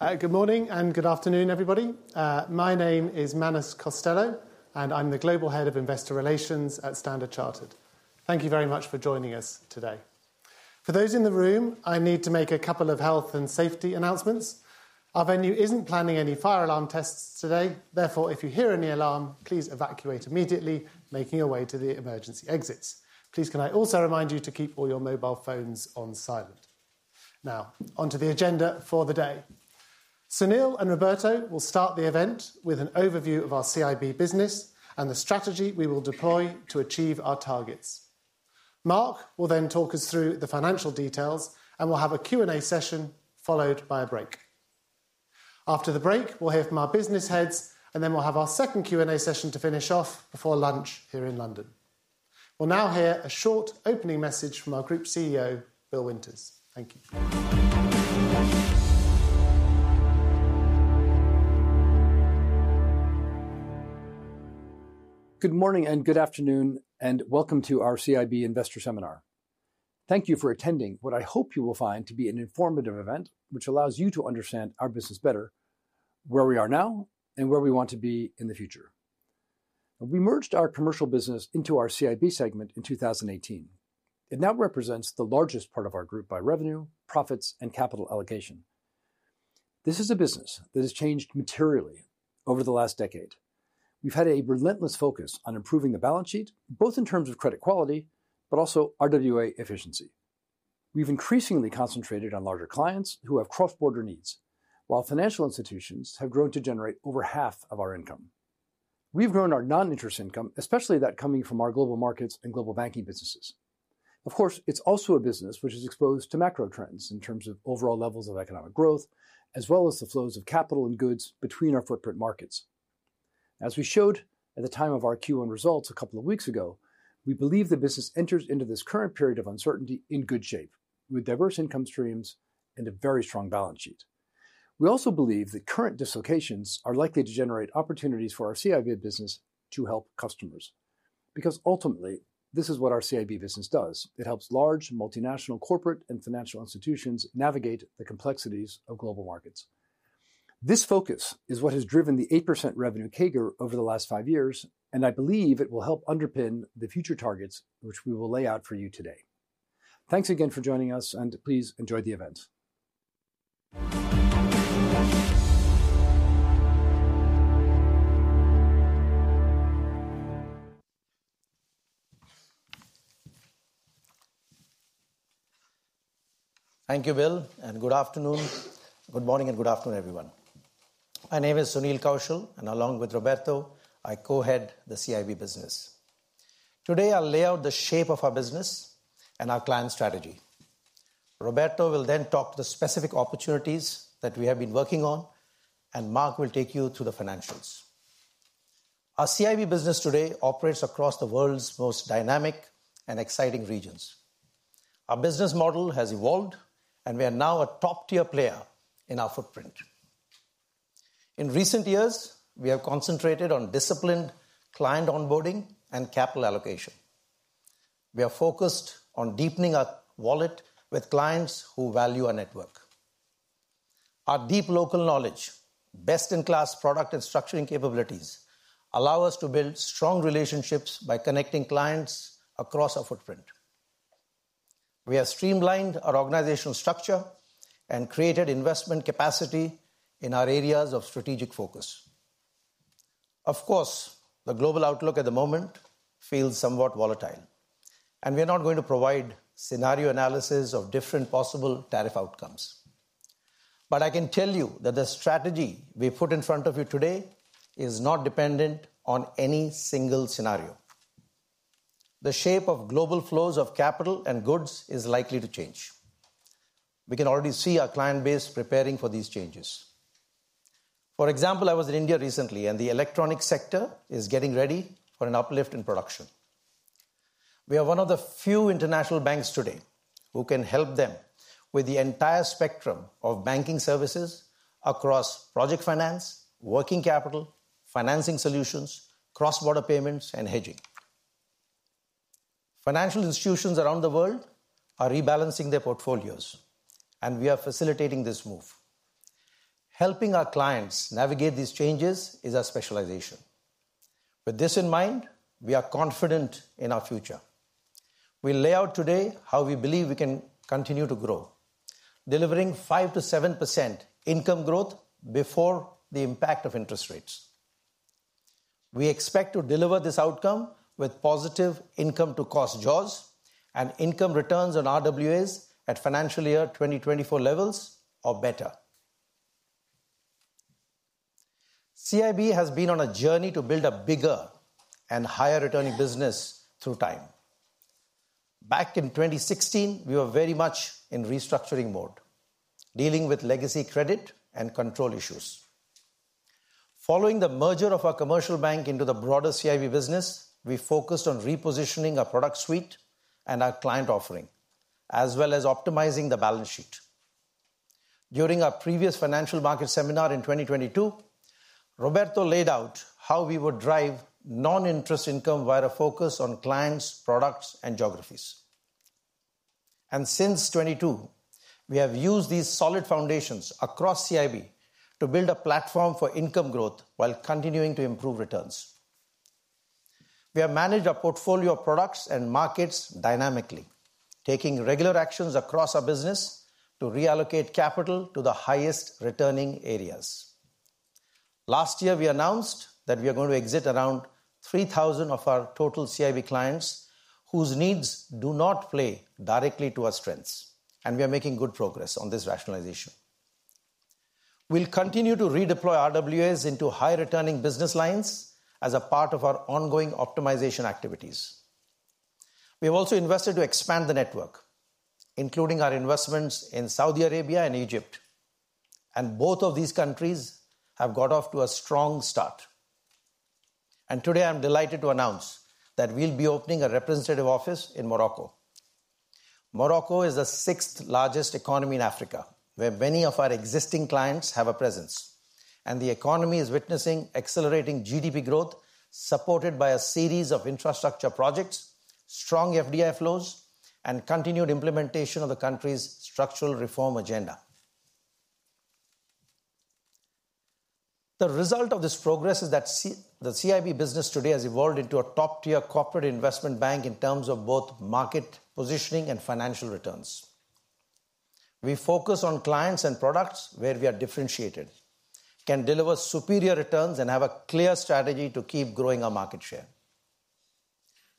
Good morning and good afternoon, everybody. My name is Manus Costello, and I'm the Global Head of Investor Relations at Standard Chartered. Thank you very much for joining us today. For those in the room, I need to make a couple of health and safety announcements. Our venue is not planning any fire alarm tests today. Therefore, if you hear any alarm, please evacuate immediately, making your way to the emergency exits. Please can I also remind you to keep all your mobile phones on silent. Now, onto the agenda for the day. Sunil and Roberto will start the event with an overview of our CIB business and the strategy we will deploy to achieve our targets. Mark will then talk us through the financial details, and we'll have a Q&A session followed by a break. After the break, we'll hear from our business heads, and then we'll have our second Q&A session to finish off before lunch here in London. We'll now hear a short opening message from our Group CEO, Bill Winters. Thank you. Good morning and good afternoon, and welcome to our CIB Investor Seminar. Thank you for attending what I hope you will find to be an informative event which allows you to understand our business better, where we are now, and where we want to be in the future. We merged our commercial business into our CIB segment in 2018. It now represents the largest part of our group by revenue, profits, and capital allocation. This is a business that has changed materially over the last decade. We've had a relentless focus on improving the balance sheet, both in terms of credit quality, but also RWA efficiency. We've increasingly concentrated on larger clients who have cross-border needs, while financial institutions have grown to generate over half of our income. We've grown our non-interest income, especially that coming from our global markets and global banking businesses. Of course, it's also a business which is exposed to macro trends in terms of overall levels of economic growth, as well as the flows of capital and goods between our footprint markets. As we showed at the time of our Q1 results a couple of weeks ago, we believe the business enters into this current period of uncertainty in good shape, with diverse income streams and a very strong balance sheet. We also believe that current dislocations are likely to generate opportunities for our CIB business to help customers. Because ultimately, this is what our CIB business does. It helps large multinational corporate and financial institutions navigate the complexities of global markets. This focus is what has driven the 8% revenue CAGR over the last five years, and I believe it will help underpin the future targets which we will lay out for you today. Thanks again for joining us, and please enjoy the event. Thank you, Bill, and good afternoon, good morning, and good afternoon, everyone. My name is Sunil Kaushal, and along with Roberto, I co-head the CIB business. Today, I'll lay out the shape of our business and our client strategy. Roberto will then talk to the specific opportunities that we have been working on, and Mark will take you through the financials. Our CIB business today operates across the world's most dynamic and exciting regions. Our business model has evolved, and we are now a top-tier player in our footprint. In recent years, we have concentrated on disciplined client onboarding and capital allocation. We are focused on deepening our wallet with clients who value our network. Our deep local knowledge, best-in-class product and structuring capabilities allow us to build strong relationships by connecting clients across our footprint. We have streamlined our organizational structure and created investment capacity in our areas of strategic focus. Of course, the global outlook at the moment feels somewhat volatile, and we are not going to provide scenario analysis of different possible tariff outcomes. I can tell you that the strategy we put in front of you today is not dependent on any single scenario. The shape of global flows of capital and goods is likely to change. We can already see our client base preparing for these changes. For example, I was in India recently, and the electronic sector is getting ready for an uplift in production. We are one of the few international banks today who can help them with the entire spectrum of banking services across project finance, working capital, financing solutions, cross-border payments, and hedging. Financial institutions around the world are rebalancing their portfolios, and we are facilitating this move. Helping our clients navigate these changes is our specialization. With this in mind, we are confident in our future. We lay out today how we believe we can continue to grow, delivering 5%-7% income growth before the impact of interest rates. We expect to deliver this outcome with positive income-to-cost jaws and income returns on RWAs at financial year 2024 levels or better. CIB has been on a journey to build a bigger and higher-returning business through time. Back in 2016, we were very much in restructuring mode, dealing with legacy credit and control issues. Following the merger of our commercial bank into the broader CIB business, we focused on repositioning our product suite and our client offering, as well as optimizing the balance sheet. During our previous financial market seminar in 2022, Roberto laid out how we would drive non-interest income via a focus on clients, products, and geographies. Since 2022, we have used these solid foundations across CIB to build a platform for income growth while continuing to improve returns. We have managed our portfolio of products and markets dynamically, taking regular actions across our business to reallocate capital to the highest returning areas. Last year, we announced that we are going to exit around 3,000 of our total CIB clients whose needs do not play directly to our strengths, and we are making good progress on this rationalization. We will continue to redeploy RWAs into high-returning business lines as a part of our ongoing optimization activities. We have also invested to expand the network, including our investments in Saudi Arabia and Egypt. Both of these countries have got off to a strong start. Today, I'm delighted to announce that we'll be opening a representative office in Morocco. Morocco is the sixth-largest economy in Africa, where many of our existing clients have a presence, and the economy is witnessing accelerating GDP growth supported by a series of infrastructure projects, strong FDI flows, and continued implementation of the country's structural reform agenda. The result of this progress is that the CIB business today has evolved into a top-tier corporate investment bank in terms of both market positioning and financial returns. We focus on clients and products where we are differentiated, can deliver superior returns, and have a clear strategy to keep growing our market share.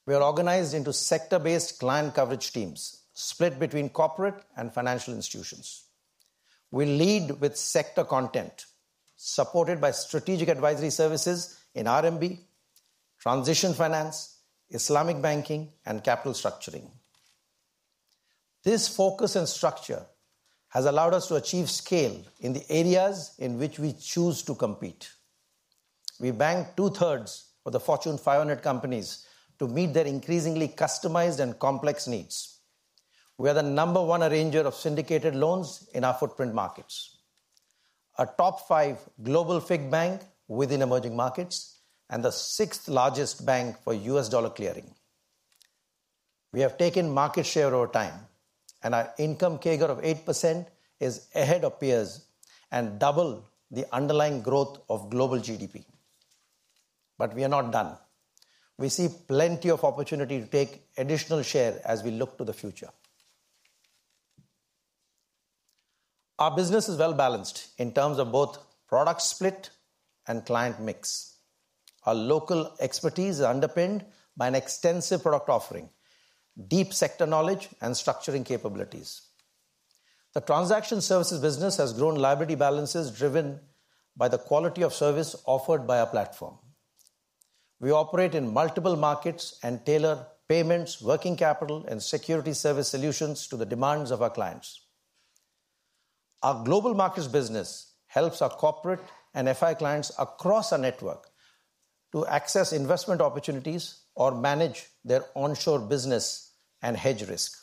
We are organized into sector-based client coverage teams split between corporate and financial institutions. We lead with sector content supported by strategic advisory services in RMB, transition finance, Islamic banking, and capital structuring. This focus and structure has allowed us to achieve scale in the areas in which we choose to compete. We bank two-thirds of the Fortune 500 companies to meet their increasingly customized and complex needs. We are the number one arranger of syndicated loans in our footprint markets, a top five global FIG bank within emerging markets, and the sixth-largest bank for US dollar clearing. We have taken market share over time, and our income CAGR of 8% is ahead of peers and double the underlying growth of global GDP. We are not done. We see plenty of opportunity to take additional share as we look to the future. Our business is well-balanced in terms of both product split and client mix. Our local expertise is underpinned by an extensive product offering, deep sector knowledge, and structuring capabilities. The transaction services business has grown liability balances driven by the quality of service offered by our platform. We operate in multiple markets and tailor payments, working capital, and security service solutions to the demands of our clients. Our global markets business helps our corporate and FI clients across our network to access investment opportunities or manage their onshore business and hedge risk.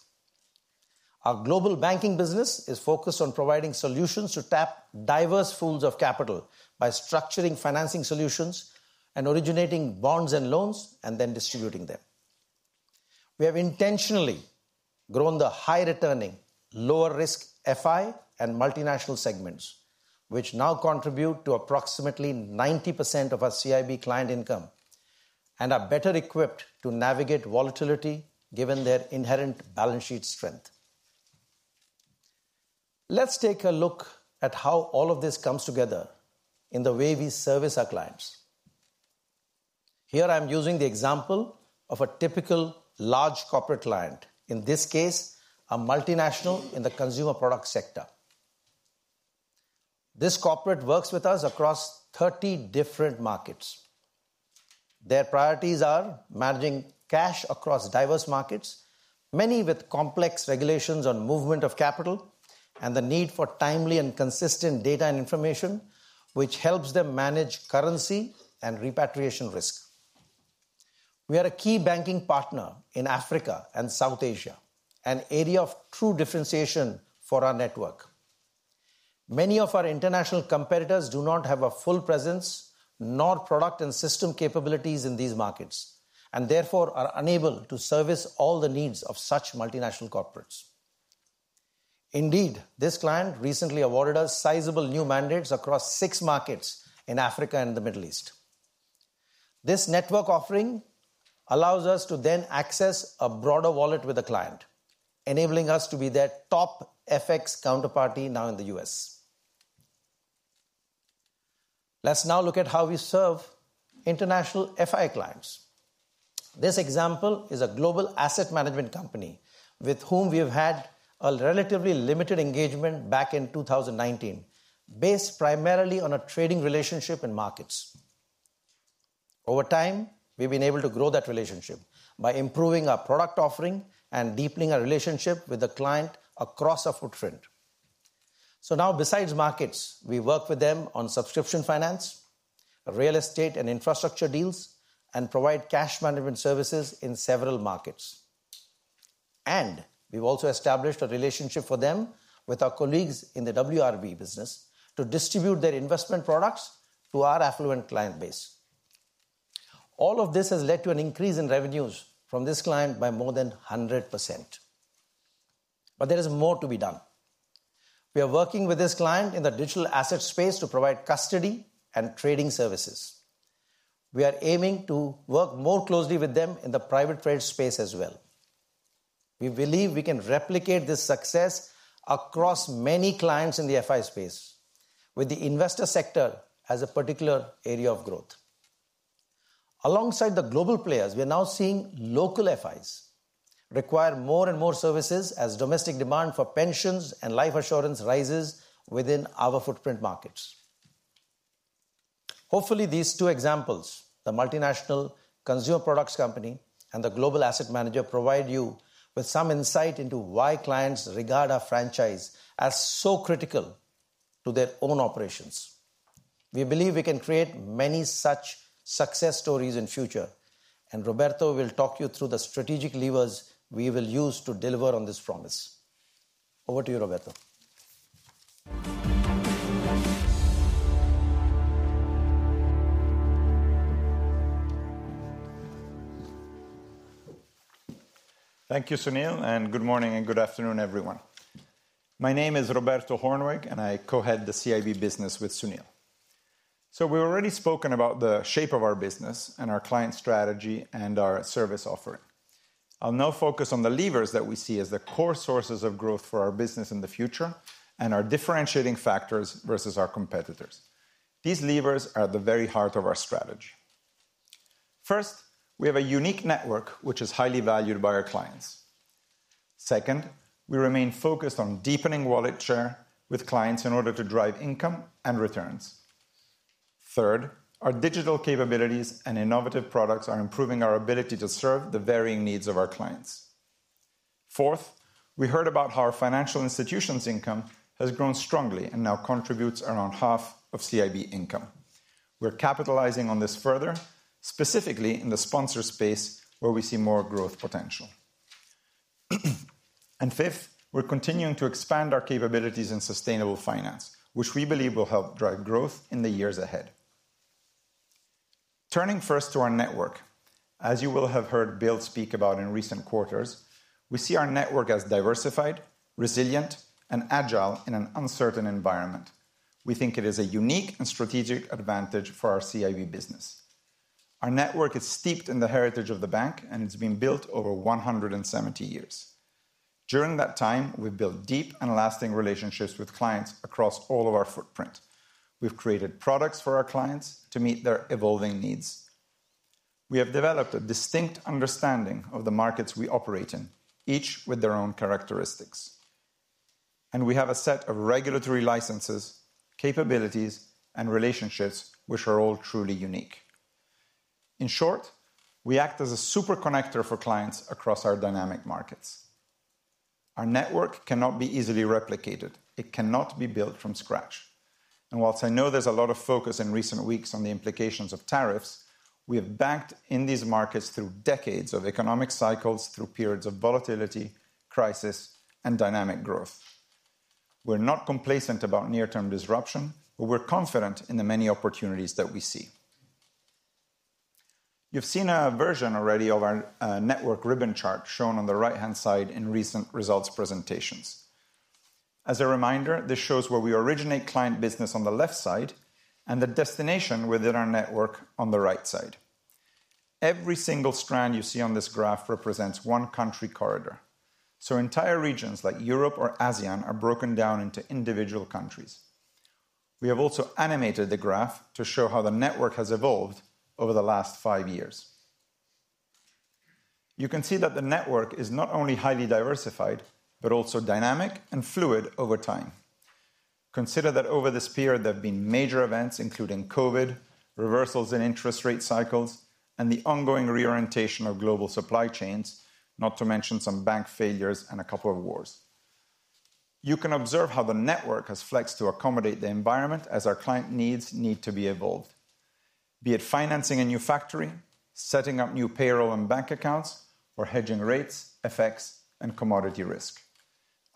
Our global banking business is focused on providing solutions to tap diverse pools of capital by structuring financing solutions and originating bonds and loans, and then distributing them. We have intentionally grown the high-returning, lower-risk FI and multinational segments, which now contribute to approximately 90% of our CIB client income and are better equipped to navigate volatility given their inherent balance sheet strength. Let's take a look at how all of this comes together in the way we service our clients. Here I'm using the example of a typical large corporate client, in this case, a multinational in the consumer product sector. This corporate works with us across 30 different markets. Their priorities are managing cash across diverse markets, many with complex regulations on movement of capital, and the need for timely and consistent data and information, which helps them manage currency and repatriation risk. We are a key banking partner in Africa and South Asia, an area of true differentiation for our network. Many of our international competitors do not have a full presence nor product and system capabilities in these markets, and therefore are unable to service all the needs of such multinational corporates. Indeed, this client recently awarded us sizable new mandates across six markets in Africa and the Middle East. This network offering allows us to then access a broader wallet with a client, enabling us to be their top FX counterparty now in the U.S. Let's now look at how we serve international FI clients. This example is a global asset management company with whom we have had a relatively limited engagement back in 2019, based primarily on a trading relationship in markets. Over time, we've been able to grow that relationship by improving our product offering and deepening our relationship with the client across our footprint. Now, besides markets, we work with them on subscription finance, real estate, and infrastructure deals, and provide cash management services in several markets. We have also established a relationship with them with our colleagues in the WRB business to distribute their investment products to our affluent client base. All of this has led to an increase in revenues from this client by more than 100%. There is more to be done. We are working with this client in the digital asset space to provide custody and trading services. We are aiming to work more closely with them in the private trade space as well. We believe we can replicate this success across many clients in the FI space, with the investor sector as a particular area of growth. Alongside the global players, we are now seeing local FIs require more and more services as domestic demand for pensions and life assurance rises within our footprint markets. Hopefully, these two examples, the multinational consumer products company and the global asset manager, provide you with some insight into why clients regard our franchise as so critical to their own operations. We believe we can create many such success stories in the future, and Roberto will talk you through the strategic levers we will use to deliver on this promise. Over to you, Roberto. Thank you, Sunil, and good morning and good afternoon, everyone. My name is Roberto Hoornweg, and I co-head the CIB business with Sunil. We have already spoken about the shape of our business and our client strategy and our service offering. I will now focus on the levers that we see as the core sources of growth for our business in the future and our differentiating factors versus our competitors. These levers are at the very heart of our strategy. First, we have a unique network, which is highly valued by our clients. Second, we remain focused on deepening wallet share with clients in order to drive income and returns. Third, our digital capabilities and innovative products are improving our ability to serve the varying needs of our clients. Fourth, we heard about how our financial institutions' income has grown strongly and now contributes around half of CIB income. We're capitalizing on this further, specifically in the sponsor space, where we see more growth potential. Fifth, we're continuing to expand our capabilities in sustainable finance, which we believe will help drive growth in the years ahead. Turning first to our network, as you will have heard Bill speak about in recent quarters, we see our network as diversified, resilient, and agile in an uncertain environment. We think it is a unique and strategic advantage for our CIB business. Our network is steeped in the heritage of the bank, and it's been built over 170 years. During that time, we've built deep and lasting relationships with clients across all of our footprint. We've created products for our clients to meet their evolving needs. We have developed a distinct understanding of the markets we operate in, each with their own characteristics. We have a set of regulatory licenses, capabilities, and relationships which are all truly unique. In short, we act as a super connector for clients across our dynamic markets. Our network cannot be easily replicated. It cannot be built from scratch. Whilst I know there is a lot of focus in recent weeks on the implications of tariffs, we have banked in these markets through decades of economic cycles, through periods of volatility, crisis, and dynamic growth. We are not complacent about near-term disruption, but we are confident in the many opportunities that we see. You have seen a version already of our network ribbon chart shown on the right-hand side in recent results presentations. As a reminder, this shows where we originate client business on the left side and the destination within our network on the right side. Every single strand you see on this graph represents one country corridor. Entire regions like Europe or ASEAN are broken down into individual countries. We have also animated the graph to show how the network has evolved over the last five years. You can see that the network is not only highly diversified, but also dynamic and fluid over time. Consider that over this period, there have been major events, including COVID, reversals in interest rate cycles, and the ongoing reorientation of global supply chains, not to mention some bank failures and a couple of wars. You can observe how the network has flexed to accommodate the environment as our client needs need to be evolved, be it financing a new factory, setting up new payroll and bank accounts, or hedging rates, FX, and commodity risk.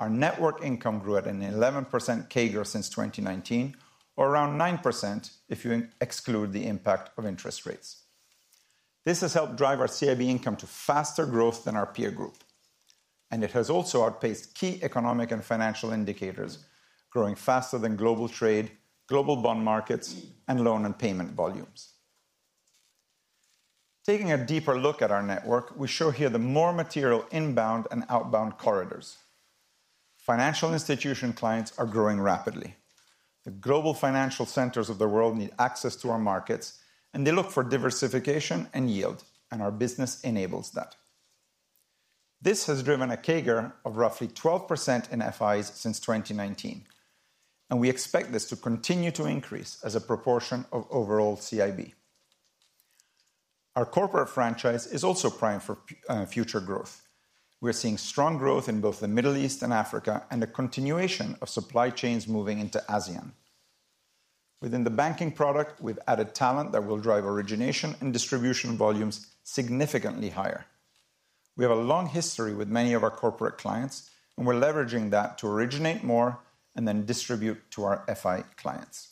Our network income grew at an 11% CAGR since 2019, or around 9% if you exclude the impact of interest rates. This has helped drive our CIB income to faster growth than our peer group. It has also outpaced key economic and financial indicators, growing faster than global trade, global bond markets, and loan and payment volumes. Taking a deeper look at our network, we show here the more material inbound and outbound corridors. Financial institution clients are growing rapidly. The global financial centers of the world need access to our markets, and they look for diversification and yield, and our business enables that. This has driven a CAGR of roughly 12% in FIs since 2019, and we expect this to continue to increase as a proportion of overall CIB. Our corporate franchise is also primed for future growth. We are seeing strong growth in both the Middle East and Africa and a continuation of supply chains moving into ASEAN. Within the banking product, we've added talent that will drive origination and distribution volumes significantly higher. We have a long history with many of our corporate clients, and we're leveraging that to originate more and then distribute to our FI clients.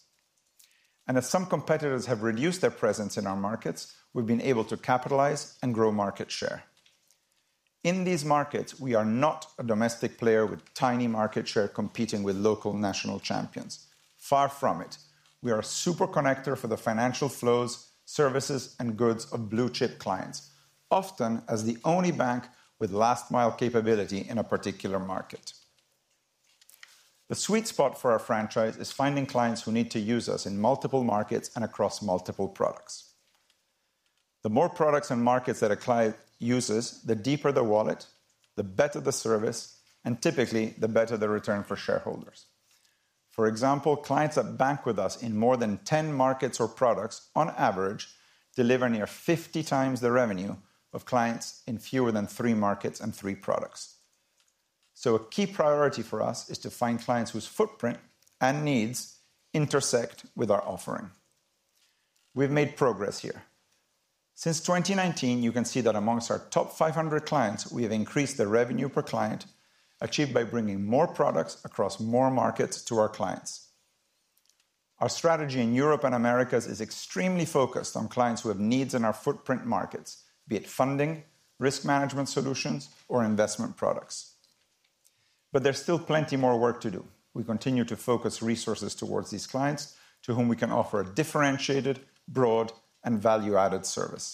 As some competitors have reduced their presence in our markets, we've been able to capitalize and grow market share. In these markets, we are not a domestic player with tiny market share competing with local national champions. Far from it. We are a super connector for the financial flows, services, and goods of blue-chip clients, often as the only bank with last-mile capability in a particular market. The sweet spot for our franchise is finding clients who need to use us in multiple markets and across multiple products. The more products and markets that a client uses, the deeper the wallet, the better the service, and typically, the better the return for shareholders. For example, clients that bank with us in more than 10 markets or products, on average, deliver near 50 times the revenue of clients in fewer than three markets and three products. A key priority for us is to find clients whose footprint and needs intersect with our offering. We've made progress here. Since 2019, you can see that amongst our top 500 clients, we have increased the revenue per client achieved by bringing more products across more markets to our clients. Our strategy in Europe and Americas is extremely focused on clients who have needs in our footprint markets, be it funding, risk management solutions, or investment products. There is still plenty more work to do. We continue to focus resources towards these clients to whom we can offer a differentiated, broad, and value-added service.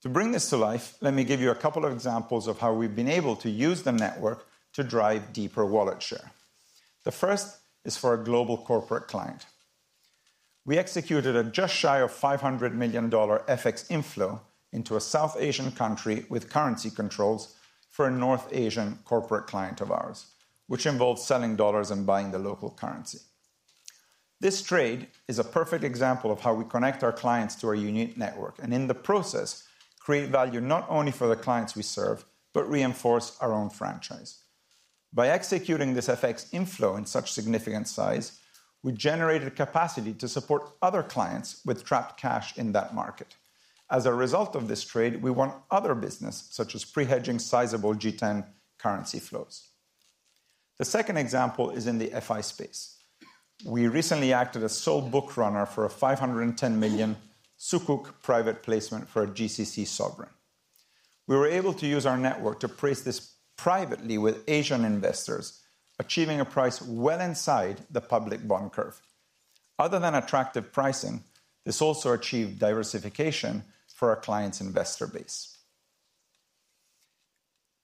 To bring this to life, let me give you a couple of examples of how we've been able to use the network to drive deeper wallet share. The first is for a global corporate client. We executed a just shy of $500 million FX inflow into a South Asian country with currency controls for a North Asian corporate client of ours, which involved selling dollars and buying the local currency. This trade is a perfect example of how we connect our clients to our unique network and, in the process, create value not only for the clients we serve, but reinforce our own franchise. By executing this FX inflow in such significant size, we generated capacity to support other clients with trapped cash in that market. As a result of this trade, we won other business, such as pre-hedging sizable G10 currency flows. The second example is in the FI space. We recently acted as sole book runner for a $510 million Sukuk private placement for a GCC sovereign. We were able to use our network to price this privately with Asian investors, achieving a price well inside the public bond curve. Other than attractive pricing, this also achieved diversification for our client's investor base.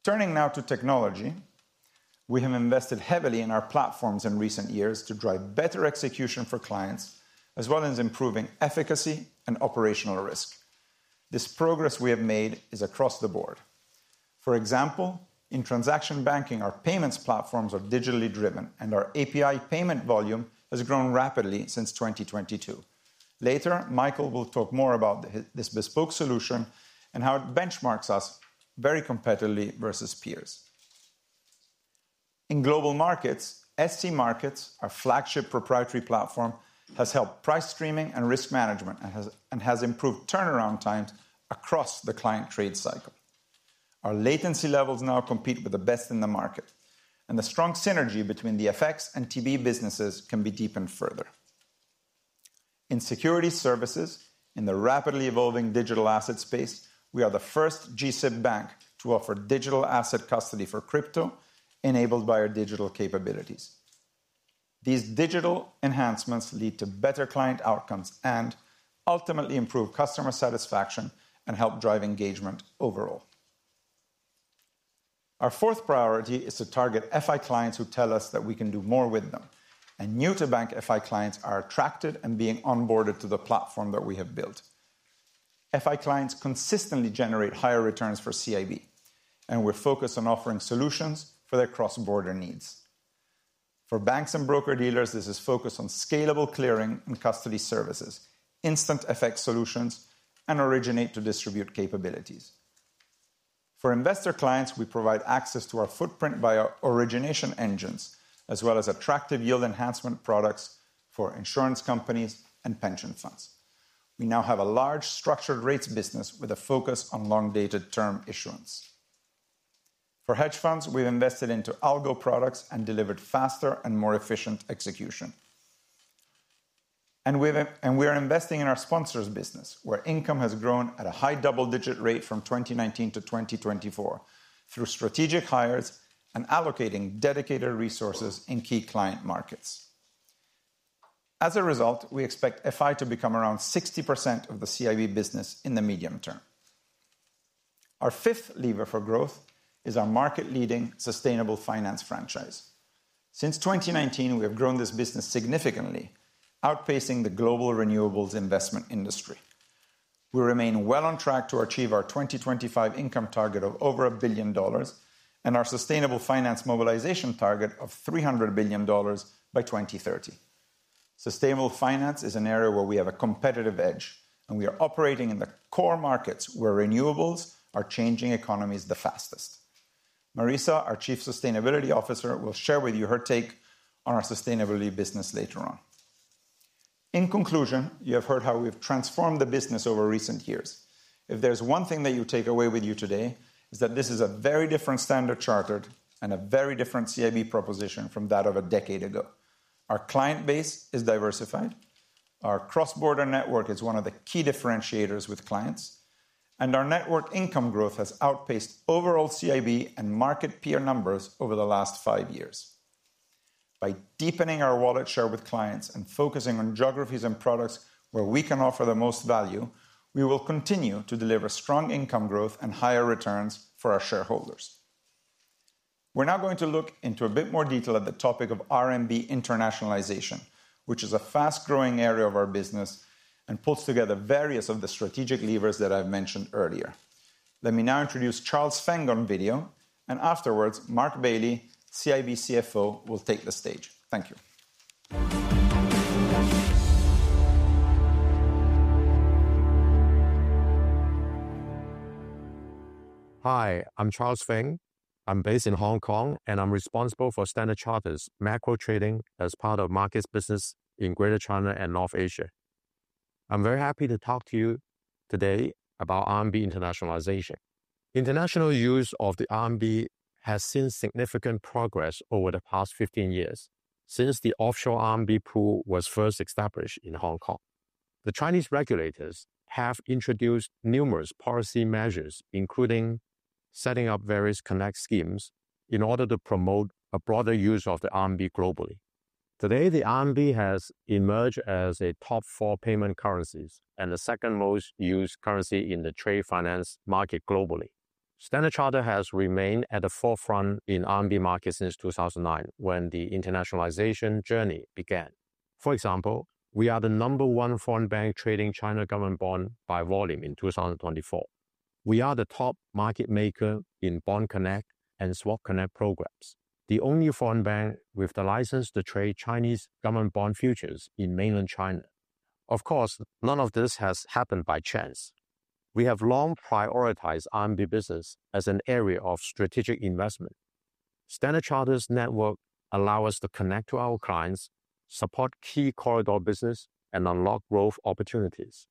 Turning now to technology, we have invested heavily in our platforms in recent years to drive better execution for clients, as well as improving efficacy and operational risk. This progress we have made is across the board. For example, in transaction banking, our payments platforms are digitally driven, and our API payment volume has grown rapidly since 2022. Later, Michael will talk more about this bespoke solution and how it benchmarks us very competitively versus peers. In global markets, SC Markets, our flagship proprietary platform, has helped price streaming and risk management and has improved turnaround times across the client trade cycle. Our latency levels now compete with the best in the market, and the strong synergy between the FX and TB businesses can be deepened further. In security services, in the rapidly evolving digital asset space, we are the first GSIP bank to offer digital asset custody for crypto, enabled by our digital capabilities. These digital enhancements lead to better client outcomes and ultimately improve customer satisfaction and help drive engagement overall. Our fourth priority is to target FI clients who tell us that we can do more with them, and new-to-bank FI clients are attracted and being onboarded to the platform that we have built. FI clients consistently generate higher returns for CIB, and we're focused on offering solutions for their cross-border needs. For banks and broker dealers, this is focused on scalable clearing and custody services, instant FX solutions, and originate-to-distribute capabilities. For investor clients, we provide access to our footprint via origination engines, as well as attractive yield enhancement products for insurance companies and pension funds. We now have a large structured rates business with a focus on long-dated term issuance. For hedge funds, we've invested into Algo products and delivered faster and more efficient execution. We are investing in our sponsors business, where income has grown at a high double-digit rate from 2019 to 2024 through strategic hires and allocating dedicated resources in key client markets. As a result, we expect FI to become around 60% of the CIB business in the medium term. Our fifth lever for growth is our market-leading sustainable finance franchise. Since 2019, we have grown this business significantly, outpacing the global renewables investment industry. We remain well on track to achieve our 2025 income target of over $1 billion and our sustainable finance mobilization target of $300 billion by 2030. Sustainable finance is an area where we have a competitive edge, and we are operating in the core markets where renewables are changing economies the fastest. Marisa, our Chief Sustainability Officer, will share with you her take on our sustainability business later on. In conclusion, you have heard how we've transformed the business over recent years. If there's one thing that you take away with you today, it's that this is a very different Standard Chartered and a very different CIB proposition from that of a decade ago. Our client base is diversified. Our cross-border network is one of the key differentiators with clients. Our network income growth has outpaced overall CIB and market peer numbers over the last five years. By deepening our wallet share with clients and focusing on geographies and products where we can offer the most value, we will continue to deliver strong income growth and higher returns for our shareholders. We are now going to look into a bit more detail at the topic of RMB internationalization, which is a fast-growing area of our business and pulls together various of the strategic levers that I have mentioned earlier. Let me now introduce Charles Feng on video, and afterwards, Mark Bailey, CIB CFO, will take the stage. Thank you. Hi, I am Charles Feng. I am based in Hong Kong, and I am responsible for Standard Chartered's macro trading as part of markets business in Greater China and North Asia. I'm very happy to talk to you today about RMB internationalization. International use of the RMB has seen significant progress over the past 15 years since the offshore RMB pool was first established in Hong Kong. The Chinese regulators have introduced numerous policy measures, including setting up various connect schemes in order to promote a broader use of the RMB globally. Today, the RMB has emerged as a top four payment currency and the second most used currency in the trade finance market globally. Standard Chartered has remained at the forefront in RMB markets since 2009, when the internationalization journey began. For example, we are the number one foreign bank trading China government bonds by volume in 2024. We are the top market maker in Bond Connect and Swap Connect programs, the only foreign bank with the license to trade Chinese government bond futures in mainland China. Of course, none of this has happened by chance. We have long prioritized RMB business as an area of strategic investment. Standard Chartered's network allows us to connect to our clients, support key corridor business, and unlock growth opportunities.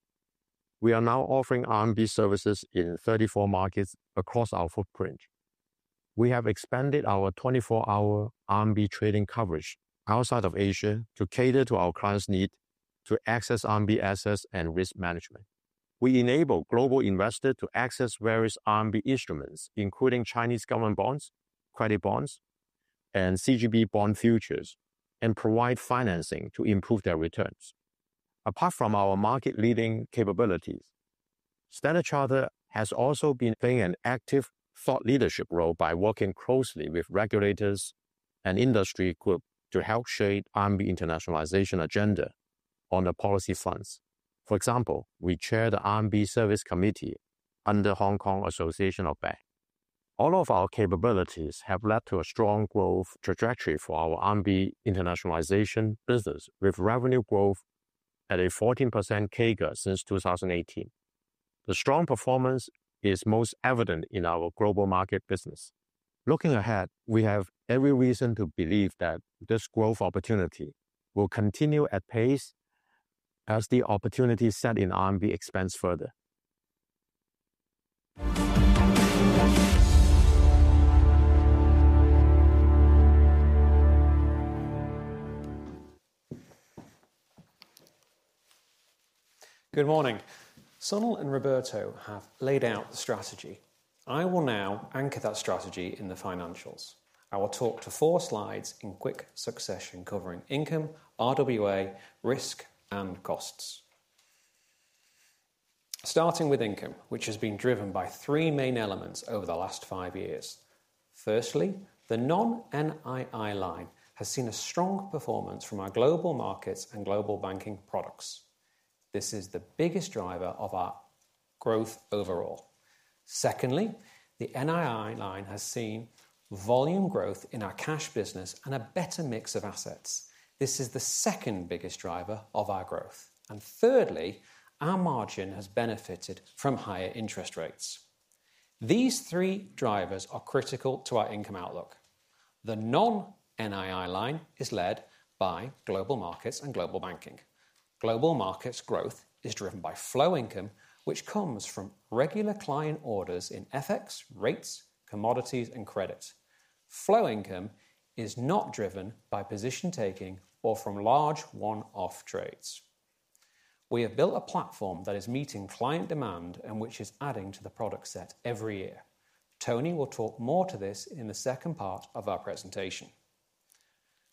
We are now offering RMB services in 34 markets across our footprint. We have expanded our 24-hour RMB trading coverage outside of Asia to cater to our clients' need to access RMB assets and risk management. We enable global investors to access various RMB instruments, including Chinese government bonds, credit bonds, and CGB bond futures, and provide financing to improve their returns. Apart from our market-leading capabilities, Standard Chartered has also been playing an active thought leadership role by working closely with regulators and industry groups to help shape RMB internationalization agenda on the policy fronts. For example, we chair the RMB Service Committee under Hong Kong Association of Bank. All of our capabilities have led to a strong growth trajectory for our RMB internationalization business, with revenue growth at a 14% CAGR since 2018. The strong performance is most evident in our global market business. Looking ahead, we have every reason to believe that this growth opportunity will continue at pace as the opportunity set in RMB expands further. Good morning. Sunil and Roberto have laid out the strategy. I will now anchor that strategy in the financials. I will talk to four slides in quick succession covering income, RWA, risk, and costs. Starting with income, which has been driven by three main elements over the last five years. Firstly, the non-NII line has seen a strong performance from our global markets and global banking products. This is the biggest driver of our growth overall. Secondly, the NII line has seen volume growth in our cash business and a better mix of assets. This is the second biggest driver of our growth. Thirdly, our margin has benefited from higher interest rates. These three drivers are critical to our income outlook. The non-NII line is led by global markets and global banking. Global markets growth is driven by flow income, which comes from regular client orders in FX, rates, commodities, and credit. Flow income is not driven by position taking or from large one-off trades. We have built a platform that is meeting client demand and which is adding to the product set every year. Tony will talk more to this in the second part of our presentation.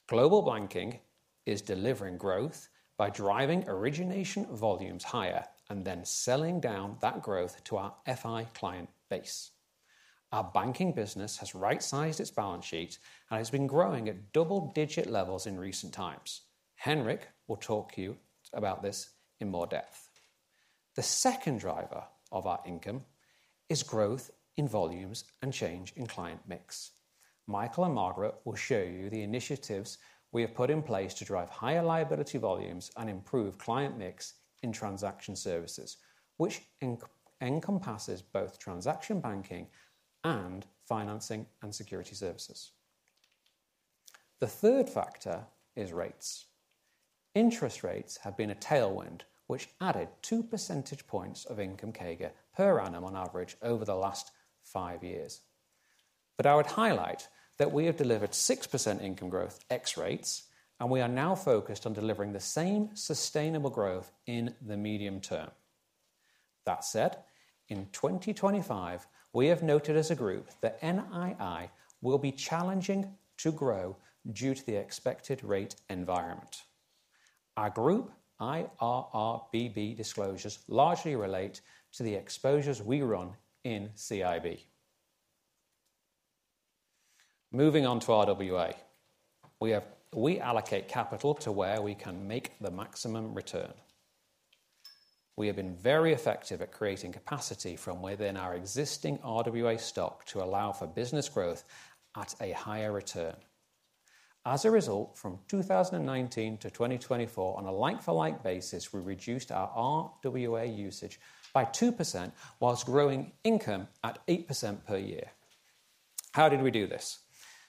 Global banking is delivering growth by driving origination volumes higher and then selling down that growth to our FI client base. Our banking business has right-sized its balance sheet and has been growing at double-digit levels in recent times. Henrik will talk to you about this in more depth. The second driver of our income is growth in volumes and change in client mix. Michael and Margaret will show you the initiatives we have put in place to drive higher liability volumes and improve client mix in transaction services, which encompasses both transaction banking and financing and security services. The third factor is rates. Interest rates have been a tailwind, which added 2 percentage points of income CAGR per annum on average over the last five years. I would highlight that we have delivered 6% income growth X rates, and we are now focused on delivering the same sustainable growth in the medium term. That said, in 2025, we have noted as a group that NII will be challenging to grow due to the expected rate environment. Our group IRRBB disclosures largely relate to the exposures we run in CIB. Moving on to RWA, we allocate capital to where we can make the maximum return. We have been very effective at creating capacity from within our existing RWA stock to allow for business growth at a higher return. As a result, from 2019 to 2024, on a like-for-like basis, we reduced our RWA usage by 2%, whilst growing income at 8% per year. How did we do this?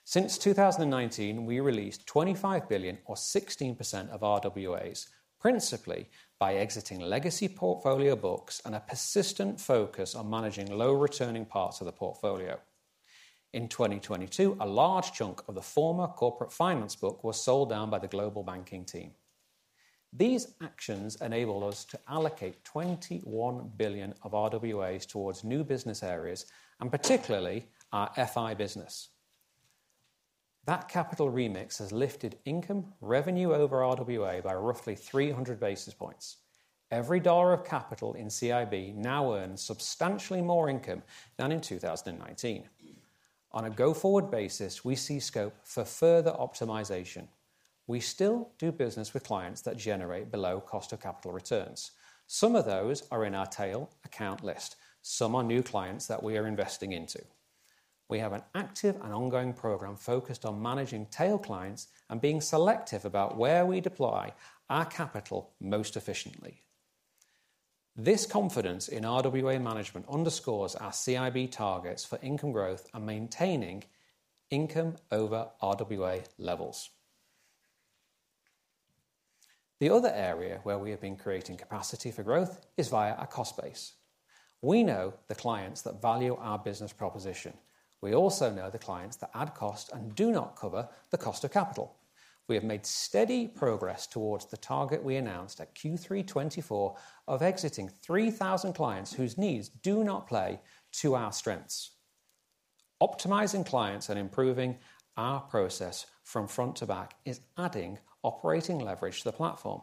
Since 2019, we released $25 billion, or 16%, of RWAs principally by exiting legacy portfolio books and a persistent focus on managing low-returning parts of the portfolio. In 2022, a large chunk of the former corporate finance book was sold down by the global banking team. These actions enabled us to allocate $21 billion of RWAs towards new business areas, and particularly our FI business. That capital remix has lifted income revenue over RWA by roughly 300 basis points. Every dollar of capital in CIB now earns substantially more income than in 2019. On a go-forward basis, we see scope for further optimization. We still do business with clients that generate below cost of capital returns. Some of those are in our tail account list. Some are new clients that we are investing into. We have an active and ongoing program focused on managing tail clients and being selective about where we deploy our capital most efficiently. This confidence in RWA management underscores our CIB targets for income growth and maintaining income over RWA levels. The other area where we have been creating capacity for growth is via our cost base. We know the clients that value our business proposition. We also know the clients that add cost and do not cover the cost of capital. We have made steady progress towards the target we announced at Q3 2024 of exiting 3,000 clients whose needs do not play to our strengths. Optimizing clients and improving our process from front to back is adding operating leverage to the platform.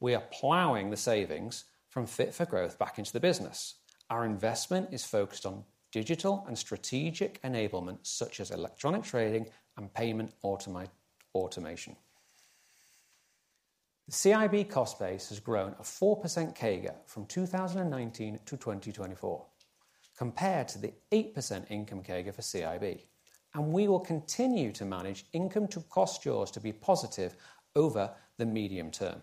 We are plowing the savings from fit for growth back into the business. Our investment is focused on digital and strategic enablement, such as electronic trading and payment automation. The CIB cost base has grown a 4% CAGR from 2019 to 2024, compared to the 8% income CAGR for CIB. We will continue to manage income-to-cost yields to be positive over the medium term.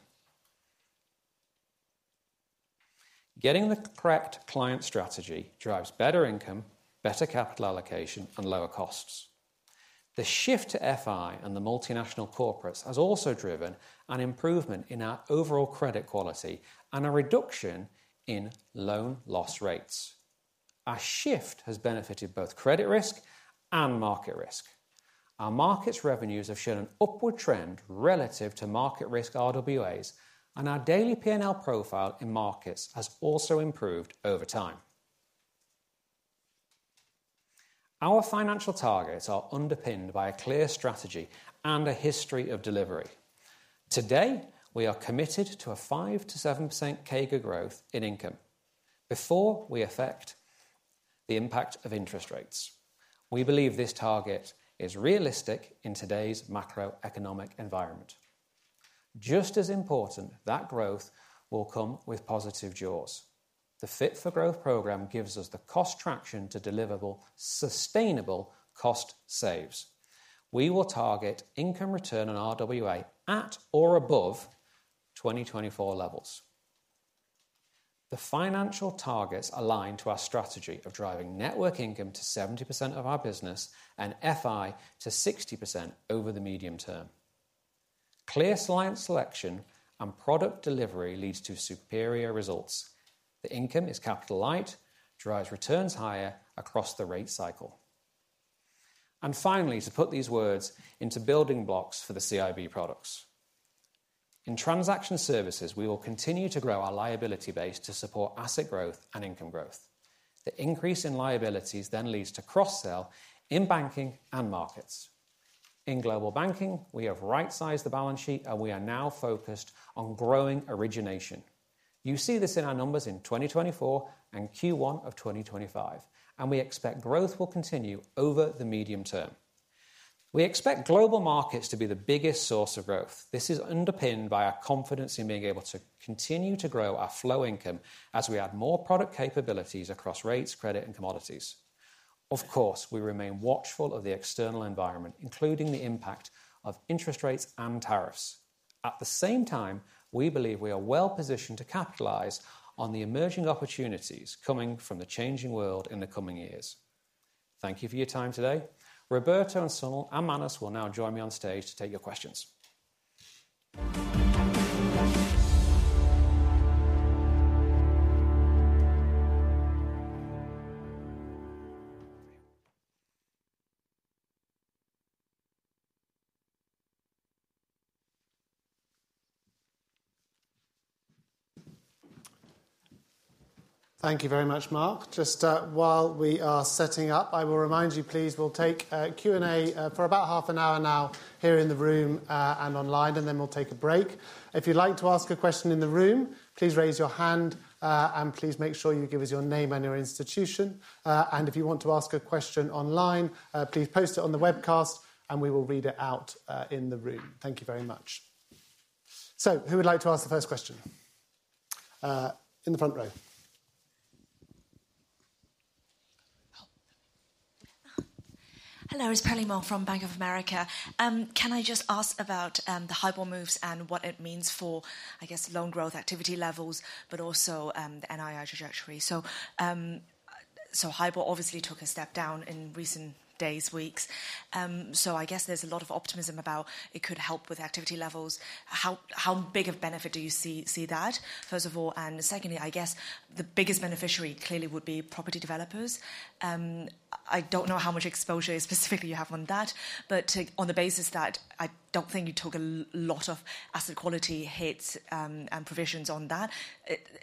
Getting the correct client strategy drives better income, better capital allocation, and lower costs. The shift to FI and the multinational corporates has also driven an improvement in our overall credit quality and a reduction in loan loss rates. Our shift has benefited both credit risk and market risk. Our markets revenues have shown an upward trend relative to market risk RWAs, and our daily P&L profile in markets has also improved over time. Our financial targets are underpinned by a clear strategy and a history of delivery. Today, we are committed to a 5%-7% CAGR growth in income before we affect the impact of interest rates. We believe this target is realistic in today's macroeconomic environment. Just as important, that growth will come with positive jaws. The fit for growth program gives us the cost traction to deliverable sustainable cost saves. We will target income return on RWA at or above 2024 levels. The financial targets align to our strategy of driving network income to 70% of our business and FI to 60% over the medium term. Clear client selection and product delivery leads to superior results. The income is capital light, drives returns higher across the rate cycle. Finally, to put these words into building blocks for the CIB products. In transaction services, we will continue to grow our liability base to support asset growth and income growth. The increase in liabilities then leads to cross-sell in banking and markets. In global banking, we have right-sized the balance sheet, and we are now focused on growing origination. You see this in our numbers in 2024 and Q1 of 2025, and we expect growth will continue over the medium term. We expect global markets to be the biggest source of growth. This is underpinned by our confidence in being able to continue to grow our flow income as we add more product capabilities across rates, credit, and commodities. Of course, we remain watchful of the external environment, including the impact of interest rates and tariffs. At the same time, we believe we are well positioned to capitalize on the emerging opportunities coming from the changing world in the coming years. Thank you for your time today. Roberto, Sunil, and Manus will now join me on stage to take your questions. Thank you very much, Mark. Just while we are setting up, I will remind you, please, we will take Q&A for about half an hour now here in the room and online, and then we will take a break. If you'd like to ask a question in the room, please raise your hand, and please make sure you give us your name and your institution. If you want to ask a question online, please post it on the webcast, and we will read it out in the room. Thank you very much. Who would like to ask the first question in the front row? Hello, it's Perry Moore from Bank of America. Can I just ask about the highball moves and what it means for, I guess, long growth activity levels, but also the NII trajectory? Highball obviously took a step down in recent days, weeks. I guess there's a lot of optimism about it could help with activity levels. How big of a benefit do you see that, first of all? Secondly, I guess the biggest beneficiary clearly would be property developers. I don't know how much exposure specifically you have on that, but on the basis that I don't think you took a lot of asset quality hits and provisions on that,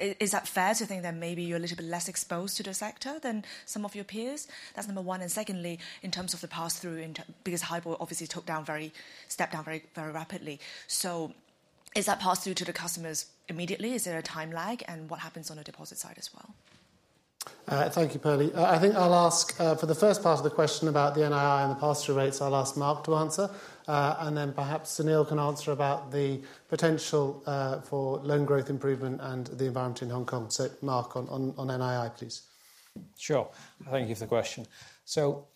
is that fair to think that maybe you're a little bit less exposed to the sector than some of your peers? That's number one. Secondly, in terms of the pass-through, because highball obviously took down very, step down very rapidly. Is that pass-through to the customers immediately? Is there a time lag? What happens on the deposit side as well? Thank you, Perry. I think I'll ask for the first part of the question about the NII and the pass-through rates. I'll ask Mark to answer, and then perhaps Sunil can answer about the potential for loan growth improvement and the environment in Hong Kong. Mark on NII, please. Sure. Thank you for the question.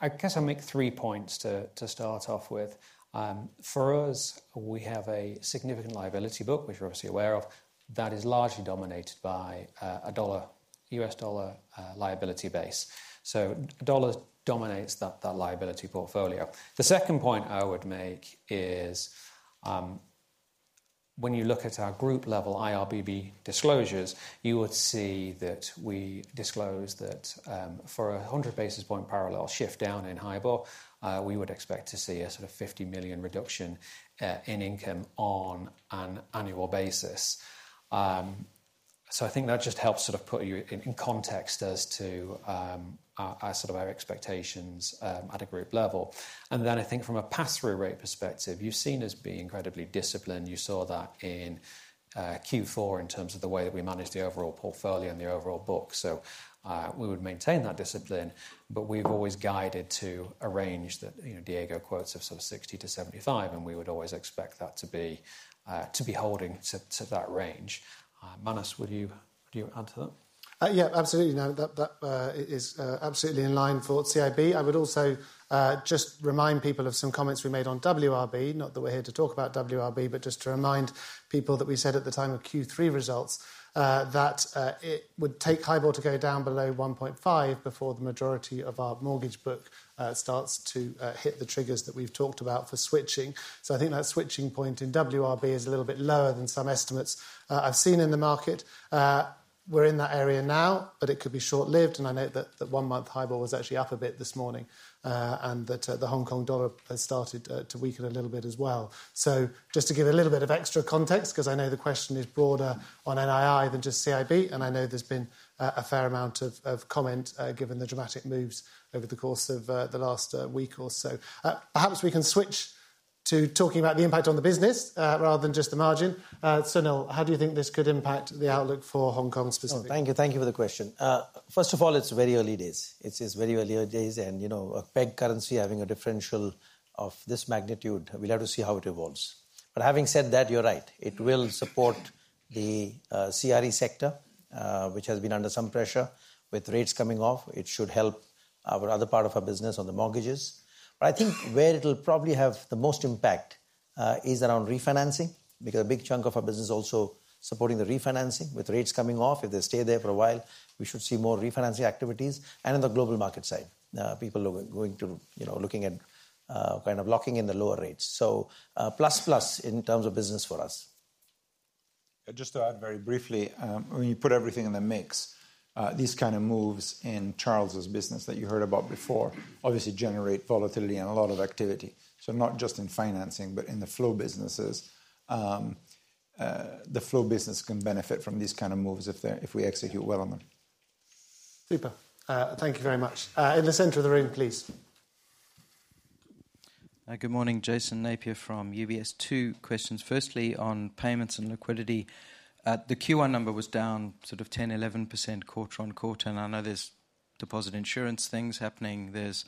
I guess I'll make three points to start off with. For us, we have a significant liability book, which we're obviously aware of, that is largely dominated by a US dollar liability base. So dollars dominates that liability portfolio. The second point I would make is when you look at our group-level IRRBB disclosures, you would see that we disclose that for a 100 basis point parallel shift down in highball, we would expect to see a sort of $50 million reduction in income on an annual basis. I think that just helps sort of put you in context as to our expectations at a group level. Then I think from a pass-through rate perspective, you've seen us be incredibly disciplined. You saw that in Q4 in terms of the way that we managed the overall portfolio and the overall book. We would maintain that discipline, but we've always guided to a range that Diego quotes of sort of 60-75, and we would always expect that to be holding to that range. Manus, would you add to that? Yeah, absolutely. That is absolutely in line for CIB. I would also just remind people of some comments we made on WRB, not that we're here to talk about WRB, but just to remind people that we said at the time of Q3 results that it would take highball to go down below 1.5 before the majority of our mortgage book starts to hit the triggers that we've talked about for switching. I think that switching point in WRB is a little bit lower than some estimates I've seen in the market. We're in that area now, but it could be short-lived. I know that one-month highball was actually up a bit this morning and that the Hong Kong dollar has started to weaken a little bit as well. Just to give a little bit of extra context, because I know the question is broader on NII than just CIB, and I know there has been a fair amount of comment given the dramatic moves over the course of the last week or so. Perhaps we can switch to talking about the impact on the business rather than just the margin. Sunil, how do you think this could impact the outlook for Hong Kong specifically? Thank you. Thank you for the question. First of all, it is very early days. It is very early days. A pegged currency having a differential of this magnitude, we will have to see how it evolves. Having said that, you are right. It will support the CRE sector, which has been under some pressure with rates coming off. It should help our other part of our business on the mortgages. I think where it'll probably have the most impact is around refinancing, because a big chunk of our business is also supporting the refinancing with rates coming off. If they stay there for a while, we should see more refinancing activities. On the global market side, people are going to be looking at kind of locking in the lower rates. Plus-plus in terms of business for us. Just to add very briefly, when you put everything in the mix, these kind of moves in Charles's business that you heard about before obviously generate volatility and a lot of activity. Not just in financing, but in the flow businesses. The flow business can benefit from these kind of moves if we execute well on them. Super. Thank you very much. In the center of the room, please. Good morning, Jason Napier from UBS. Two questions. Firstly, on payments and liquidity. The Q1 number was down sort of 10%-11% quarter on quarter. I know there is deposit insurance things happening. There is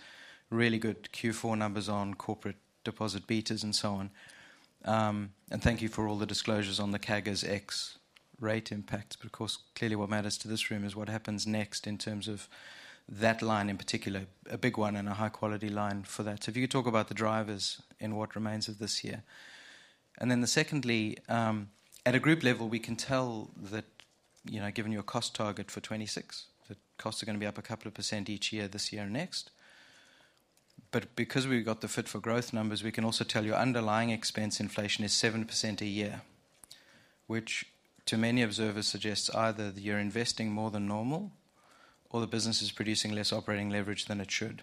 really good Q4 numbers on corporate deposit betas and so on. Thank you for all the disclosures on the CAGR's ex-rate impacts. Of course, clearly what matters to this room is what happens next in terms of that line in particular, a big one and a high-quality line for that. If you could talk about the drivers in what remains of this year. Secondly, at a group level, we can tell that given your cost target for 2026, the costs are going to be up a couple of percent each year, this year and next. Because we have the fit for growth numbers, we can also tell your underlying expense inflation is 7% a year, which to many observers suggests either that you are investing more than normal or the business is producing less operating leverage than it should.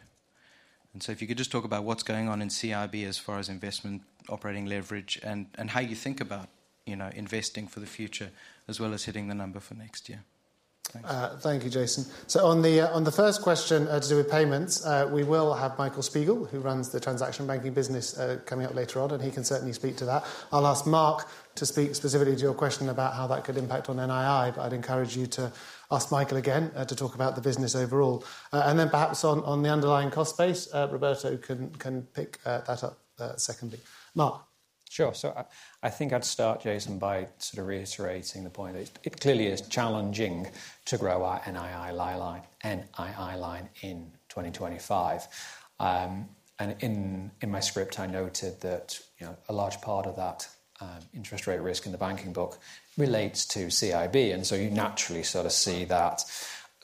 If you could just talk about what is going on in CIB as far as investment, operating leverage, and how you think about investing for the future, as well as hitting the number for next year. Thank you, Jason. On the first question to do with payments, we will have Michael Spiegel, who runs the transaction banking business, coming up later on, and he can certainly speak to that. I'll ask Mark to speak specifically to your question about how that could impact on NII, but I'd encourage you to ask Michael again to talk about the business overall. Perhaps on the underlying cost base, Roberto can pick that up secondly. Mark. Sure. I think I'd start, Jason, by sort of reiterating the point that it clearly is challenging to grow our NII line in 2025. In my script, I noted that a large part of that interest rate risk in the banking book relates to CIB. You naturally sort of see that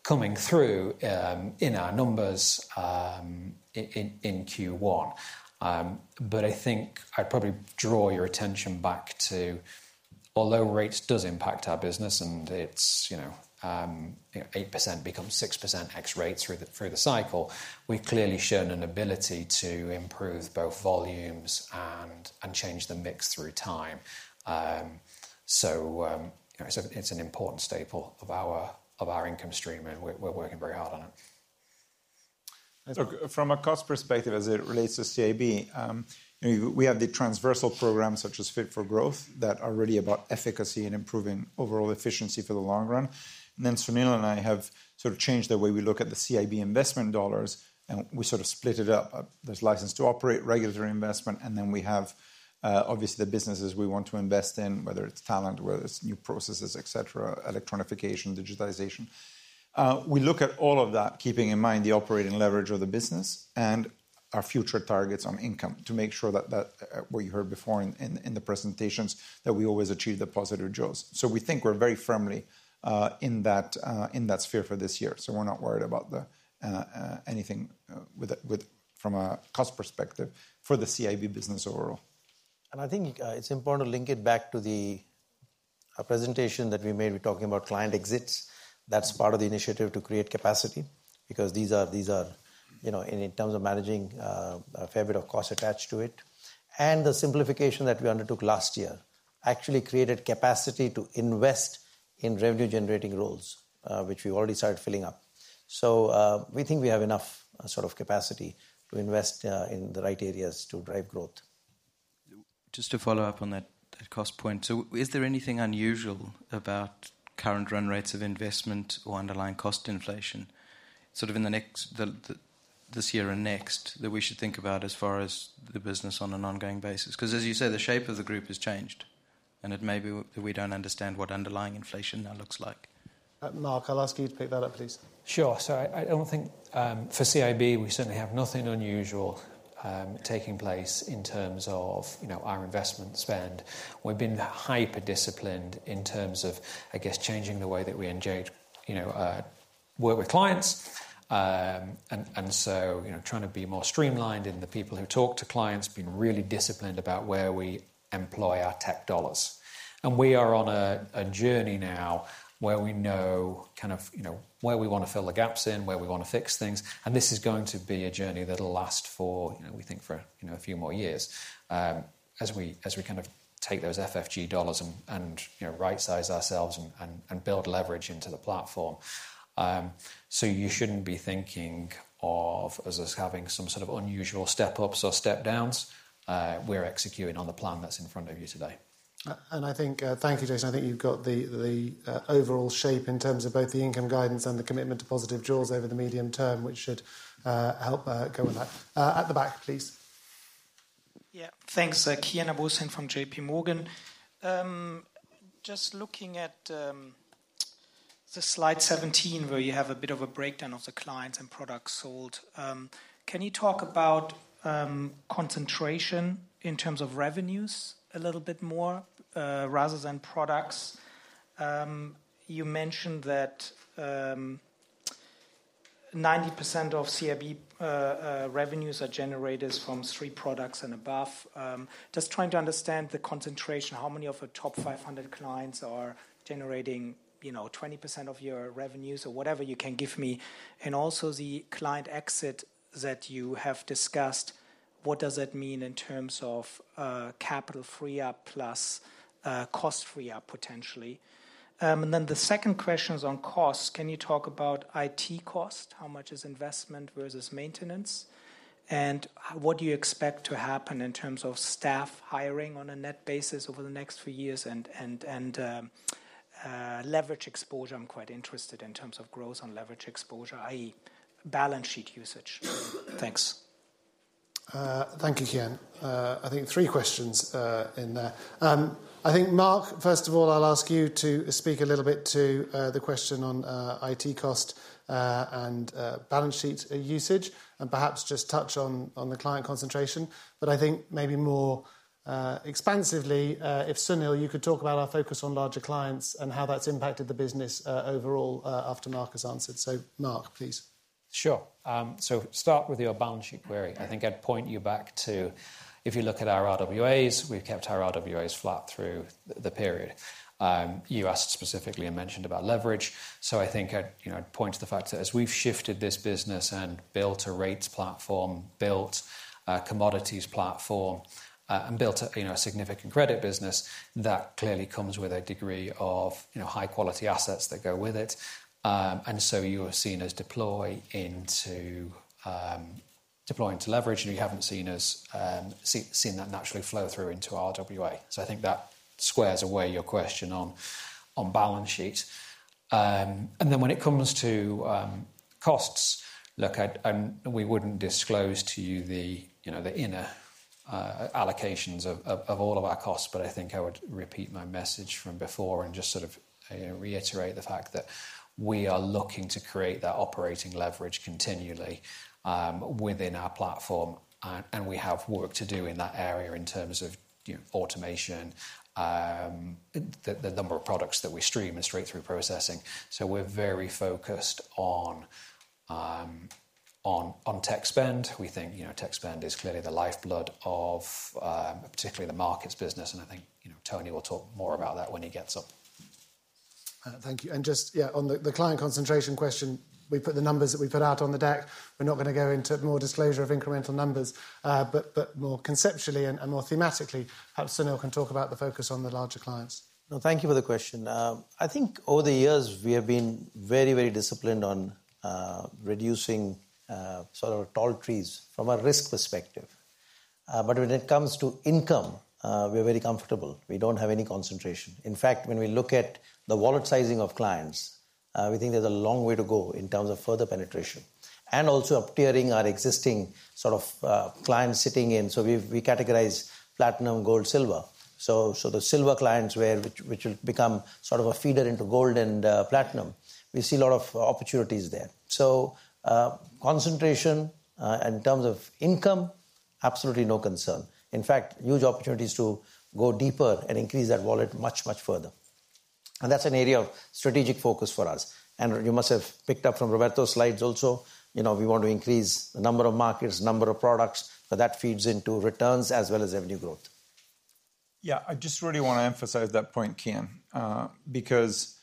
coming through in our numbers in Q1. I think I'd probably draw your attention back to, although rates do impact our business and it's 8% becomes 6% ex-rate through the cycle, we've clearly shown an ability to improve both volumes and change the mix through time. It's an important staple of our income stream, and we're working very hard on it. From a cost perspective, as it relates to CIB, we have the transversal programs such as Fit for Growth that are really about efficacy and improving overall efficiency for the long run. Sunil and I have sort of changed the way we look at the CIB investment dollars, and we sort of split it up. There's license to operate, regulatory investment, and then we have obviously the businesses we want to invest in, whether it's talent, whether it's new processes, et cetera, electronification, digitization. We look at all of that, keeping in mind the operating leverage of the business and our future targets on income to make sure that what you heard before in the presentations, that we always achieve the positive jaws. We think we're very firmly in that sphere for this year. We're not worried about anything from a cost perspective for the CIB business overall.I think it's important to link it back to the presentation that we made talking about client exits. That's part of the initiative to create capacity, because these are in terms of managing a fair bit of cost attached to it. The simplification that we undertook last year actually created capacity to invest in revenue-generating roles, which we already started filling up. We think we have enough sort of capacity to invest in the right areas to drive growth. Just to follow up on that cost point, is there anything unusual about current run rates of investment or underlying cost inflation sort of in this year and next that we should think about as far as the business on an ongoing basis? Because as you say, the shape of the group has changed, and it may be that we do not understand what underlying inflation now looks like. Mark, I will ask you to pick that up, please. Sure. I do not think for CIB, we certainly have nothing unusual taking place in terms of our investment spend. We have been hyper-disciplined in terms of, I guess, changing the way that we work with clients. Trying to be more streamlined in the people who talk to clients, being really disciplined about where we employ our tech dollars. We are on a journey now where we know kind of where we want to fill the gaps in, where we want to fix things. This is going to be a journey that'll last for, we think, for a few more years as we kind of take those FFG dollars and right-size ourselves and build leverage into the platform. You should not be thinking of us having some sort of unusual step-ups or step-downs. We are executing on the plan that is in front of you today. I thank you, Jason. I think you have got the overall shape in terms of both the income guidance and the commitment to positive jaws over the medium term, which should help go with that. At the back, please. Yeah. Thanks. Kianna Fiouzi from JP Morgan. Just looking at the slide 17, where you have a bit of a breakdown of the clients and products sold, can you talk about concentration in terms of revenues a little bit more rather than products? You mentioned that 90% of CIB revenues are generated from three products and above. Just trying to understand the concentration, how many of your top 500 clients are generating 20% of your revenues or whatever you can give me. Also, the client exit that you have discussed, what does that mean in terms of capital free-up plus cost free-up potentially? The second question is on costs. Can you talk about IT cost? How much is investment versus maintenance? What do you expect to happen in terms of staff hiring on a net basis over the next few years and leverage exposure? I'm quite interested in terms of growth on leverage exposure, i.e., balance sheet usage. Thanks. Thank you, Kian. I think three questions in there. I think, Mark, first of all, I'll ask you to speak a little bit to the question on IT cost and balance sheet usage, and perhaps just touch on the client concentration. I think maybe more expansively, if Sunil, you could talk about our focus on larger clients and how that's impacted the business overall after Mark has answered. Mark, please. Sure. Start with your balance sheet query. I think I'd point you back to, if you look at our RWAs, we've kept our RWAs flat through the period. You asked specifically and mentioned about leverage. I think I'd point to the fact that as we've shifted this business and built a rates platform, built a commodities platform, and built a significant credit business, that clearly comes with a degree of high-quality assets that go with it. You are seen as deploying to leverage, and we haven't seen that naturally flow through into our RWA. I think that squares away your question on balance sheet. When it comes to costs, look, we wouldn't disclose to you the inner allocations of all of our costs, but I think I would repeat my message from before and just sort of reiterate the fact that we are looking to create that operating leverage continually within our platform. We have work to do in that area in terms of automation, the number of products that we stream and straight-through processing. We are very focused on tech spend. We think tech spend is clearly the lifeblood of particularly the markets business. I think Tony will talk more about that when he gets up. Thank you. On the client concentration question, we put the numbers that we put out on the deck. We are not going to go into more disclosure of incremental numbers, but more conceptually and more thematically. Perhaps Sunil can talk about the focus on the larger clients. Thank you for the question. I think over the years, we have been very, very disciplined on reducing sort of tall trees from a risk perspective. When it comes to income, we are very comfortable. We do not have any concentration. In fact, when we look at the wallet sizing of clients, we think there is a long way to go in terms of further penetration and also uptiering our existing sort of clients sitting in. We categorize platinum, gold, silver. The silver clients, which will become sort of a feeder into gold and platinum, we see a lot of opportunities there. Concentration in terms of income, absolutely no concern. In fact, huge opportunities to go deeper and increase that wallet much, much further. That is an area of strategic focus for us. You must have picked up from Roberto's slides also. We want to increase the number of markets, number of products, but that feeds into returns as well as revenue growth. Yeah, I just really want to emphasize that point, Kian, because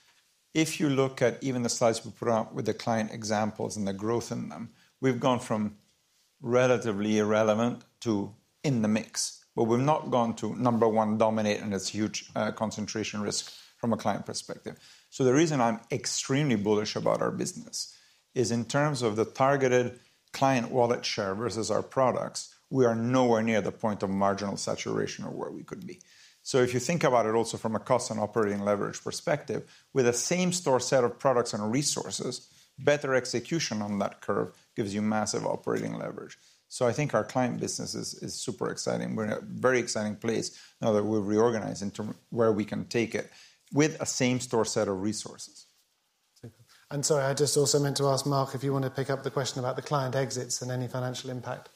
if you look at even the slides we put out with the client examples and the growth in them, we've gone from relatively irrelevant to in the mix. We've not gone to number one dominant and it's huge concentration risk from a client perspective. The reason I'm extremely bullish about our business is in terms of the targeted client wallet share versus our products, we are nowhere near the point of marginal saturation or where we could be. If you think about it also from a cost and operating leverage perspective, with the same store set of products and resources, better execution on that curve gives you massive operating leverage. I think our client business is super exciting. We're in a very exciting place now that we've reorganized into where we can take it with a same store set of resources. Sorry, I just also meant to ask Mark, if you want to pick up the question about the client exits and any financial impact.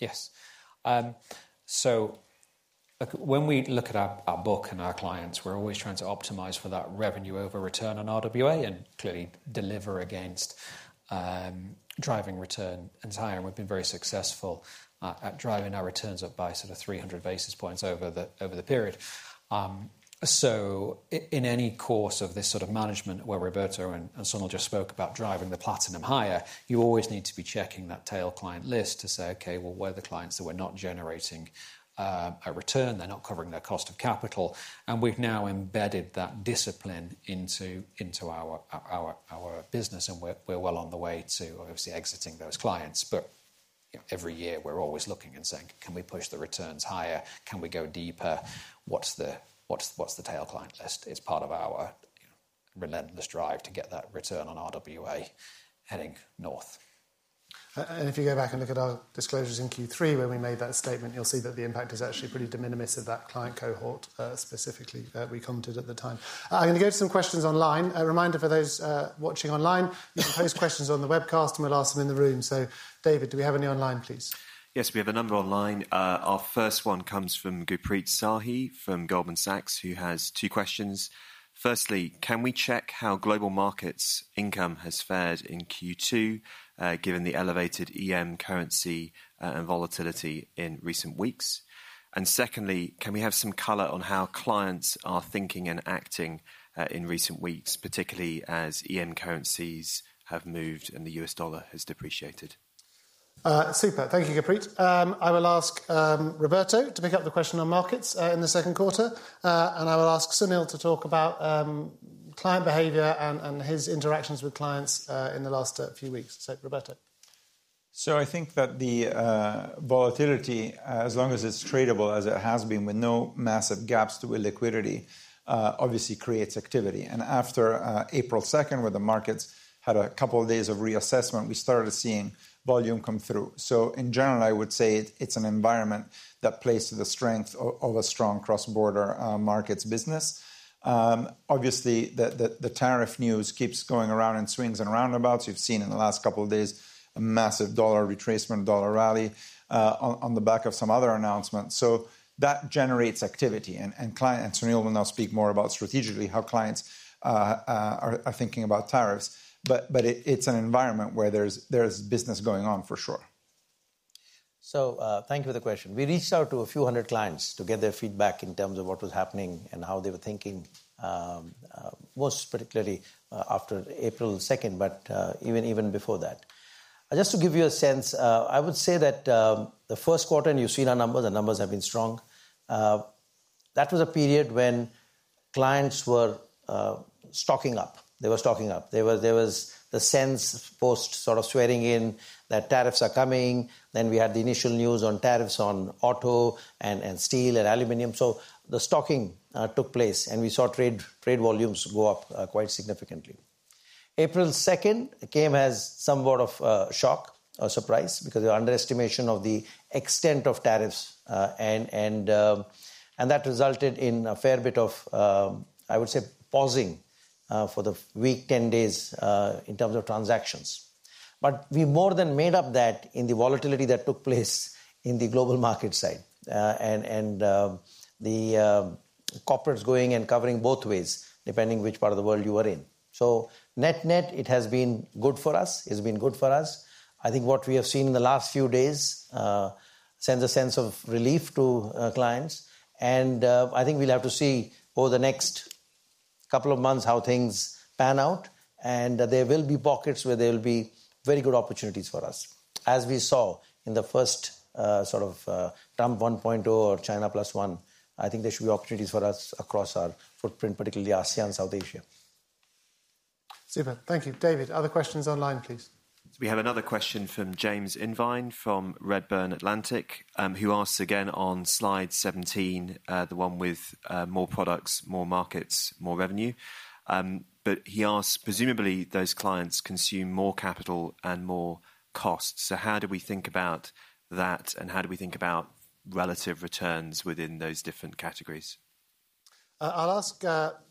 Yes. When we look at our book and our clients, we're always trying to optimize for that revenue over return on RWA and clearly deliver against driving return and higher. We've been very successful at driving our returns up by sort of 300 basis points over the period. In any course of this sort of management where Roberto and Sunil just spoke about driving the platinum higher, you always need to be checking that tail client list to say, okay, where are the clients that we're not generating a return? They're not covering their cost of capital. We have now embedded that discipline into our business, and we are well on the way to obviously exiting those clients. Every year, we are always looking and saying, can we push the returns higher? Can we go deeper? What is the tail client list? It is part of our relentless drive to get that return on RWA heading north. If you go back and look at our disclosures in Q3, when we made that statement, you will see that the impact is actually pretty de minimis of that client cohort specifically we commented at the time. I am going to go to some questions online. A reminder for those watching online, you can post questions on the webcast and we will ask them in the room. David, do we have any online, please? Yes, we have a number online. Our first one comes from Gupreet Sahi from Goldman Sachs, who has two questions. Firstly, can we check how global markets' income has fared in Q2 given the elevated EM currency and volatility in recent weeks? Secondly, can we have some color on how clients are thinking and acting in recent weeks, particularly as EM currencies have moved and the U.S. dollar has depreciated? Super. Thank you, Gupreet. I will ask Roberto to pick up the question on markets in the second quarter. I will ask Sunil to talk about client behavior and his interactions with clients in the last few weeks. Roberto. I think that the volatility, as long as it's tradable as it has been with no massive gaps to illiquidity, obviously creates activity. After April 2, where the markets had a couple of days of reassessment, we started seeing volume come through. In general, I would say it's an environment that plays to the strength of a strong cross-border markets business. Obviously, the tariff news keeps going around in swings and roundabouts. You've seen in the last couple of days a massive dollar retracement, dollar rally on the back of some other announcements. That generates activity. Sunil will now speak more about strategically how clients are thinking about tariffs. It's an environment where there's business going on for sure. Thank you for the question. We reached out to a few hundred clients to get their feedback in terms of what was happening and how they were thinking, most particularly after April 2, but even before that. Just to give you a sense, I would say that the first quarter, and you've seen our numbers, our numbers have been strong. That was a period when clients were stocking up. They were stocking up. There was the sense post sort of swearing in that tariffs are coming. Then we had the initial news on tariffs on auto and steel and aluminum. The stocking took place, and we saw trade volumes go up quite significantly. April 2nd came as somewhat of a shock or surprise because of the underestimation of the extent of tariffs. That resulted in a fair bit of, I would say, pausing for the week 10 days in terms of transactions. We more than made up that in the volatility that took place in the global market side and the corporates going and covering both ways, depending which part of the world you were in. Net net, it has been good for us. It's been good for us. I think what we have seen in the last few days sends a sense of relief to clients. I think we'll have to see over the next couple of months how things pan out. There will be pockets where there will be very good opportunities for us. As we saw in the first sort of Trump 1.0 or China plus one, I think there should be opportunities for us across our footprint, particularly ASEAN, South Asia. Super. Thank you. David, other questions online, please. We have another question from James Invine from Redburn Atlantic, who asks again on slide 17, the one with more products, more markets, more revenue. He asks, presumably, those clients consume more capital and more costs. How do we think about that, and how do we think about relative returns within those different categories? I'll ask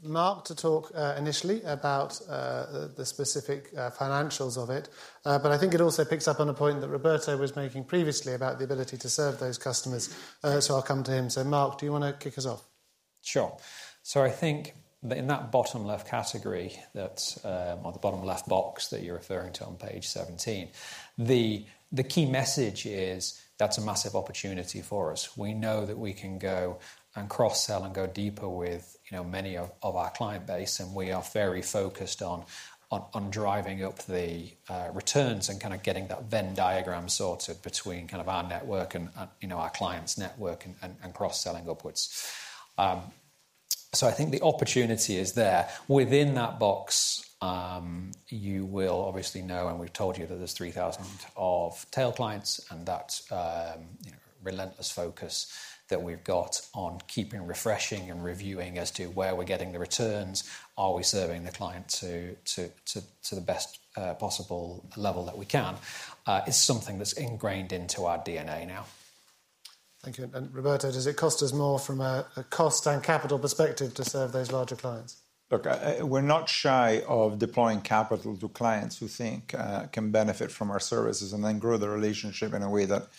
Mark to talk initially about the specific financials of it. I think it also picks up on a point that Roberto was making previously about the ability to serve those customers. I'll come to him. Mark, do you want to kick us off? Sure. I think in that bottom left category, that's the bottom left box that you're referring to on page 17, the key message is that's a massive opportunity for us. We know that we can go and cross-sell and go deeper with many of our client base. We are very focused on driving up the returns and kind of getting that Venn diagram sorted between our network and our clients' network and cross-selling upwards. I think the opportunity is there. Within that box, you will obviously know, and we've told you that there's 3,000 of tail clients and that relentless focus that we've got on keeping refreshing and reviewing as to where we're getting the returns, are we serving the client to the best possible level that we can is something that's ingrained into our DNA now. Thank you. Roberto, does it cost us more from a cost and capital perspective to serve those larger clients? Look, we're not shy of deploying capital to clients who we think can benefit from our services and then grow the relationship in a way that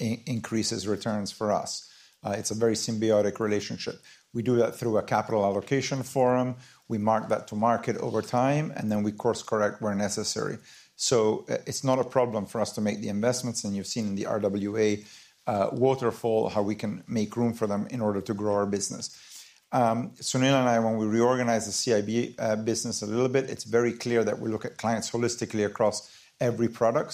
increases returns for us. It's a very symbiotic relationship. We do that through a capital allocation forum. We mark that to market over time, and we course correct where necessary. It is not a problem for us to make the investments. You have seen in the RWA waterfall how we can make room for them in order to grow our business. Sunil and I, when we reorganize the CIB business a little bit, it is very clear that we look at clients holistically across every product.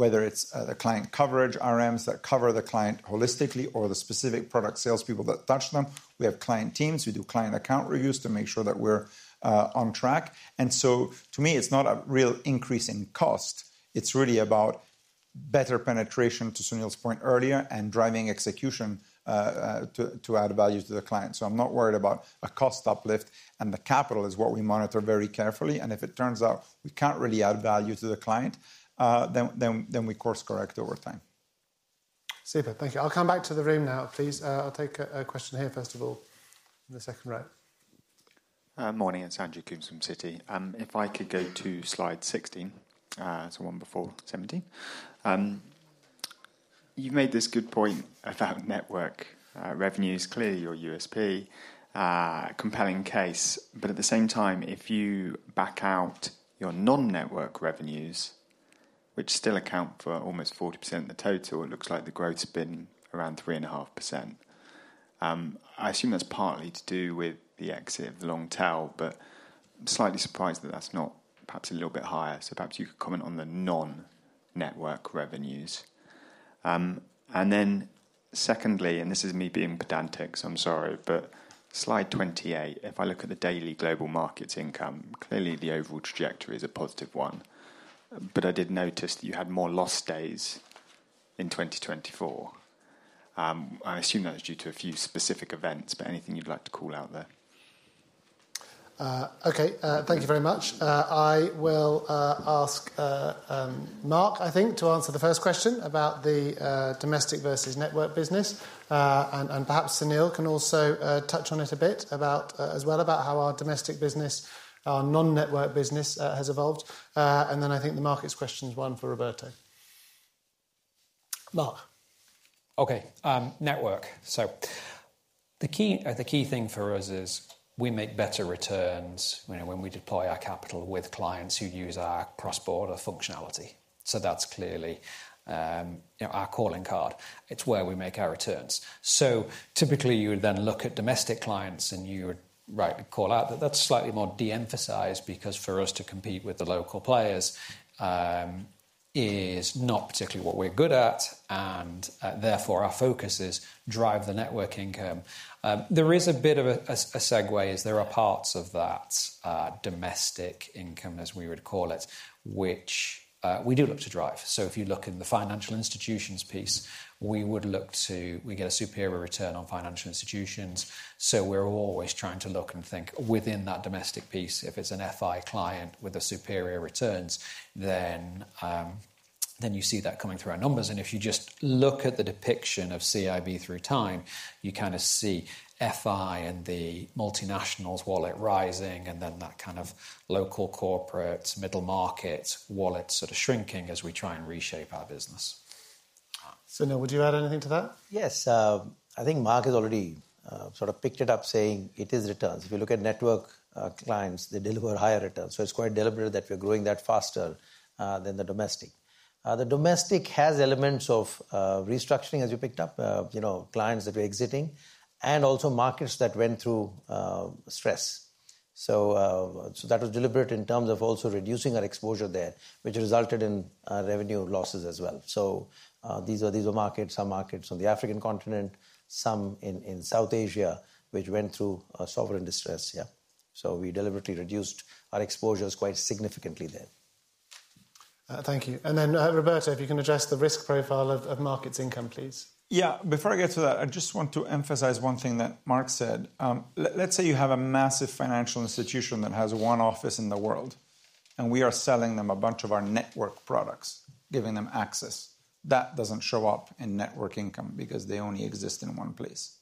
Whether it is the client coverage RMs that cover the client holistically or the specific product salespeople that touch them, we have client teams. We do client account reviews to make sure that we are on track. To me, it is not a real increase in cost. It is really about better penetration, to Sunil's point earlier, and driving execution to add value to the client. I am not worried about a cost uplift. The capital is what we monitor very carefully. If it turns out we cannot really add value to the client, then we course correct over time. Super. Thank you. I'll come back to the room now, please. I'll take a question here, first of all, in the second row. Morning. It's Andrew Coombs from Citi. If I could go to slide 16, so one before 17. You've made this good point about network revenues, clearly your USP, a compelling case. At the same time, if you back out your non-network revenues, which still account for almost 40% of the total, it looks like the growth has been around 3.5%. I assume that's partly to do with the exit of the long tail, but I'm slightly surprised that that's not perhaps a little bit higher. Perhaps you could comment on the non-network revenues. Secondly, and this is me being pedantic, so I'm sorry, but slide 28, if I look at the daily global markets income, clearly the overall trajectory is a positive one. I did notice that you had more lost days in 2024. I assume that's due to a few specific events, but anything you'd like to call out there? Okay. Thank you very much. I will ask Mark, I think, to answer the first question about the domestic versus network business. Perhaps Sunil can also touch on it a bit as well, about how our domestic business, our non-network business has evolved. I think the markets question is one for Roberto. Mark. Okay. Network. The key thing for us is we make better returns when we deploy our capital with clients who use our cross-border functionality. That's clearly our calling card. It's where we make our returns. Typically, you would then look at domestic clients and you would call out that that's slightly more de-emphasized because for us to compete with the local players is not particularly what we're good at. Therefore, our focus is drive the network income. There is a bit of a segue as there are parts of that domestic income, as we would call it, which we do look to drive. If you look in the financial institutions piece, we would look to get a superior return on financial institutions. We're always trying to look and think within that domestic piece. If it's an FI client with superior returns, then you see that coming through our numbers. If you just look at the depiction of CIB through time, you kind of see FI and the multinationals' wallet rising and then that kind of local corporate middle market wallet sort of shrinking as we try and reshape our business. Sunil, would you add anything to that? Yes. I think Mark has already sort of picked it up saying it is returns. If you look at network clients, they deliver higher returns. It is quite deliberate that we are growing that faster than the domestic. The domestic has elements of restructuring, as you picked up, clients that were exiting and also markets that went through stress. That was deliberate in terms of also reducing our exposure there, which resulted in revenue losses as well. These were markets, some markets on the African continent, some in South Asia, which went through sovereign distress. Yeah. We deliberately reduced our exposures quite significantly there. Thank you. Roberto, if you can address the risk profile of markets income, please. Yeah. Before I get to that, I just want to emphasize one thing that Mark said. Let's say you have a massive financial institution that has one office in the world, and we are selling them a bunch of our network products, giving them access. That does not show up in network income because they only exist in one place.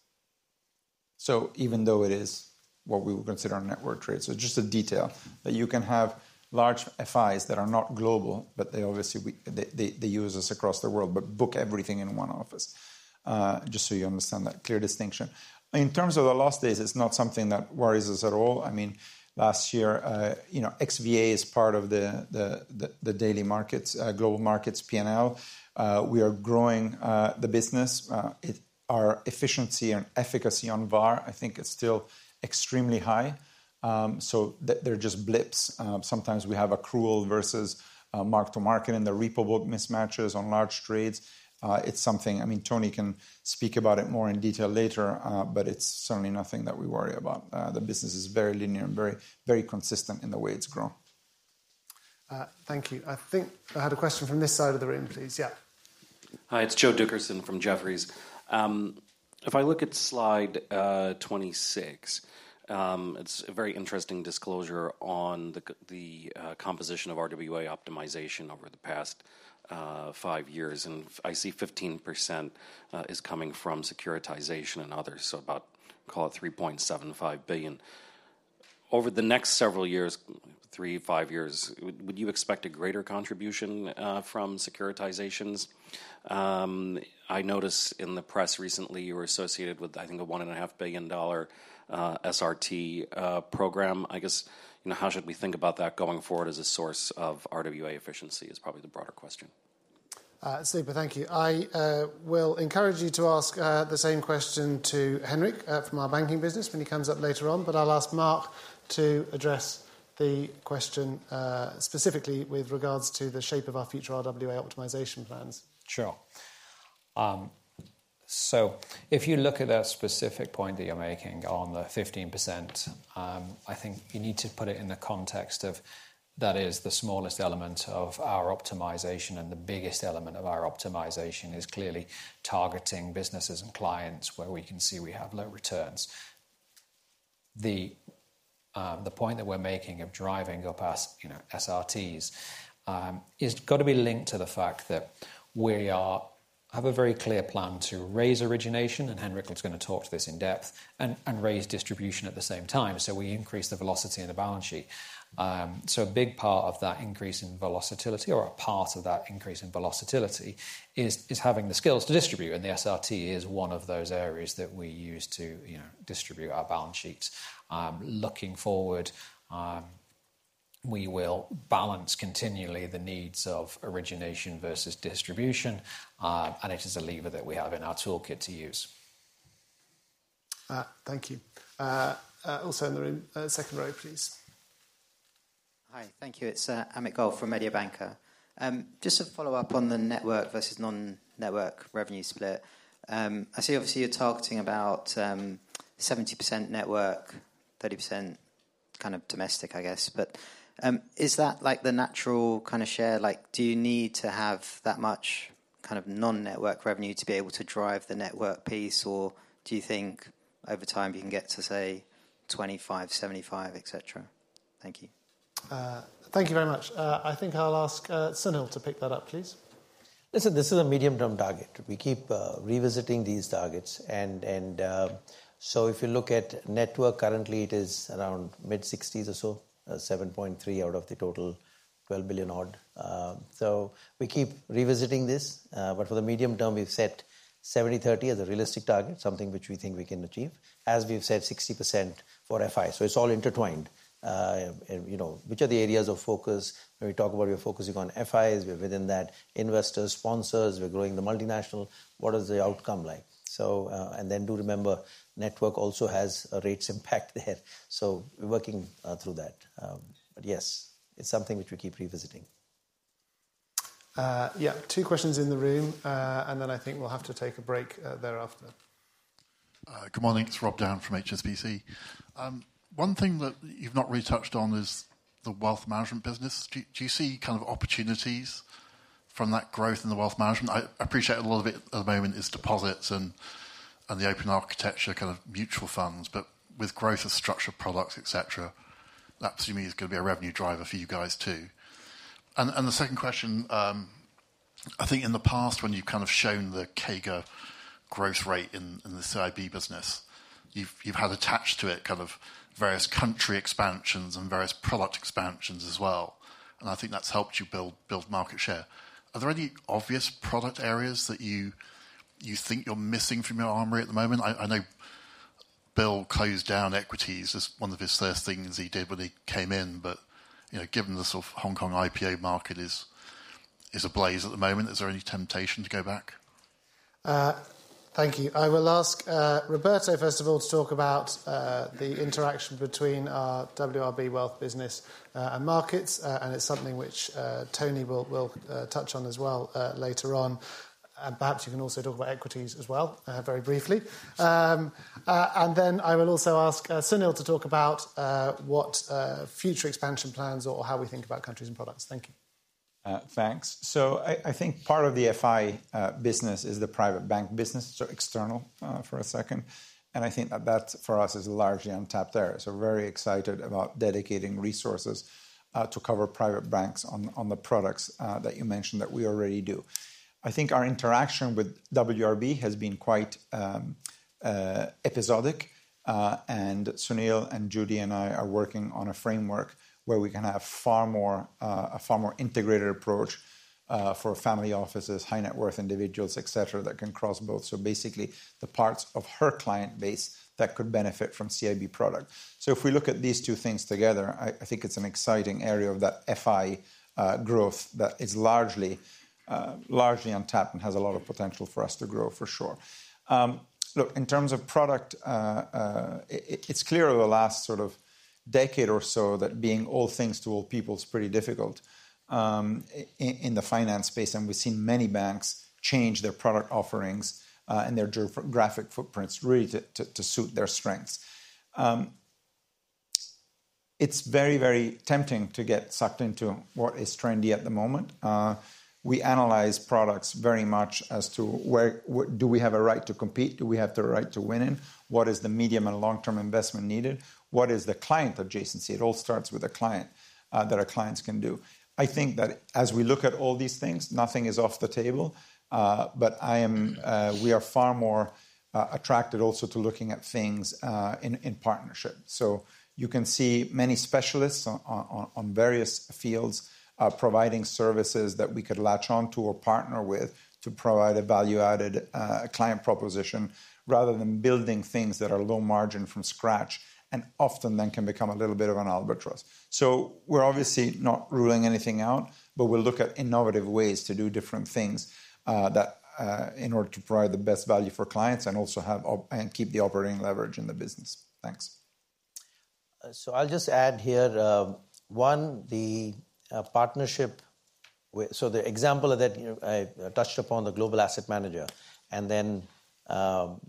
Even though it is what we would consider our network trades, it is just a detail that you can have large FIs that are not global, but they obviously use us across the world, but book everything in one office. Just so you understand that clear distinction. In terms of the lost days, it is not something that worries us at all. I mean, last year, XVA is part of the daily markets, global markets, P&L. We are growing the business. Our efficiency and efficacy on VAR, I think it's still extremely high. So they're just blips. Sometimes we have accrual versus mark-to-market and the repo book mismatches on large trades. It's something, I mean, Tony can speak about it more in detail later, but it's certainly nothing that we worry about. The business is very linear and very consistent in the way it's grown. Thank you. I think I had a question from this side of the room, please. Yeah. Hi. It's Joe Dickerson from Jefferies. If I look at slide 26, it's a very interesting disclosure on the composition of RWA optimization over the past five years. And I see 15% is coming from securitization and others, so about, call it $3.75 billion. Over the next several years, three, five years, would you expect a greater contribution from securitizations? I noticed in the press recently you were associated with, I think, a $1.5 billion SRT program. I guess, how should we think about that going forward as a source of RWA efficiency is probably the broader question. Super. Thank you. I will encourage you to ask the same question to Henrik from our banking business when he comes up later on. I will ask Mark to address the question specifically with regards to the shape of our future RWA optimization plans. Sure. If you look at that specific point that you're making on the 15%, I think you need to put it in the context of that is the smallest element of our optimization, and the biggest element of our optimization is clearly targeting businesses and clients where we can see we have low returns. The point that we're making of driving up SRTs is going to be linked to the fact that we have a very clear plan to raise origination, and Henrik is going to talk to this in depth, and raise distribution at the same time. We increase the velocity in the balance sheet. A big part of that increase in volatility, or a part of that increase in volatility, is having the skills to distribute. The SRT is one of those areas that we use to distribute our balance sheets. Looking forward, we will balance continually the needs of origination versus distribution. It is a lever that we have in our toolkit to use. Thank you. Also in the room, second row, please. Hi. Thank you. It's Amit Golf from Mediabanca. Just to follow up on the network versus non-network revenue split. I see obviously you're targeting about 70% network, 30% kind of domestic, I guess. Is that like the natural kind of share? Do you need to have that much kind of non-network revenue to be able to drive the network piece, or do you think over time you can get to say 25, 75, etc.? Thank you. Thank you very much. I think I'll ask Sunil to pick that up, please. Listen, this is a medium-term target. We keep revisiting these targets. If you look at network currently, it is around mid-60s or so, $7.3 billion out of the total $12 billion odd. We keep revisiting this. For the medium term, we've set 70/30 as a realistic target, something which we think we can achieve, as we've said, 60% for FI. It's all intertwined. Which are the areas of focus? When we talk about we're focusing on FIs, we're within that, investors, sponsors, we're growing the multinational. What is the outcome like? Do remember, network also has a rates impact there. We're working through that. Yes, it's something which we keep revisiting. Two questions in the room. I think we'll have to take a break thereafter. Good morning. It's Rob Down from HSBC. One thing that you've not really touched on is the wealth management business. Do you see kind of opportunities from that growth in the wealth management? I appreciate a lot of it at the moment is deposits and the open architecture kind of mutual funds. With growth of structured products, etc., that to me is going to be a revenue driver for you guys too. The second question, I think in the past, when you've kind of shown the CAGR growth rate in the CIB business, you've had attached to it kind of various country expansions and various product expansions as well. I think that's helped you build market share. Are there any obvious product areas that you think you're missing from your armory at the moment? I know Bill closed down equities as one of his first things he did when he came in. Given the sort of Hong Kong IPO market is ablaze at the moment, is there any temptation to go back? Thank you. I will ask Roberto, first of all, to talk about the interaction between our WRB wealth business and markets. It is something which Tony will touch on as well later on. Perhaps you can also talk about equities as well very briefly. I will also ask Sunil to talk about what future expansion plans or how we think about countries and products. Thank you. Thanks. I think part of the FI business is the private bank business, so external for a second. I think that for us is largely untapped there. We are very excited about dedicating resources to cover private banks on the products that you mentioned that we already do. I think our interaction with WRB has been quite episodic. Sunil, Judy, and I are working on a framework where we can have a far more integrated approach for family offices, high net worth individuals, etc., that can cross both. Basically, the parts of her client base that could benefit from CIB product. If we look at these two things together, I think it is an exciting area of that FI growth that is largely untapped and has a lot of potential for us to grow for sure. Look, in terms of product, it is clear over the last sort of decade or so that being all things to all people is pretty difficult in the finance space. We have seen many banks change their product offerings and their geographic footprints really to suit their strengths. It's very, very tempting to get sucked into what is trendy at the moment. We analyze products very much as to do we have a right to compete? Do we have the right to win in? What is the medium and long-term investment needed? What is the client adjacency? It all starts with a client that our clients can do. I think that as we look at all these things, nothing is off the table. We are far more attracted also to looking at things in partnership. You can see many specialists on various fields providing services that we could latch onto or partner with to provide a value-added client proposition rather than building things that are low margin from scratch and often then can become a little bit of an albatross. We're obviously not ruling anything out, but we'll look at innovative ways to do different things in order to provide the best value for clients and also keep the operating leverage in the business. Thanks. I'll just add here, one, the partnership. The example of that I touched upon, the global asset manager, and then kind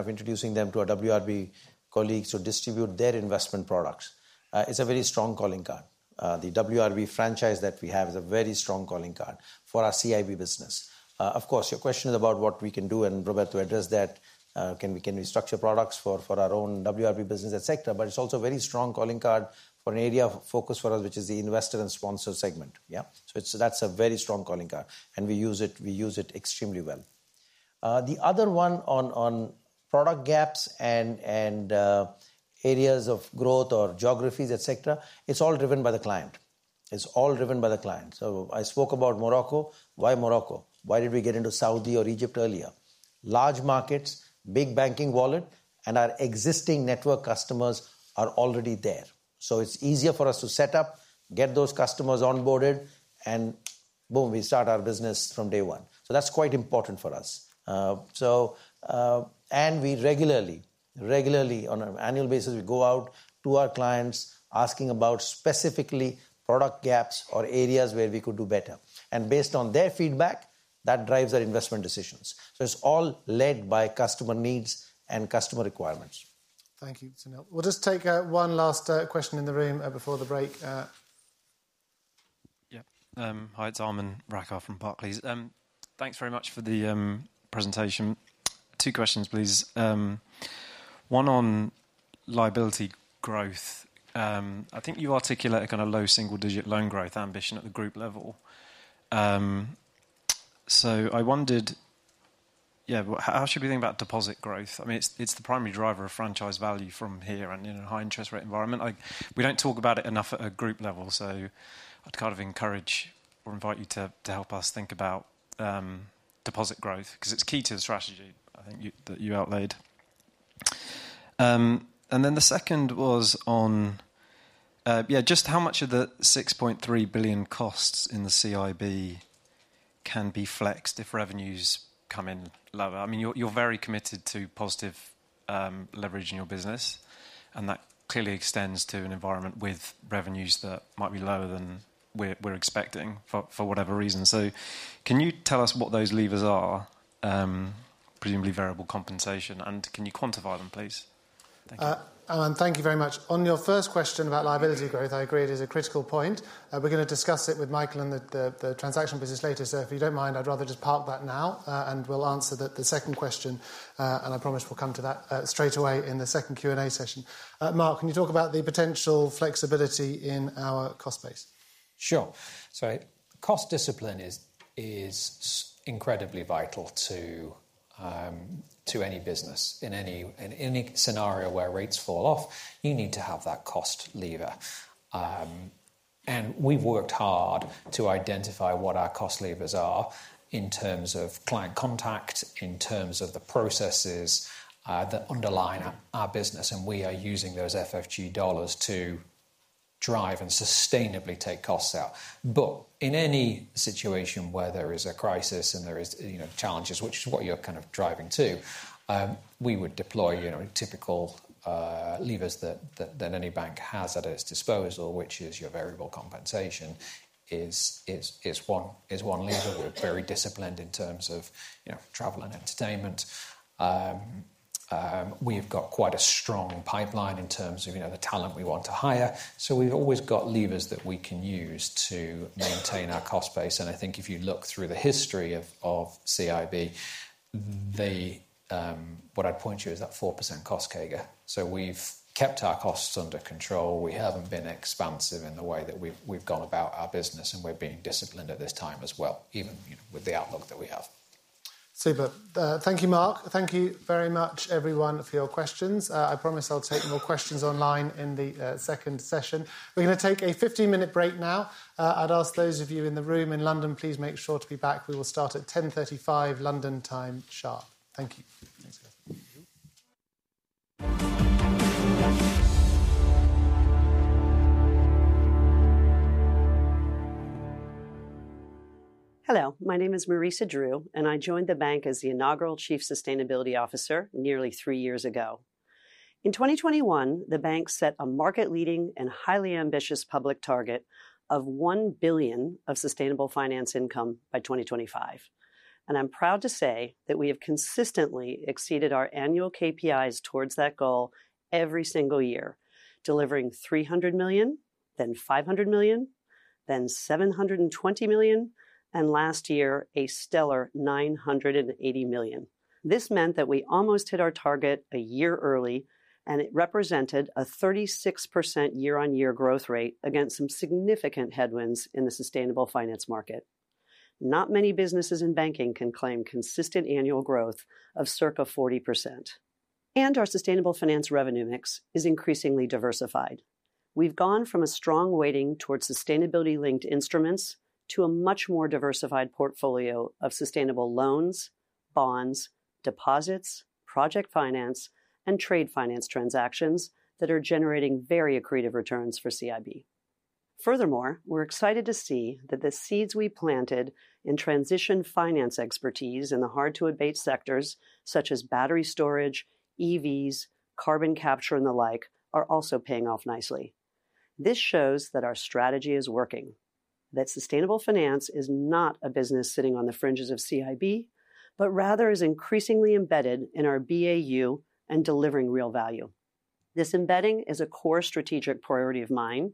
of introducing them to our WRB colleagues who distribute their investment products, is a very strong calling card. The WRB franchise that we have is a very strong calling card for our CIB business. Of course, your question is about what we can do. Roberto addressed that. Can we structure products for our own WRB business, etc.? It is also a very strong calling card for an area of focus for us, which is the investor and sponsor segment. Yeah, that's a very strong calling card. We use it extremely well. The other one on product gaps and areas of growth or geographies, etc., it's all driven by the client. It's all driven by the client. I spoke about Morocco. Why Morocco? Why did we get into Saudi or Egypt earlier? Large markets, big banking wallet, and our existing network customers are already there. It's easier for us to set up, get those customers onboarded, and boom, we start our business from day one. That's quite important for us. We regularly, on an annual basis, go out to our clients asking about specifically product gaps or areas where we could do better. Based on their feedback, that drives our investment decisions. It's all led by customer needs and customer requirements. Thank you, Sunil. We'll just take one last question in the room before the break. Yeah. Hi, it's Armin Rakkar from Barclays. Thanks very much for the presentation. Two questions, please. One on liability growth. I think you articulate a kind of low single-digit loan growth ambition at the group level. I wondered, yeah, how should we think about deposit growth? I mean, it's the primary driver of franchise value from here and in a high interest rate environment. We do not talk about it enough at a group level. I would kind of encourage or invite you to help us think about deposit growth because it is key to the strategy I think that you outlaid. The second was on, yeah, just how much of the $6.3 billion costs in the CIB can be flexed if revenues come in lower. I mean, you are very committed to positive leverage in your business. That clearly extends to an environment with revenues that might be lower than we're expecting for whatever reason. Can you tell us what those levers are, presumably variable compensation? Can you quantify them, please? Thank you. Armin, thank you very much. On your first question about liability growth, I agree it is a critical point. We're going to discuss it with Michael and the transaction business later. If you don't mind, I'd rather just park that now. We'll answer the second question. I promise we'll come to that straight away in the second Q&A session. Mark, can you talk about the potential flexibility in our cost base? Sure. Cost discipline is incredibly vital to any business. In any scenario where rates fall off, you need to have that cost lever. We have worked hard to identify what our cost levers are in terms of client contact, in terms of the processes that underline our business. We are using those FFG dollars to drive and sustainably take costs out. In any situation where there is a crisis and there are challenges, which is what you are kind of driving to, we would deploy typical levers that any bank has at its disposal, which is your variable compensation is one lever. We are very disciplined in terms of travel and entertainment. We have quite a strong pipeline in terms of the talent we want to hire. We have always got levers that we can use to maintain our cost base. I think if you look through the history of CIB, what I would point to is that 4% cost CAGR. We have kept our costs under control. We have not been expansive in the way that we have gone about our business. We are being disciplined at this time as well, even with the outlook that we have. Super. Thank you, Mark. Thank you very much, everyone, for your questions. I promise I will take more questions online in the second session. We are going to take a 15-minute break now. I would ask those of you in the room in London, please make sure to be back. We will start at 10:35 A.M. London time sharp. Thank you. Hello. My name is Marisa Drew, and I joined the bank as the inaugural Chief Sustainability Officer nearly three years ago. In 2021, the bank set a market-leading and highly ambitious public target of $1 billion of sustainable finance income by 2025. I'm proud to say that we have consistently exceeded our annual KPIs towards that goal every single year, delivering $300 million, then $500 million, then $720 million, and last year, a stellar $980 million. This meant that we almost hit our target a year early, and it represented a 36% year-on-year growth rate against some significant headwinds in the sustainable finance market. Not many businesses in banking can claim consistent annual growth of circa 40%. Our sustainable finance revenue mix is increasingly diversified. We've gone from a strong weighting towards sustainability-linked instruments to a much more diversified portfolio of sustainable loans, bonds, deposits, project finance, and trade finance transactions that are generating very accretive returns for CIB. Furthermore, we're excited to see that the seeds we planted in transition finance expertise in the hard-to-abate sectors such as battery storage, EVs, carbon capture, and the like are also paying off nicely. This shows that our strategy is working, that sustainable finance is not a business sitting on the fringes of CIB, but rather is increasingly embedded in our BAU and delivering real value. This embedding is a core strategic priority of mine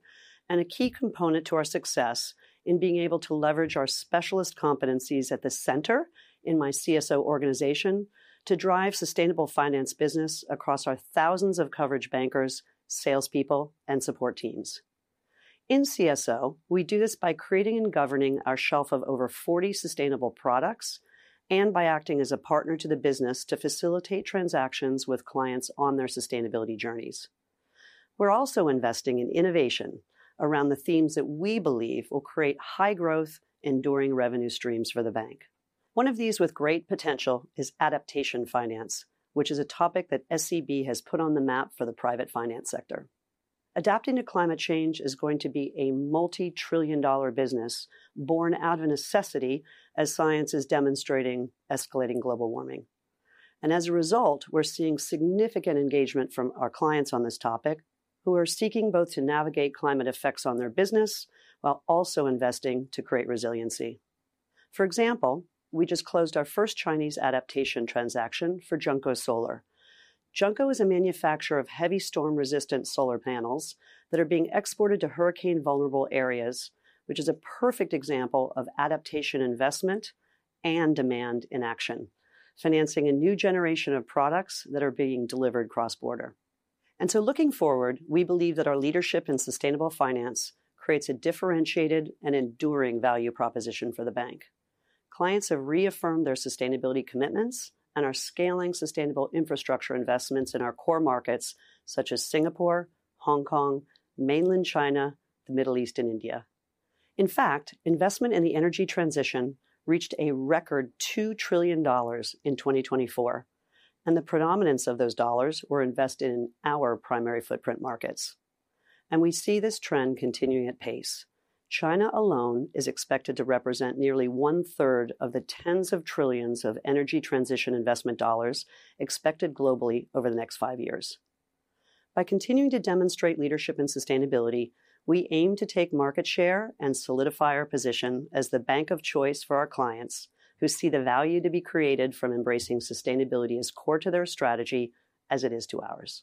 and a key component to our success in being able to leverage our specialist competencies at the center in my CSO organization to drive sustainable finance business across our thousands of coverage bankers, salespeople, and support teams. In CSO, we do this by creating and governing our shelf of over 40 sustainable products and by acting as a partner to the business to facilitate transactions with clients on their sustainability journeys. We're also investing in innovation around the themes that we believe will create high-growth, enduring revenue streams for the bank. One of these with great potential is adaptation finance, which is a topic that Standard Chartered has put on the map for the private finance sector. Adapting to climate change is going to be a multi-trillion-dollar business born out of a necessity as science is demonstrating escalating global warming. As a result, we're seeing significant engagement from our clients on this topic who are seeking both to navigate climate effects on their business while also investing to create resiliency. For example, we just closed our first Chinese adaptation transaction for JinkoSolar. JinkoSolar is a manufacturer of heavy storm-resistant solar panels that are being exported to hurricane-vulnerable areas, which is a perfect example of adaptation investment and demand in action, financing a new generation of products that are being delivered cross-border. Looking forward, we believe that our leadership in sustainable finance creates a differentiated and enduring value proposition for the bank. Clients have reaffirmed their sustainability commitments and are scaling sustainable infrastructure investments in our core markets such as Singapore, Hong Kong, mainland China, the Middle East, and India. In fact, investment in the energy transition reached a record $2 trillion in 2024. The predominance of those dollars were invested in our primary footprint markets. We see this trend continuing at pace. China alone is expected to represent nearly one-third of the tens of trillions of energy transition investment dollars expected globally over the next five years. By continuing to demonstrate leadership in sustainability, we aim to take market share and solidify our position as the bank of choice for our clients who see the value to be created from embracing sustainability as core to their strategy as it is to ours.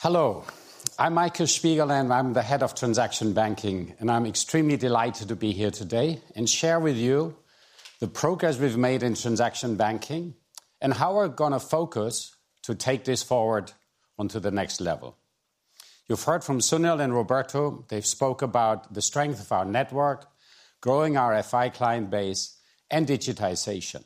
Hello. I'm Michael Spiegel, and I'm the Head of Transaction Banking. I'm extremely delighted to be here today and share with you the progress we've made in transaction banking and how we're going to focus to take this forward onto the next level. You've heard from Sunil and Roberto. They've spoke about the strength of our network, growing our FI client base, and digitization.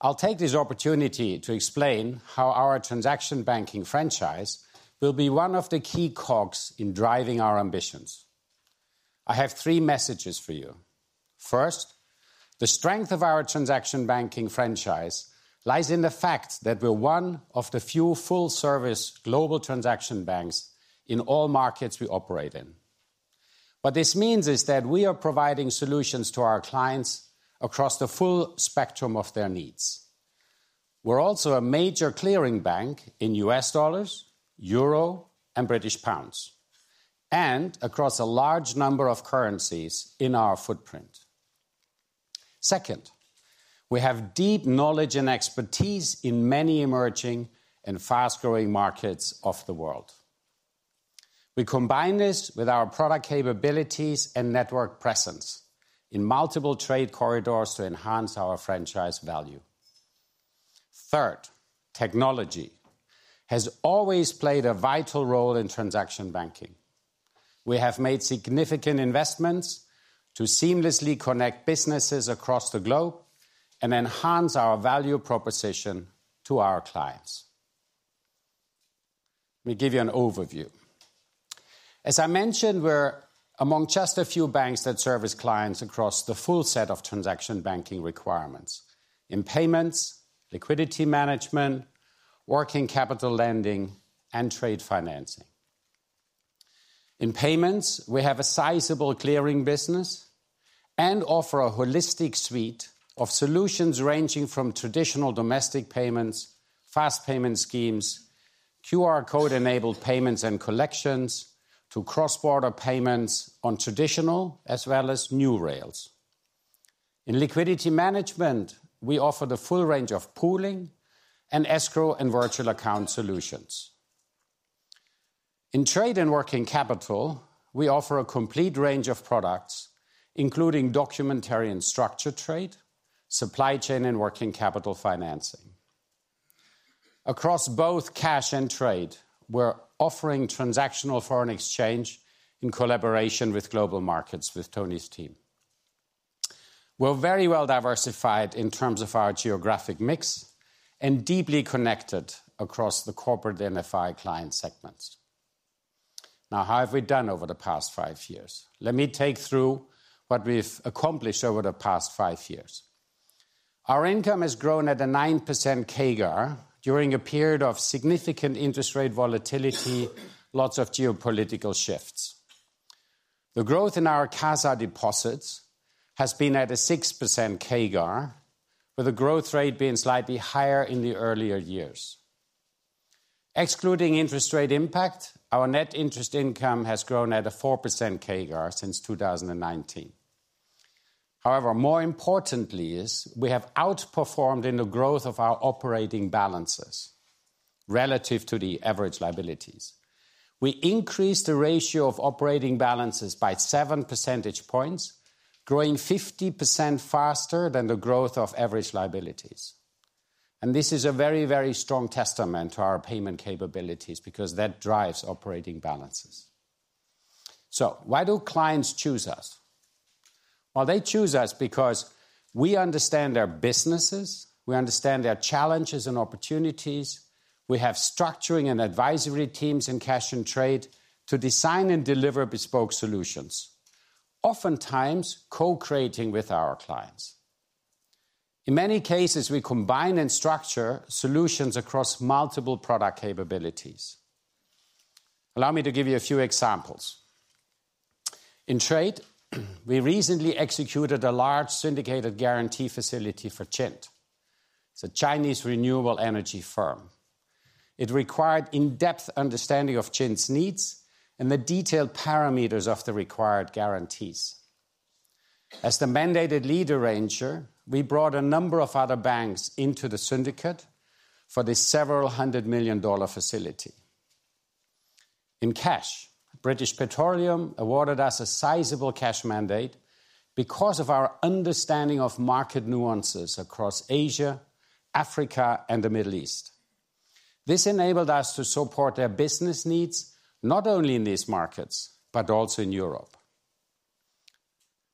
I'll take this opportunity to explain how our transaction banking franchise will be one of the key cogs in driving our ambitions. I have three messages for you. First, the strength of our transaction banking franchise lies in the fact that we're one of the few full-service global transaction banks in all markets we operate in. What this means is that we are providing solutions to our clients across the full spectrum of their needs. We're also a major clearing bank in U.S dollars, euro, and British pounds, and across a large number of currencies in our footprint. Second, we have deep knowledge and expertise in many emerging and fast-growing markets of the world. We combine this with our product capabilities and network presence in multiple trade corridors to enhance our franchise value. Third, technology has always played a vital role in transaction banking. We have made significant investments to seamlessly connect businesses across the globe and enhance our value proposition to our clients. Let me give you an overview. As I mentioned, we're among just a few banks that service clients across the full set of transaction banking requirements in payments, liquidity management, working capital lending, and trade financing. In payments, we have a sizable clearing business and offer a holistic suite of solutions ranging from traditional domestic payments, fast payment schemes, QR code-enabled payments and collections, to cross-border payments on traditional as well as new rails. In liquidity management, we offer the full range of pooling and escrow and virtual account solutions. In trade and working capital, we offer a complete range of products, including documentary and structured trade, supply chain, and working capital financing. Across both cash and trade, we're offering transactional foreign exchange in collaboration with global markets with Tony's team. We're very well diversified in terms of our geographic mix and deeply connected across the corporate and FI client segments. Now, how have we done over the past five years? Let me take you through what we've accomplished over the past five years. Our income has grown at a 9% CAGR during a period of significant interest rate volatility, lots of geopolitical shifts. The growth in our CASA deposits has been at a 6% CAGR, with a growth rate being slightly higher in the earlier years. Excluding interest rate impact, our net interest income has grown at a 4% CAGR since 2019. However, more importantly, we have outperformed in the growth of our operating balances relative to the average liabilities. We increased the ratio of operating balances by 7 percentage points, growing 50% faster than the growth of average liabilities. This is a very, very strong testament to our payment capabilities because that drives operating balances. Why do clients choose us? They choose us because we understand their businesses. We understand their challenges and opportunities. We have structuring and advisory teams in cash and trade to design and deliver bespoke solutions, oftentimes co-creating with our clients. In many cases, we combine and structure solutions across multiple product capabilities. Allow me to give you a few examples. In trade, we recently executed a large syndicated guarantee facility for Chint. It is a Chinese renewable energy firm. It required in-depth understanding of Chint's needs and the detailed parameters of the required guarantees. As the mandated lead arranger, we brought a number of other banks into the syndicate for this several hundred million dollar facility. In cash, BP awarded us a sizable cash mandate because of our understanding of market nuances across Asia, Africa, and the Middle East. This enabled us to support their business needs not only in these markets, but also in Europe.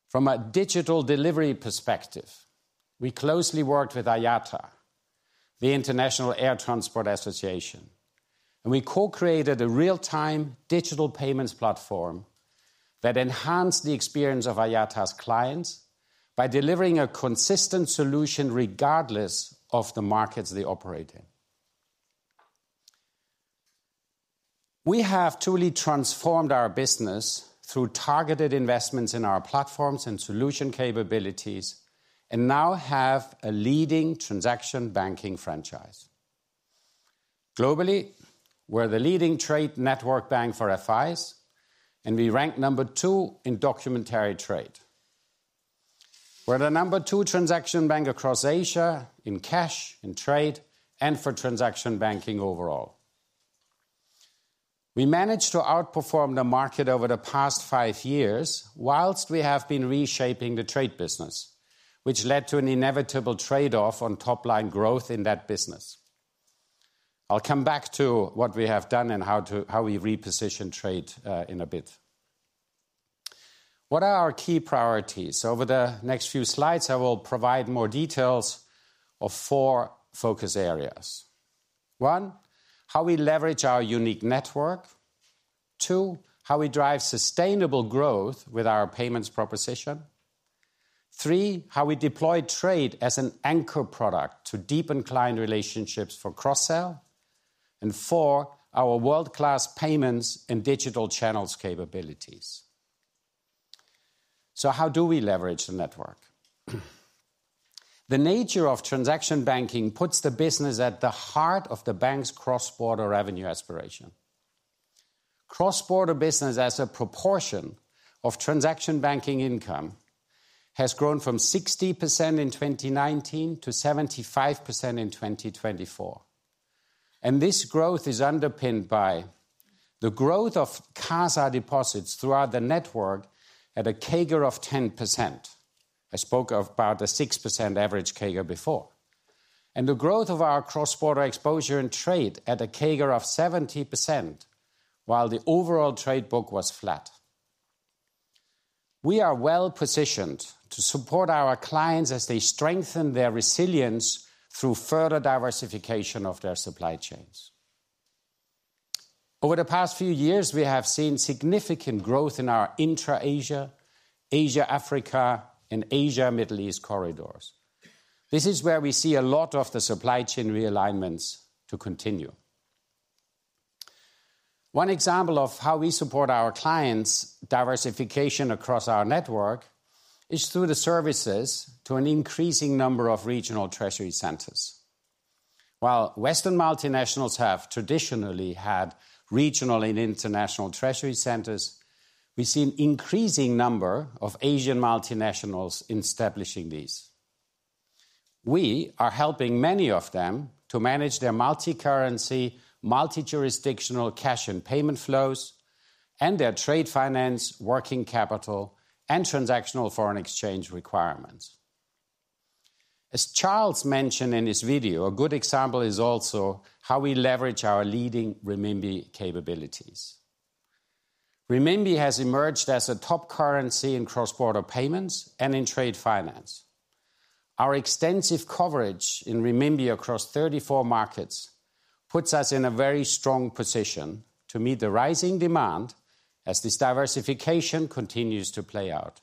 From a digital delivery perspective, we closely worked with IATA, the International Air Transport Association. We co-created a real-time digital payments platform that enhanced the experience of IATA's clients by delivering a consistent solution regardless of the markets they operate in. We have truly transformed our business through targeted investments in our platforms and solution capabilities and now have a leading transaction banking franchise. Globally, we are the leading trade network bank for FIs, and we rank number two in documentary trade. We are the number two transaction bank across Asia in cash, in trade, and for transaction banking overall. We managed to outperform the market over the past five years whilst we have been reshaping the trade business, which led to an inevitable trade-off on top-line growth in that business. I'll come back to what we have done and how we reposition trade in a bit. What are our key priorities? Over the next few slides, I will provide more details of four focus areas. One, how we leverage our unique network. Two, how we drive sustainable growth with our payments proposition. Three, how we deploy trade as an anchor product to deepen client relationships for cross-sell. Four, our world-class payments and digital channels capabilities. How do we leverage the network? The nature of transaction banking puts the business at the heart of the bank's cross-border revenue aspiration. Cross-border business as a proportion of transaction banking income has grown from 60% in 2019 to 75% in 2024. This growth is underpinned by the growth of CASA deposits throughout the network at a CAGR of 10%. I spoke of about a 6% average CAGR before. The growth of our cross-border exposure and trade at a CAGR of 70% while the overall trade book was flat. We are well positioned to support our clients as they strengthen their resilience through further diversification of their supply chains. Over the past few years, we have seen significant growth in our intra-Asia, Asia-Africa, and Asia-Middle East corridors. This is where we see a lot of the supply chain realignments to continue. One example of how we support our clients' diversification across our network is through the services to an increasing number of regional treasury centers. While Western multinationals have traditionally had regional and international treasury centers, we see an increasing number of Asian multinationals establishing these. We are helping many of them to manage their multicurrency, multijurisdictional cash and payment flows, and their trade finance, working capital, and transactional foreign exchange requirements. As Charles mentioned in his video, a good example is also how we leverage our leading RMB capabilities. RMB has emerged as a top currency in cross-border payments and in trade finance. Our extensive coverage in RMB across 34 markets puts us in a very strong position to meet the rising demand as this diversification continues to play out.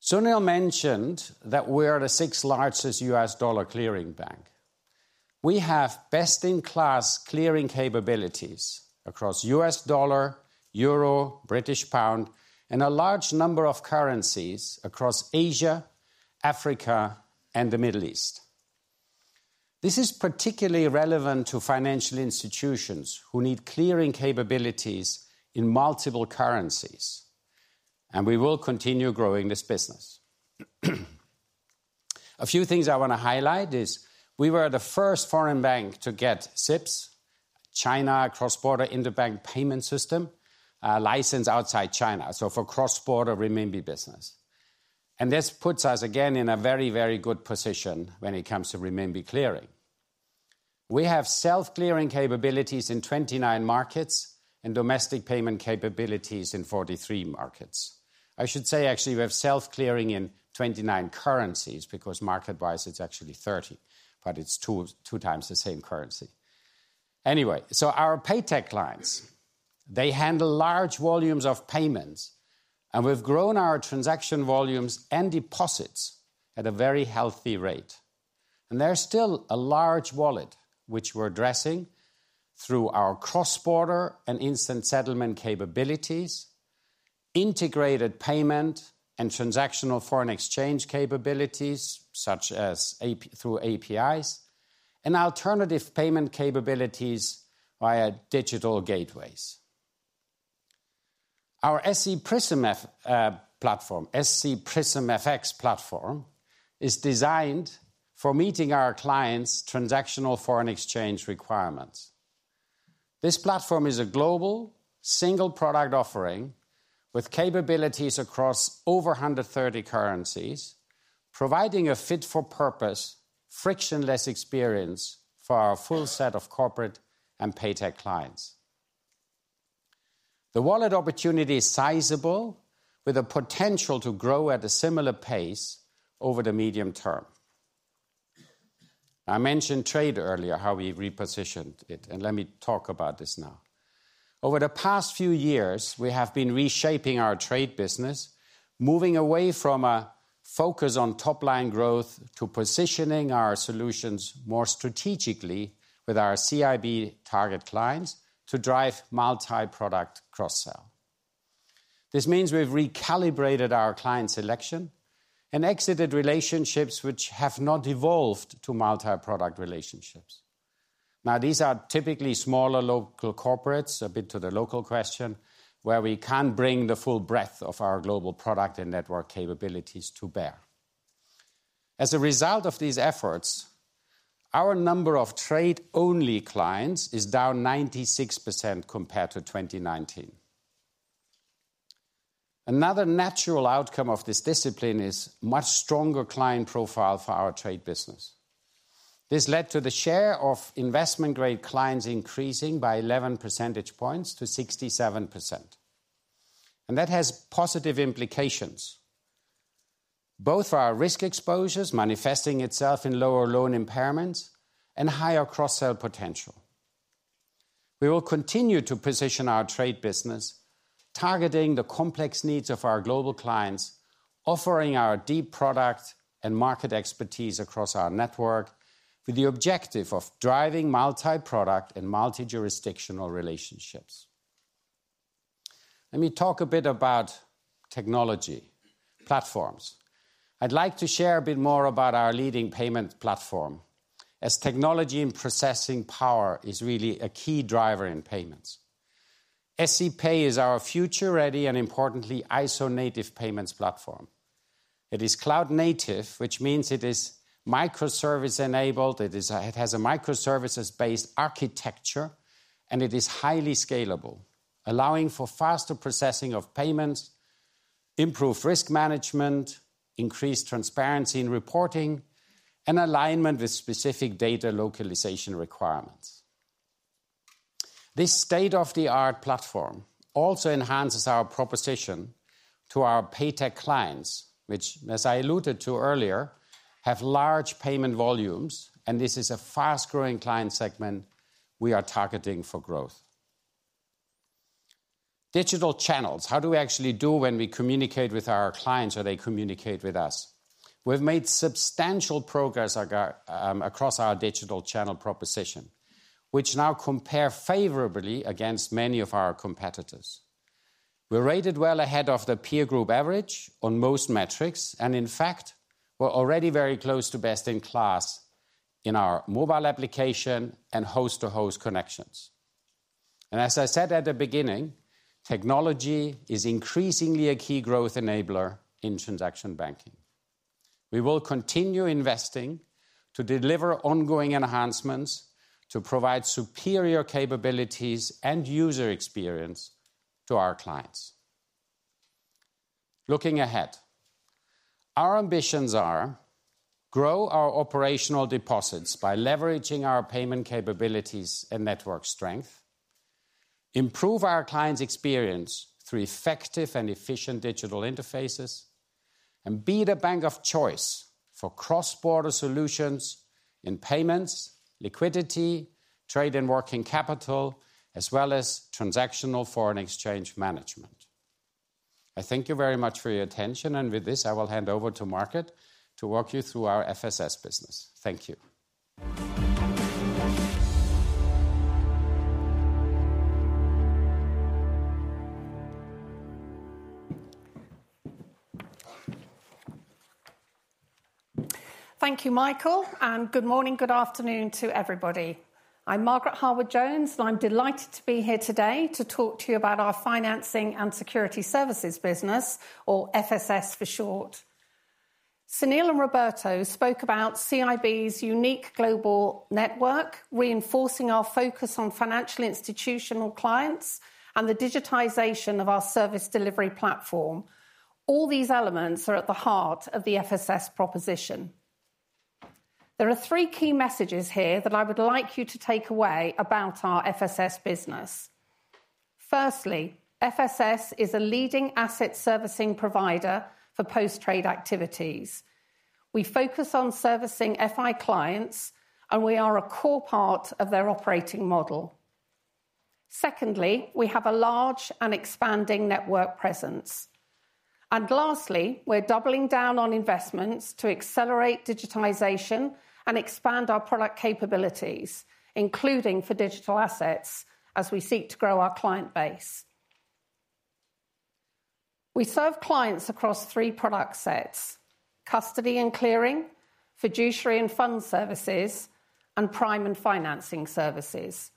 Sunil mentioned that we are the sixth largest U.S. dollar clearing bank. We have best-in-class clearing capabilities across U.S. dollar, euro, British pound, and a large number of currencies across Asia, Africa, and the Middle East. This is particularly relevant to financial institutions who need clearing capabilities in multiple currencies. We will continue growing this business. A few things I want to highlight is we were the first foreign bank to get SIPS, China Cross-Border Interbank Payment System, licensed outside China. For cross-border RMB business. This puts us again in a very, very good position when it comes to RMB clearing. We have self-clearing capabilities in 29 currencies and domestic payment capabilities in 43 markets. I should say, actually, we have self-clearing in 29 currencies because market-wise, it is actually 30, but it is two times the same currency. Anyway, our paycheck clients handle large volumes of payments. We have grown our transaction volumes and deposits at a very healthy rate. There is still a large wallet which we are addressing through our cross-border and instant settlement capabilities, integrated payment and transactional foreign exchange capabilities such as through APIs, and alternative payment capabilities via digital gateways. Our SC Prism FX platform is designed for meeting our clients' transactional foreign exchange requirements. This platform is a global single product offering with capabilities across over 130 currencies, providing a fit-for-purpose, frictionless experience for our full set of corporate and paycheck clients. The wallet opportunity is sizable with a potential to grow at a similar pace over the medium term. I mentioned trade earlier, how we repositioned it. Let me talk about this now. Over the past few years, we have been reshaping our trade business, moving away from a focus on top-line growth to positioning our solutions more strategically with our CIB target clients to drive multi-product cross-sell. This means we have recalibrated our client selection and exited relationships which have not evolved to multi-product relationships. These are typically smaller local corporates, a bit to the local question, where we cannot bring the full breadth of our global product and network capabilities to bear. As a result of these efforts, our number of trade-only clients is down 96% compared to 2019. Another natural outcome of this discipline is a much stronger client profile for our trade business. This led to the share of investment-grade clients increasing by 11 percentage points to 67%. That has positive implications. Both our risk exposures manifesting itself in lower loan impairments and higher cross-sell potential. We will continue to position our trade business, targeting the complex needs of our global clients, offering our deep product and market expertise across our network with the objective of driving multi-product and multijurisdictional relationships. Let me talk a bit about technology platforms. I'd like to share a bit more about our leading payment platform as technology and processing power is really a key driver in payments. SEPay is our future-ready and, importantly, ISO-native payments platform. It is cloud-native, which means it is microservice-enabled. It has a microservices-based architecture, and it is highly scalable, allowing for faster processing of payments, improved risk management, increased transparency in reporting, and alignment with specific data localization requirements. This state-of-the-art platform also enhances our proposition to our paycheck clients, which, as I alluded to earlier, have large payment volumes, and this is a fast-growing client segment we are targeting for growth. Digital channels, how do we actually do when we communicate with our clients or they communicate with us? We have made substantial progress across our digital channel proposition, which now compares favorably against many of our competitors. We are rated well ahead of the peer group average on most metrics. In fact, we are already very close to best in class in our mobile application and host-to-host connections. As I said at the beginning, technology is increasingly a key growth enabler in transaction banking. We will continue investing to deliver ongoing enhancements to provide superior capabilities and user experience to our clients. Looking ahead, our ambitions are to grow our operational deposits by leveraging our payment capabilities and network strength, improve our clients' experience through effective and efficient digital interfaces, and be the bank of choice for cross-border solutions in payments, liquidity, trade, and working capital, as well as transactional foreign exchange management. I thank you very much for your attention. With this, I will hand over to Margaret to walk you through our FSS business. Thank you. Thank you, Michael. Good morning, good afternoon to everybody. I'm Margaret Harwood-Jones, and I'm delighted to be here today to talk to you about our financing and security services business, or FSS for short. Sunil and Roberto spoke about CIB's unique global network, reinforcing our focus on financial institutional clients and the digitization of our service delivery platform. All these elements are at the heart of the FSS proposition. There are three key messages here that I would like you to take away about our FSS business. Firstly, FSS is a leading asset servicing provider for post-trade activities. We focus on servicing FI clients, and we are a core part of their operating model. Secondly, we have a large and expanding network presence. Lastly, we're doubling down on investments to accelerate digitization and expand our product capabilities, including for digital assets as we seek to grow our client base. We serve clients across three product sets: custody and clearing, fiduciary and fund services, and prime and financing services.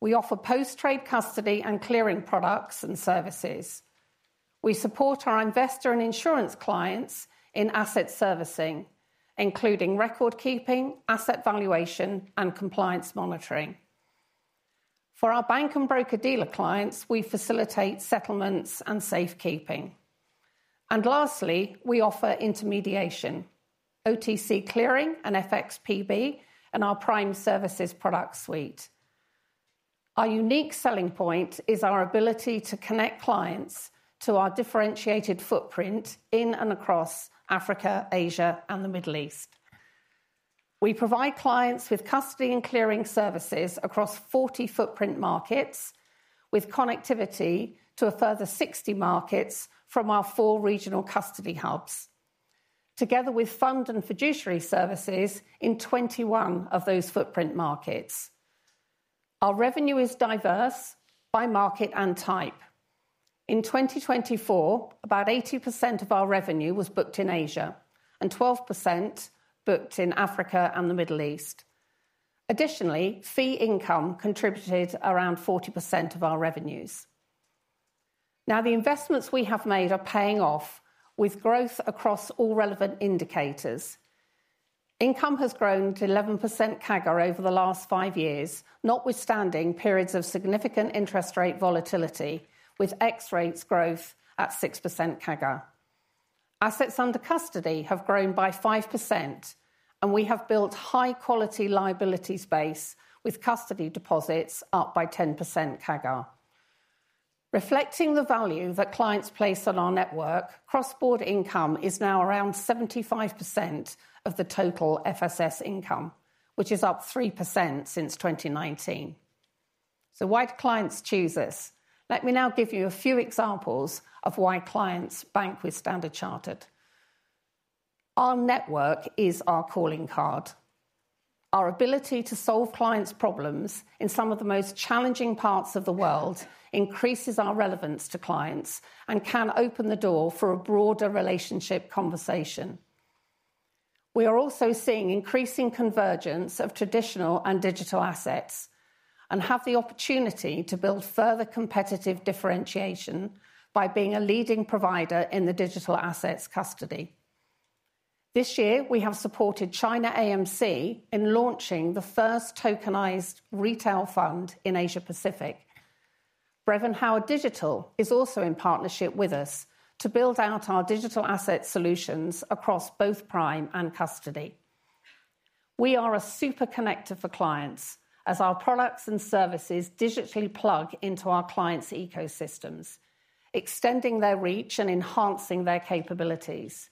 We offer post-trade custody and clearing products and services. We support our investor and insurance clients in asset servicing, including record keeping, asset valuation, and compliance monitoring. For our bank and broker-dealer clients, we facilitate settlements and safekeeping. Lastly, we offer intermediation, OTC clearing and FXPB, and our prime services product suite. Our unique selling point is our ability to connect clients to our differentiated footprint in and across Africa, Asia, and the Middle East. We provide clients with custody and clearing services across 40 footprint markets, with connectivity to a further 60 markets from our four regional custody hubs, together with fund and fiduciary services in 21 of those footprint markets. Our revenue is diverse by market and type. In 2024, about 80% of our revenue was booked in Asia and 12% booked in Africa and the Middle East. Additionally, fee income contributed around 40% of our revenues. Now, the investments we have made are paying off with growth across all relevant indicators. Income has grown to 11% CAGR over the last five years, notwithstanding periods of significant interest rate volatility, with X rates growth at 6% CAGR. Assets under custody have grown by 5%, and we have built high-quality liabilities base with custody deposits up by 10% CAGR. Reflecting the value that clients place on our network, cross-border income is now around 75% of the total FSS income, which is up 3% since 2019. Why do clients choose us? Let me now give you a few examples of why clients bank with Standard Chartered. Our network is our calling card. Our ability to solve clients' problems in some of the most challenging parts of the world increases our relevance to clients and can open the door for a broader relationship conversation. We are also seeing increasing convergence of traditional and digital assets and have the opportunity to build further competitive differentiation by being a leading provider in the digital assets custody. This year, we have supported China AMC in launching the first tokenized retail fund in Asia-Pacific. Brevan Howard Digital is also in partnership with us to build out our digital asset solutions across both prime and custody. We are a super connector for clients as our products and services digitally plug into our clients' ecosystems, extending their reach and enhancing their capabilities.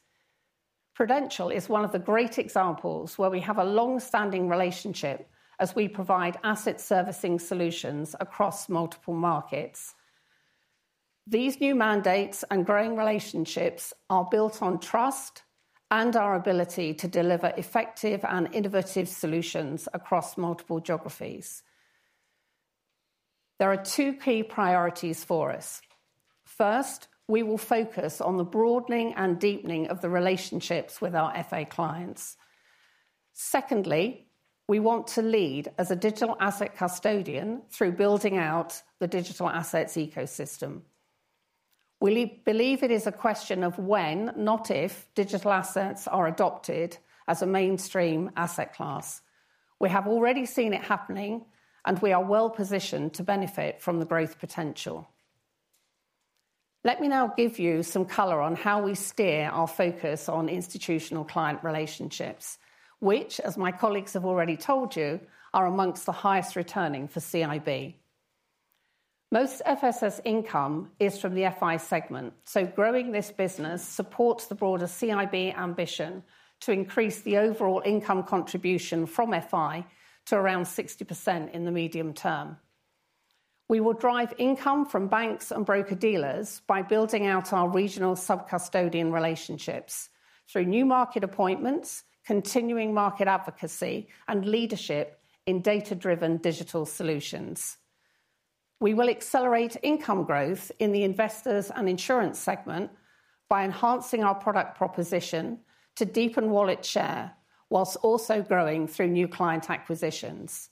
Prudential is one of the great examples where we have a long-standing relationship as we provide asset servicing solutions across multiple markets. These new mandates and growing relationships are built on trust and our ability to deliver effective and innovative solutions across multiple geographies. There are two key priorities for us. First, we will focus on the broadening and deepening of the relationships with our FI clients. Secondly, we want to lead as a digital asset custodian through building out the digital assets ecosystem. We believe it is a question of when, not if, digital assets are adopted as a mainstream asset class. We have already seen it happening, and we are well positioned to benefit from the growth potential. Let me now give you some color on how we steer our focus on institutional client relationships, which, as my colleagues have already told you, are amongst the highest returning for CIB. Most FSS income is from the FI segment, so growing this business supports the broader CIB ambition to increase the overall income contribution from FI to around 60% in the medium term. We will drive income from banks and broker-dealers by building out our regional sub-custodian relationships through new market appointments, continuing market advocacy, and leadership in data-driven digital solutions. We will accelerate income growth in the investors and insurance segment by enhancing our product proposition to deepen wallet share whilst also growing through new client acquisitions.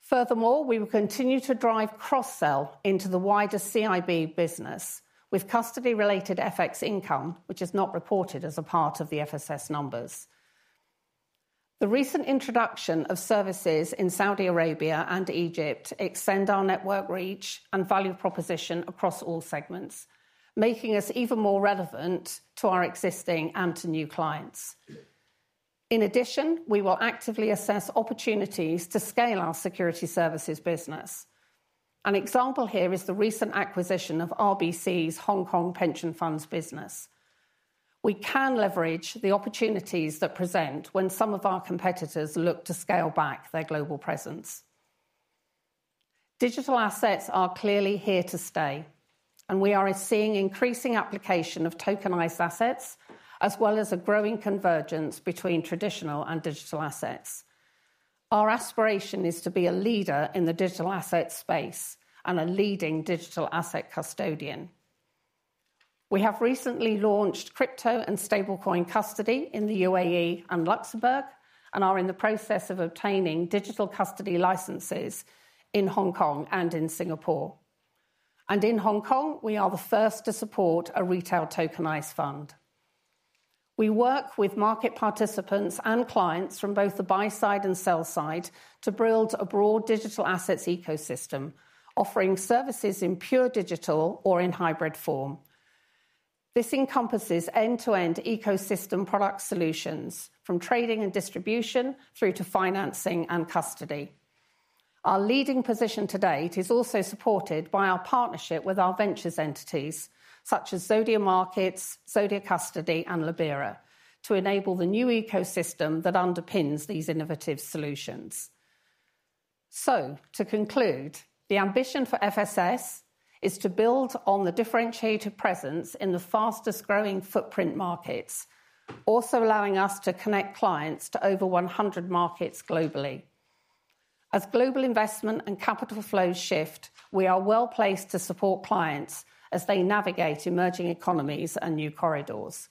Furthermore, we will continue to drive cross-sell into the wider CIB business with custody-related FX income, which is not reported as a part of the FSS numbers. The recent introduction of services in Saudi Arabia and Egypt extends our network reach and value proposition across all segments, making us even more relevant to our existing and to new clients. In addition, we will actively assess opportunities to scale our security services business. An example here is the recent acquisition of RBC's Hong Kong pension funds business. We can leverage the opportunities that present when some of our competitors look to scale back their global presence. Digital assets are clearly here to stay, and we are seeing increasing application of tokenized assets as well as a growing convergence between traditional and digital assets. Our aspiration is to be a leader in the digital asset space and a leading digital asset custodian. We have recently launched crypto and stablecoin custody in the UAE and Luxembourg and are in the process of obtaining digital custody licenses in Hong Kong and in Singapore. In Hong Kong, we are the first to support a retail tokenized fund. We work with market participants and clients from both the buy side and sell side to build a broad digital assets ecosystem, offering services in pure digital or in hybrid form. This encompasses end-to-end ecosystem product solutions from trading and distribution through to financing and custody. Our leading position to date is also supported by our partnership with our ventures entities such as Zodia Markets, Zodia Custody, and Libera to enable the new ecosystem that underpins these innovative solutions. To conclude, the ambition for FSS is to build on the differentiated presence in the fastest-growing footprint markets, also allowing us to connect clients to over 100 markets globally. As global investment and capital flows shift, we are well placed to support clients as they navigate emerging economies and new corridors.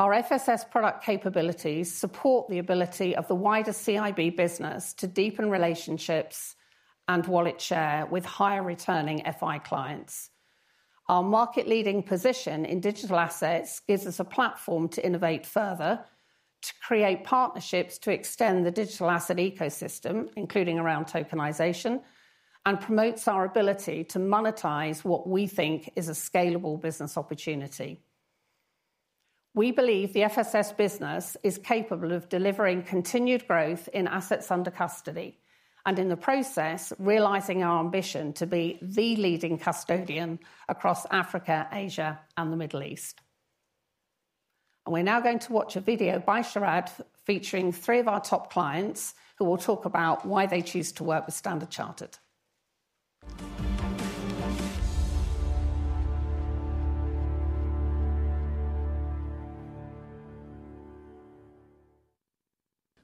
Our FSS product capabilities support the ability of the wider CIB business to deepen relationships and wallet share with higher returning FI clients. Our market-leading position in digital assets gives us a platform to innovate further, to create partnerships to extend the digital asset ecosystem, including around tokenization, and promotes our ability to monetize what we think is a scalable business opportunity. We believe the FSS business is capable of delivering continued growth in assets under custody and, in the process, realizing our ambition to be the leading custodian across Africa, Asia, and the Middle East. We are now going to watch a video by Cherad featuring three of our top clients who will talk about why they choose to work with Standard Chartered.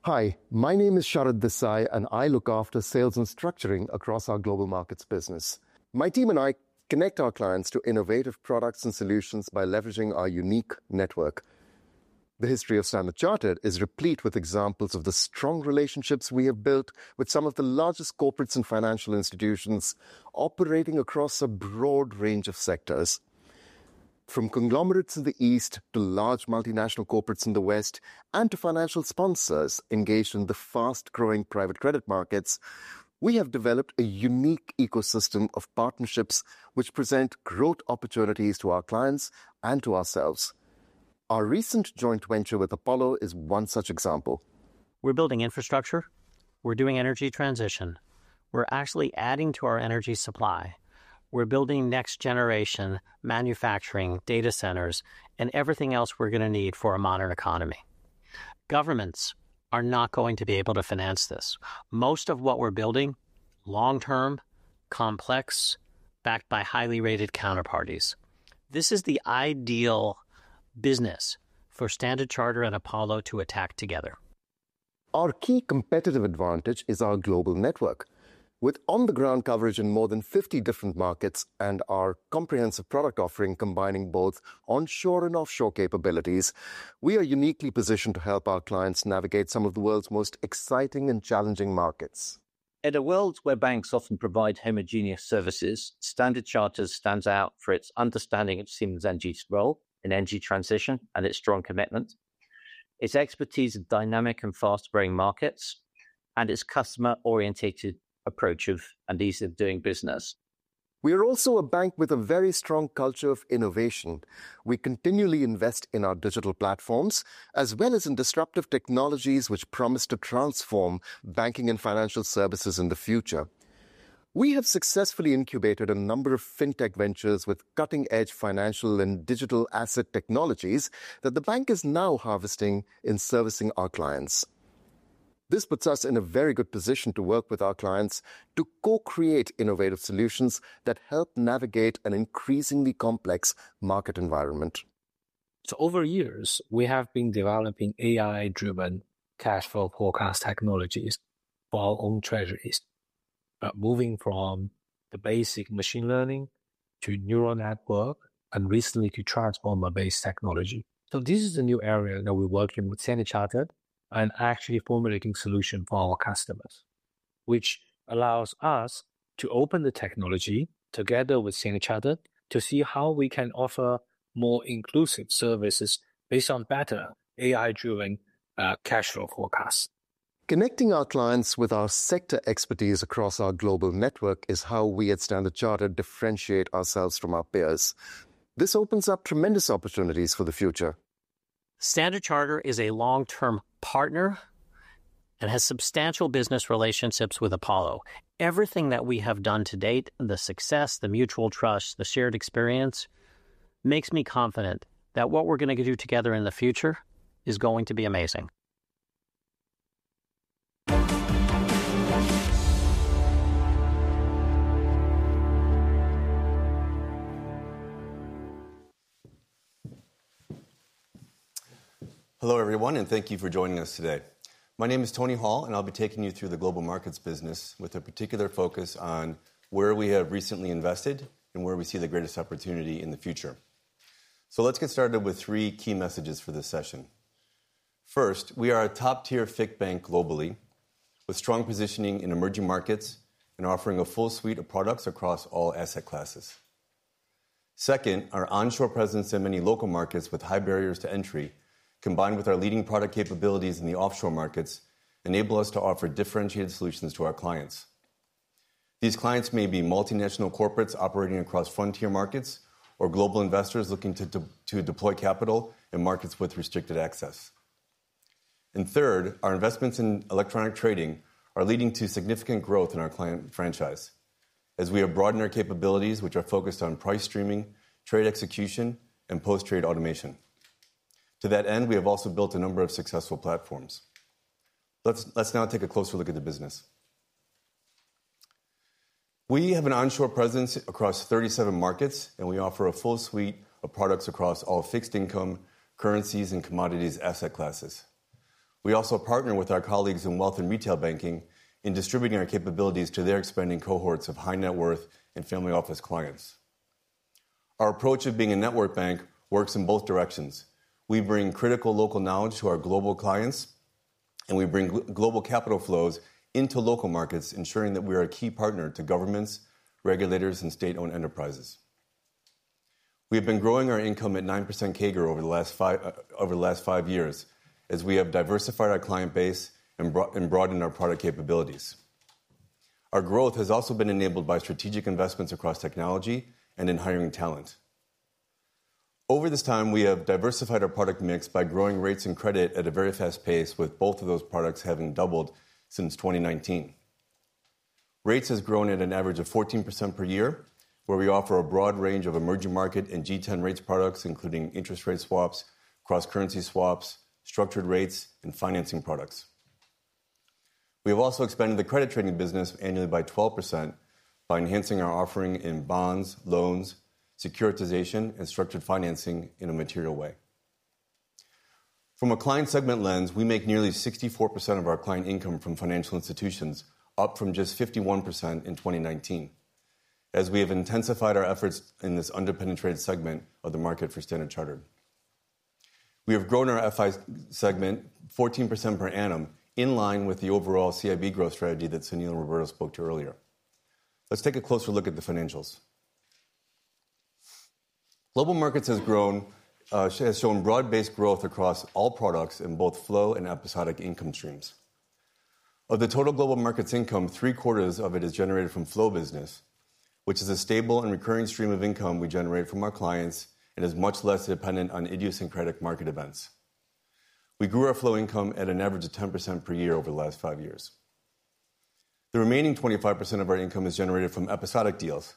Hi, my name is Cherad Desai, and I look after sales and structuring across our global markets business. My team and I connect our clients to innovative products and solutions by leveraging our unique network. The history of Standard Chartered is replete with examples of the strong relationships we have built with some of the largest corporates and financial institutions operating across a broad range of sectors. From conglomerates in the East to large multinational corporates in the West and to financial sponsors engaged in the fast-growing private credit markets, we have developed a unique ecosystem of partnerships which present growth opportunities to our clients and to ourselves. Our recent joint venture with Apollo is one such example. We're building infrastructure. We're doing energy transition. We're actually adding to our energy supply. We're building next-generation manufacturing data centers and everything else we're going to need for a modern economy. Governments are not going to be able to finance this. Most of what we're building is long-term, complex, backed by highly rated counterparties. This is the ideal business for Standard Chartered and Apollo to attack together. Our key competitive advantage is our global network. With on-the-ground coverage in more than 50 different markets and our comprehensive product offering combining both onshore and offshore capabilities, we are uniquely positioned to help our clients navigate some of the world's most exciting and challenging markets. In a world where banks often provide homogeneous services, Standard Chartered stands out for its understanding of Siemens Energy's role in energy transition and its strong commitment, its expertise in dynamic and fast-growing markets, and its customer-orientated approach and ease of doing business. We are also a bank with a very strong culture of innovation. We continually invest in our digital platforms as well as in disruptive technologies which promise to transform banking and financial services in the future. We have successfully incubated a number of fintech ventures with cutting-edge financial and digital asset technologies that the bank is now harvesting in servicing our clients. This puts us in a very good position to work with our clients to co-create innovative solutions that help navigate an increasingly complex market environment. Over the years, we have been developing AI-driven cash flow forecast technologies for our own treasuries, moving from the basic machine learning to neural network and recently to transformer-based technology. This is the new area that we're working with Standard Chartered and actually formulating solutions for our customers, which allows us to open the technology together with Standard Chartered to see how we can offer more inclusive services based on better AI-driven cash flow forecasts. Connecting our clients with our sector expertise across our global network is how we at Standard Chartered differentiate ourselves from our peers. This opens up tremendous opportunities for the future. Standard Chartered is a long-term partner and has substantial business relationships with Apollo. Everything that we have done to date, the success, the mutual trust, the shared experience, makes me confident that what we're going to do together in the future is going to be amazing. Hello, everyone, and thank you for joining us today. My name is Tony Hall, and I'll be taking you through the global markets business with a particular focus on where we have recently invested and where we see the greatest opportunity in the future. Let's get started with three key messages for this session. First, we are a top-tier fixed bank globally with strong positioning in emerging markets and offering a full suite of products across all asset classes. Second, our onshore presence in many local markets with high barriers to entry, combined with our leading product capabilities in the offshore markets, enables us to offer differentiated solutions to our clients. These clients may be multinational corporates operating across frontier markets or global investors looking to deploy capital in markets with restricted access. Third, our investments in electronic trading are leading to significant growth in our client franchise as we have broadened our capabilities, which are focused on price streaming, trade execution, and post-trade automation. To that end, we have also built a number of successful platforms. Let's now take a closer look at the business. We have an onshore presence across 37 markets, and we offer a full suite of products across all fixed income, currencies, and commodities asset classes. We also partner with our colleagues in wealth and retail banking in distributing our capabilities to their expanding cohorts of high net worth and family office clients. Our approach of being a network bank works in both directions. We bring critical local knowledge to our global clients, and we bring global capital flows into local markets, ensuring that we are a key partner to governments, regulators, and state-owned enterprises. We have been growing our income at 9% CAGR over the last five years as we have diversified our client base and broadened our product capabilities. Our growth has also been enabled by strategic investments across technology and in hiring talent. Over this time, we have diversified our product mix by growing rates and credit at a very fast pace, with both of those products having doubled since 2019. Rates have grown at an average of 14% per year, where we offer a broad range of emerging market and G10 rates products, including interest rate swaps, cross-currency swaps, structured rates, and financing products. We have also expanded the credit trading business annually by 12% by enhancing our offering in bonds, loans, securitization, and structured financing in a material way. From a client segment lens, we make nearly 64% of our client income from financial institutions, up from just 51% in 2019, as we have intensified our efforts in this under-penetrated segment of the market for Standard Chartered. We have grown our FI segment 14% per annum, in line with the overall CIB growth strategy that Sunil Roberto spoke to earlier. Let's take a closer look at the financials. Global markets have shown broad-based growth across all products in both flow and episodic income streams. Of the total global markets income, three-quarters of it is generated from flow business, which is a stable and recurring stream of income we generate from our clients and is much less dependent on idiosyncratic market events. We grew our flow income at an average of 10% per year over the last five years. The remaining 25% of our income is generated from episodic deals.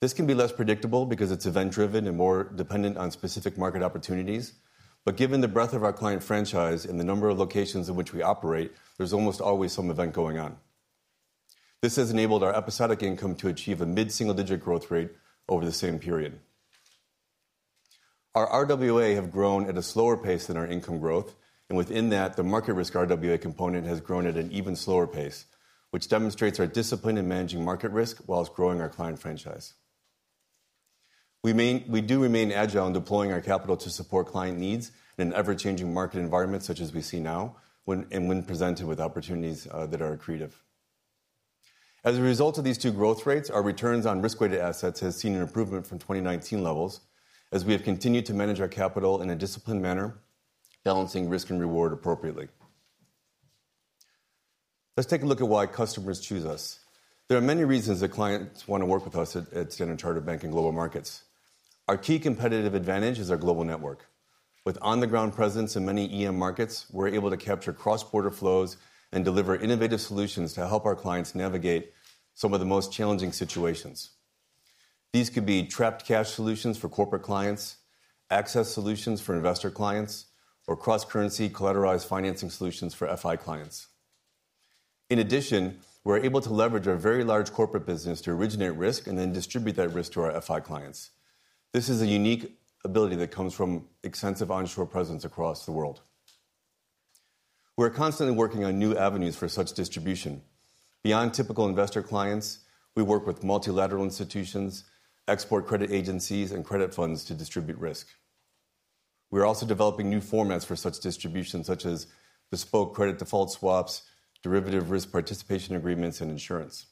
This can be less predictable because it's event-driven and more dependent on specific market opportunities, but given the breadth of our client franchise and the number of locations in which we operate, there's almost always some event going on. This has enabled our episodic income to achieve a mid-single-digit growth rate over the same period. Our RWA have grown at a slower pace than our income growth, and within that, the market risk RWA component has grown at an even slower pace, which demonstrates our discipline in managing market risk while it's growing our client franchise. We do remain agile in deploying our capital to support client needs in an ever-changing market environment, such as we see now, and when presented with opportunities that are creative. As a result of these two growth rates, our returns on risk-weighted assets have seen an improvement from 2019 levels, as we have continued to manage our capital in a disciplined manner, balancing risk and reward appropriately. Let's take a look at why customers choose us. There are many reasons that clients want to work with us at Standard Chartered and Global Markets. Our key competitive advantage is our global network. With on-the-ground presence in many EM markets, we're able to capture cross-border flows and deliver innovative solutions to help our clients navigate some of the most challenging situations. These could be trapped cash solutions for corporate clients, access solutions for investor clients, or cross-currency collateralized financing solutions for FI clients. In addition, we're able to leverage our very large corporate business to originate risk and then distribute that risk to our FI clients. This is a unique ability that comes from extensive onshore presence across the world. We're constantly working on new avenues for such distribution. Beyond typical investor clients, we work with multilateral institutions, export credit agencies, and credit funds to distribute risk. We're also developing new formats for such distribution, such as bespoke credit default swaps, derivative risk participation agreements, and insurance.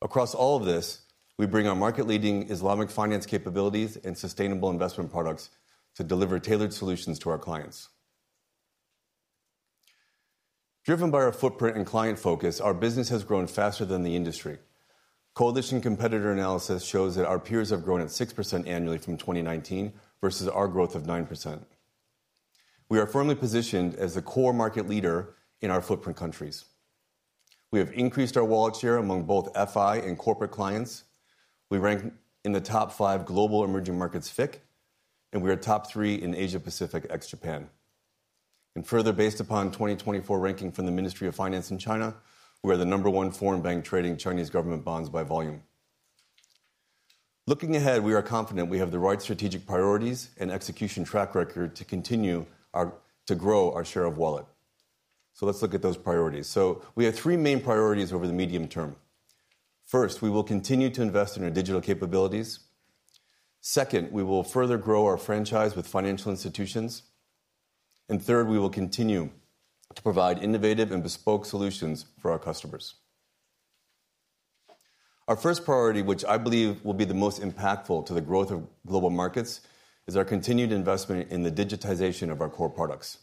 Across all of this, we bring our market-leading Islamic finance capabilities and sustainable investment products to deliver tailored solutions to our clients. Driven by our footprint and client focus, our business has grown faster than the industry. Coalition competitor analysis shows that our peers have grown at 6% annually from 2019 versus our growth of 9%. We are firmly positioned as the core market leader in our footprint countries. We have increased our wallet share among both FI and corporate clients. We rank in the top five global emerging markets FICC, and we are top three in Asia-Pacific ex-Japan. Further, based upon 2024 ranking from the Ministry of Finance in China, we are the number one foreign bank trading Chinese government bonds by volume. Looking ahead, we are confident we have the right strategic priorities and execution track record to continue to grow our share of wallet. Let's look at those priorities. We have three main priorities over the medium term. First, we will continue to invest in our digital capabilities. Second, we will further grow our franchise with financial institutions. Third, we will continue to provide innovative and bespoke solutions for our customers. Our first priority, which I believe will be the most impactful to the growth of global markets, is our continued investment in the digitization of our core products.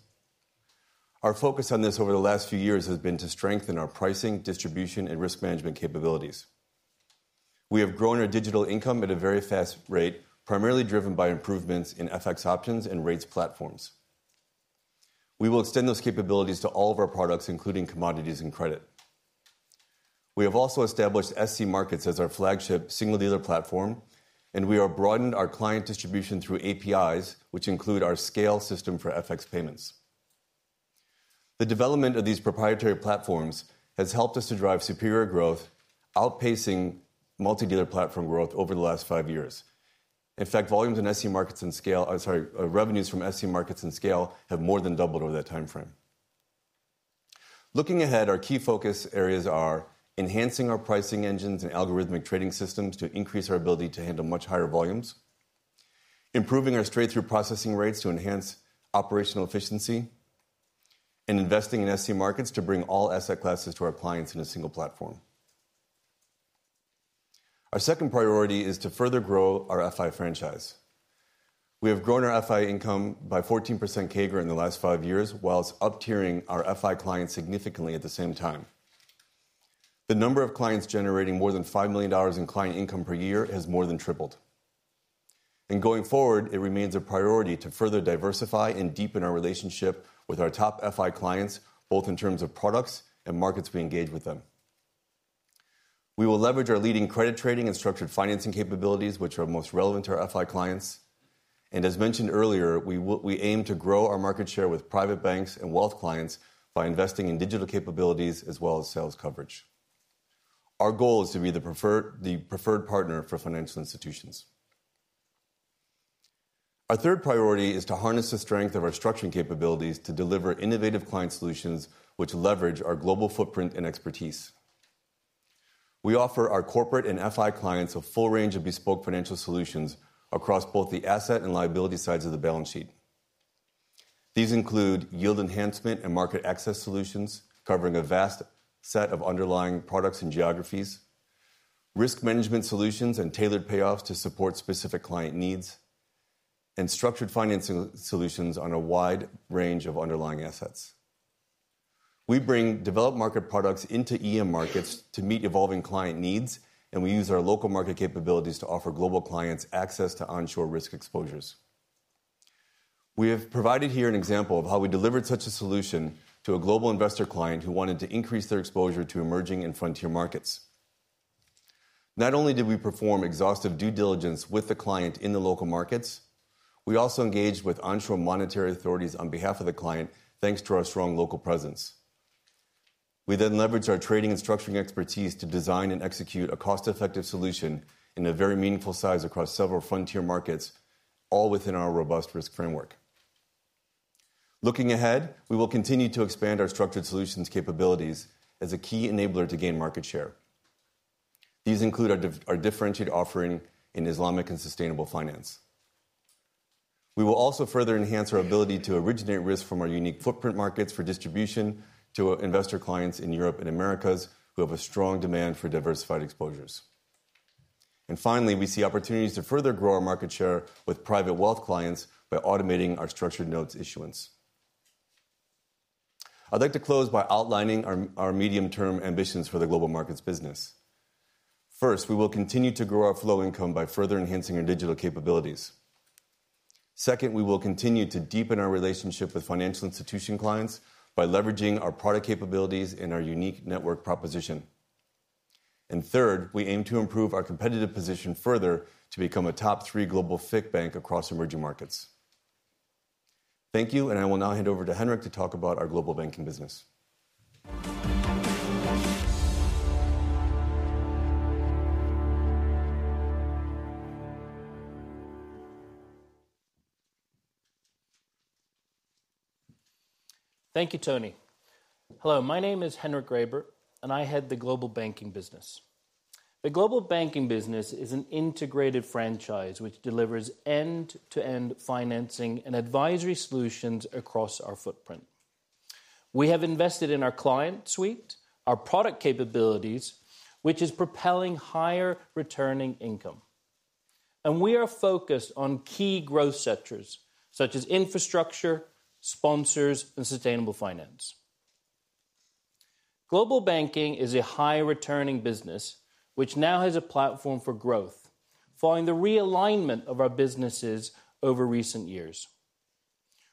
Our focus on this over the last few years has been to strengthen our pricing, distribution, and risk management capabilities. We have grown our digital income at a very fast rate, primarily driven by improvements in FX options and REITs platforms. We will extend those capabilities to all of our products, including commodities and credit. We have also established SC Markets as our flagship single-dealer platform, and we have broadened our client distribution through APIs, which include our scale system for FX payments. The development of these proprietary platforms has helped us to drive superior growth, outpacing multi-dealer platform growth over the last five years. In fact, volumes and revenues from SC Markets and Scale have more than doubled over that timeframe. Looking ahead, our key focus areas are enhancing our pricing engines and algorithmic trading systems to increase our ability to handle much higher volumes, improving our straight-through processing rates to enhance operational efficiency, and investing in SC Markets to bring all asset classes to our clients in a single platform. Our second priority is to further grow our FI franchise. We have grown our FI income by 14% CAGR in the last five years, while it's up-tiering our FI clients significantly at the same time. The number of clients generating more than $5 million in client income per year has more than tripled. Going forward, it remains a priority to further diversify and deepen our relationship with our top FI clients, both in terms of products and markets we engage with them. We will leverage our leading credit trading and structured financing capabilities, which are most relevant to our FI clients. As mentioned earlier, we aim to grow our market share with private banks and wealth clients by investing in digital capabilities as well as sales coverage. Our goal is to be the preferred partner for financial institutions. Our third priority is to harness the strength of our structuring capabilities to deliver innovative client solutions, which leverage our global footprint and expertise. We offer our corporate and FI clients a full range of bespoke financial solutions across both the asset and liability sides of the balance sheet. These include yield enhancement and market access solutions covering a vast set of underlying products and geographies, risk management solutions and tailored payoffs to support specific client needs, and structured financing solutions on a wide range of underlying assets. We bring developed market products into EM markets to meet evolving client needs, and we use our local market capabilities to offer global clients access to onshore risk exposures. We have provided here an example of how we delivered such a solution to a global investor client who wanted to increase their exposure to emerging and frontier markets. Not only did we perform exhaustive due diligence with the client in the local markets, we also engaged with onshore monetary authorities on behalf of the client, thanks to our strong local presence. We then leveraged our trading and structuring expertise to design and execute a cost-effective solution in a very meaningful size across several frontier markets, all within our robust risk framework. Looking ahead, we will continue to expand our structured solutions capabilities as a key enabler to gain market share. These include our differentiated offering in Islamic and sustainable finance. We will also further enhance our ability to originate risk from our unique footprint markets for distribution to investor clients in Europe and Americas who have a strong demand for diversified exposures. Finally, we see opportunities to further grow our market share with private wealth clients by automating our structured notes issuance. I'd like to close by outlining our medium-term ambitions for the global markets business. First, we will continue to grow our flow income by further enhancing our digital capabilities. Second, we will continue to deepen our relationship with financial institution clients by leveraging our product capabilities and our unique network proposition. Third, we aim to improve our competitive position further to become a top three global FICC bank across emerging markets. Thank you, and I will now hand over to Henrik to talk about our global banking business. Thank you, Tony. Hello, my name is Henrik Graebert, and I head the global banking business. The global banking business is an integrated franchise which delivers end-to-end financing and advisory solutions across our footprint. We have invested in our client suite, our product capabilities, which is propelling higher returning income. We are focused on key growth sectors such as infrastructure, sponsors, and sustainable finance. Global banking is a high-returning business, which now has a platform for growth, following the realignment of our businesses over recent years.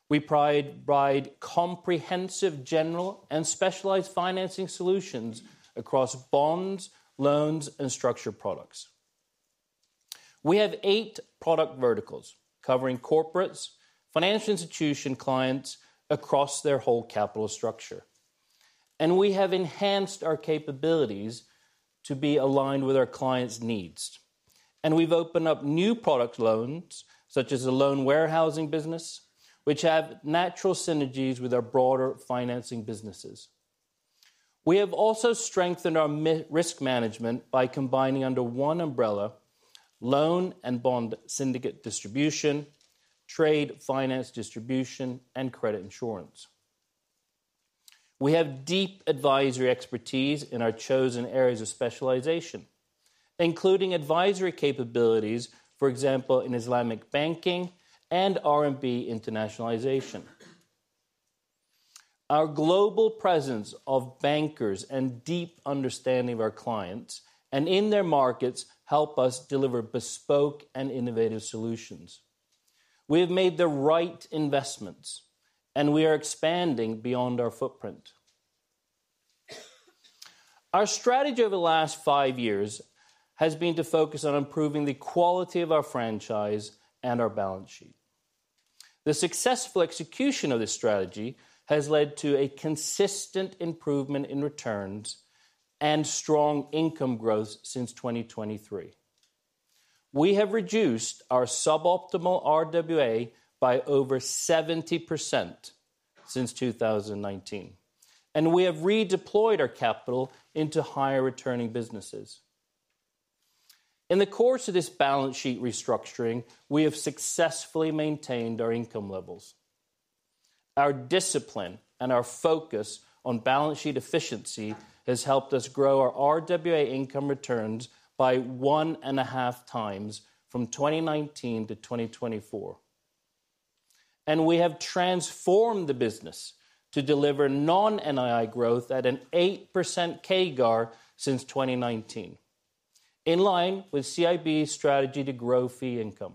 We provide comprehensive general and specialized financing solutions across bonds, loans, and structured products. We have eight product verticals covering corporates, financial institution clients across their whole capital structure. We have enhanced our capabilities to be aligned with our clients' needs. We have opened up new product loans, such as a loan warehousing business, which have natural synergies with our broader financing businesses. We have also strengthened our risk management by combining under one umbrella loan and bond syndicate distribution, trade finance distribution, and credit insurance. We have deep advisory expertise in our chosen areas of specialization, including advisory capabilities, for example, in Islamic banking and RMB internationalization. Our global presence of bankers and deep understanding of our clients and in their markets help us deliver bespoke and innovative solutions. We have made the right investments, and we are expanding beyond our footprint. Our strategy over the last five years has been to focus on improving the quality of our franchise and our balance sheet. The successful execution of this strategy has led to a consistent improvement in returns and strong income growth since 2023. We have reduced our suboptimal RWA by over 70% since 2019, and we have redeployed our capital into higher returning businesses. In the course of this balance sheet restructuring, we have successfully maintained our income levels. Our discipline and our focus on balance sheet efficiency has helped us grow our RWA income returns by one and a half times from 2019 to 2024. We have transformed the business to deliver non-NII growth at an 8% CAGR since 2019, in line with CIB's strategy to grow fee income.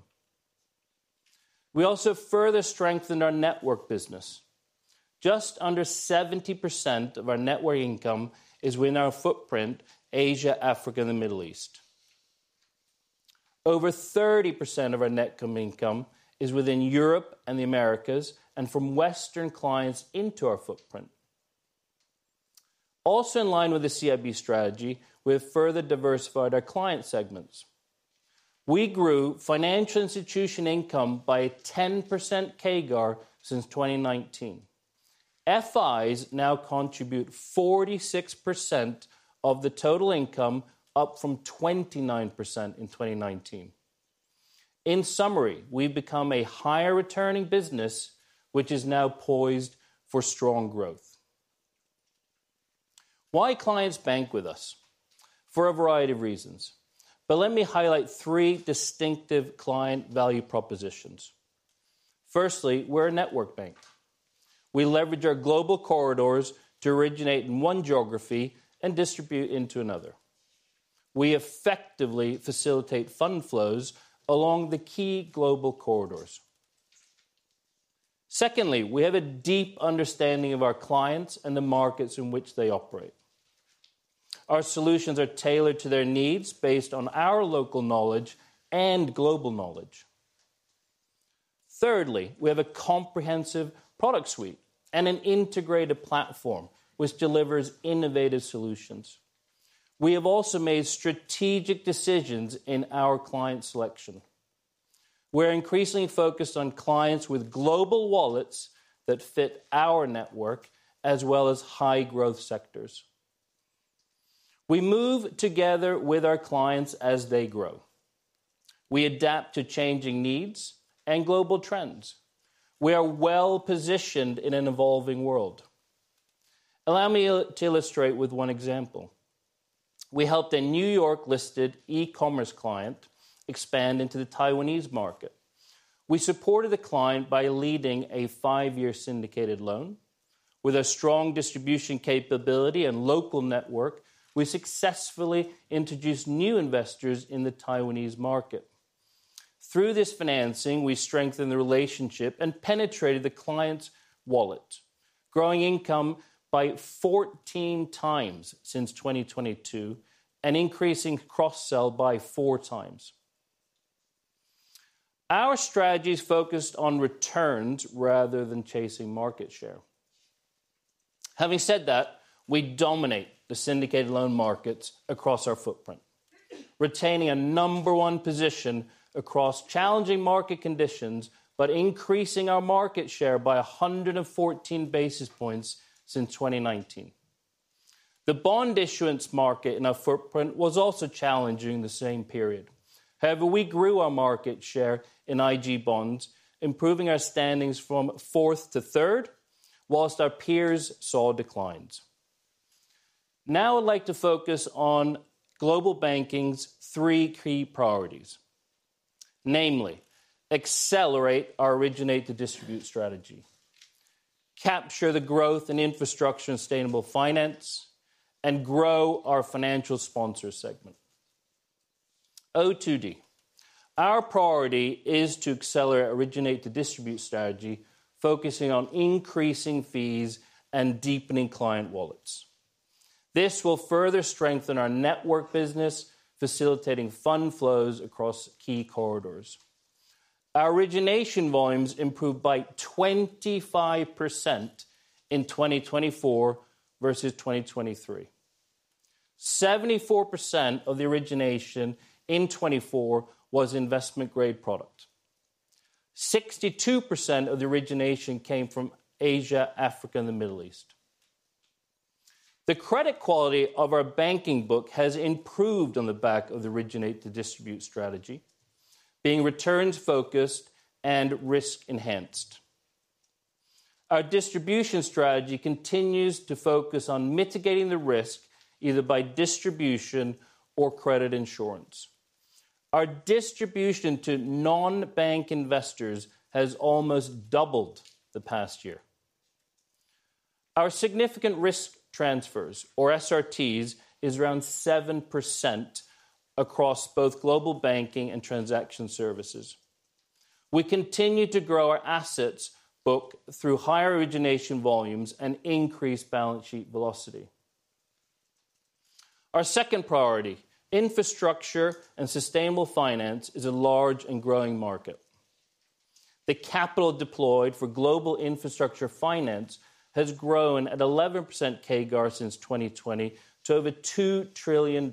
We also further strengthened our network business. Just under 70% of our network income is within our footprint, Asia, Africa, and the Middle East. Over 30% of our net income is within Europe and the Americas and from Western clients into our footprint. Also in line with the CIB strategy, we have further diversified our client segments. We grew financial institution income by 10% CAGR since 2019. FIs now contribute 46% of the total income, up from 29% in 2019. In summary, we've become a higher returning business, which is now poised for strong growth. Why clients bank with us? For a variety of reasons, but let me highlight three distinctive client value propositions. Firstly, we're a network bank. We leverage our global corridors to originate in one geography and distribute into another. We effectively facilitate fund flows along the key global corridors. Secondly, we have a deep understanding of our clients and the markets in which they operate. Our solutions are tailored to their needs based on our local knowledge and global knowledge. Thirdly, we have a comprehensive product suite and an integrated platform which delivers innovative solutions. We have also made strategic decisions in our client selection. We're increasingly focused on clients with global wallets that fit our network, as well as high-growth sectors. We move together with our clients as they grow. We adapt to changing needs and global trends. We are well-positioned in an evolving world. Allow me to illustrate with one example. We helped a New York-listed e-commerce client expand into the Taiwanese market. We supported the client by leading a five-year syndicated loan. With our strong distribution capability and local network, we successfully introduced new investors in the Taiwanese market. Through this financing, we strengthened the relationship and penetrated the client's wallet, growing income by 14 times since 2022 and increasing cross-sell by four times. Our strategy is focused on returns rather than chasing market share. Having said that, we dominate the syndicated loan markets across our footprint, retaining a number one position across challenging market conditions, but increasing our market share by 114 basis points since 2019. The bond issuance market in our footprint was also challenging in the same period. However, we grew our market share in IG bonds, improving our standings from fourth to third, whilst our peers saw declines. Now I'd like to focus on global banking's three key priorities, namely, accelerate our originate-to-distribute strategy, capture the growth and infrastructure in sustainable finance, and grow our financial sponsor segment. O2D, our priority is to accelerate our originate-to-distribute strategy, focusing on increasing fees and deepening client wallets. This will further strengthen our network business, facilitating fund flows across key corridors. Our origination volumes improved by 25% in 2024 versus 2023. 74% of the origination in 2024 was investment-grade product. 62% of the origination came from Asia, Africa, and the Middle East. The credit quality of our banking book has improved on the back of the originate-to-distribute strategy, being returns-focused and risk-enhanced. Our distribution strategy continues to focus on mitigating the risk either by distribution or credit insurance. Our distribution to non-bank investors has almost doubled the past year. Our significant risk transfers, or SRTs, is around 7% across both global banking and transaction services. We continue to grow our assets book through higher origination volumes and increased balance sheet velocity. Our second priority, infrastructure and sustainable finance, is a large and growing market. The capital deployed for global infrastructure finance has grown at 11% CAGR since 2020 to over $2 trillion.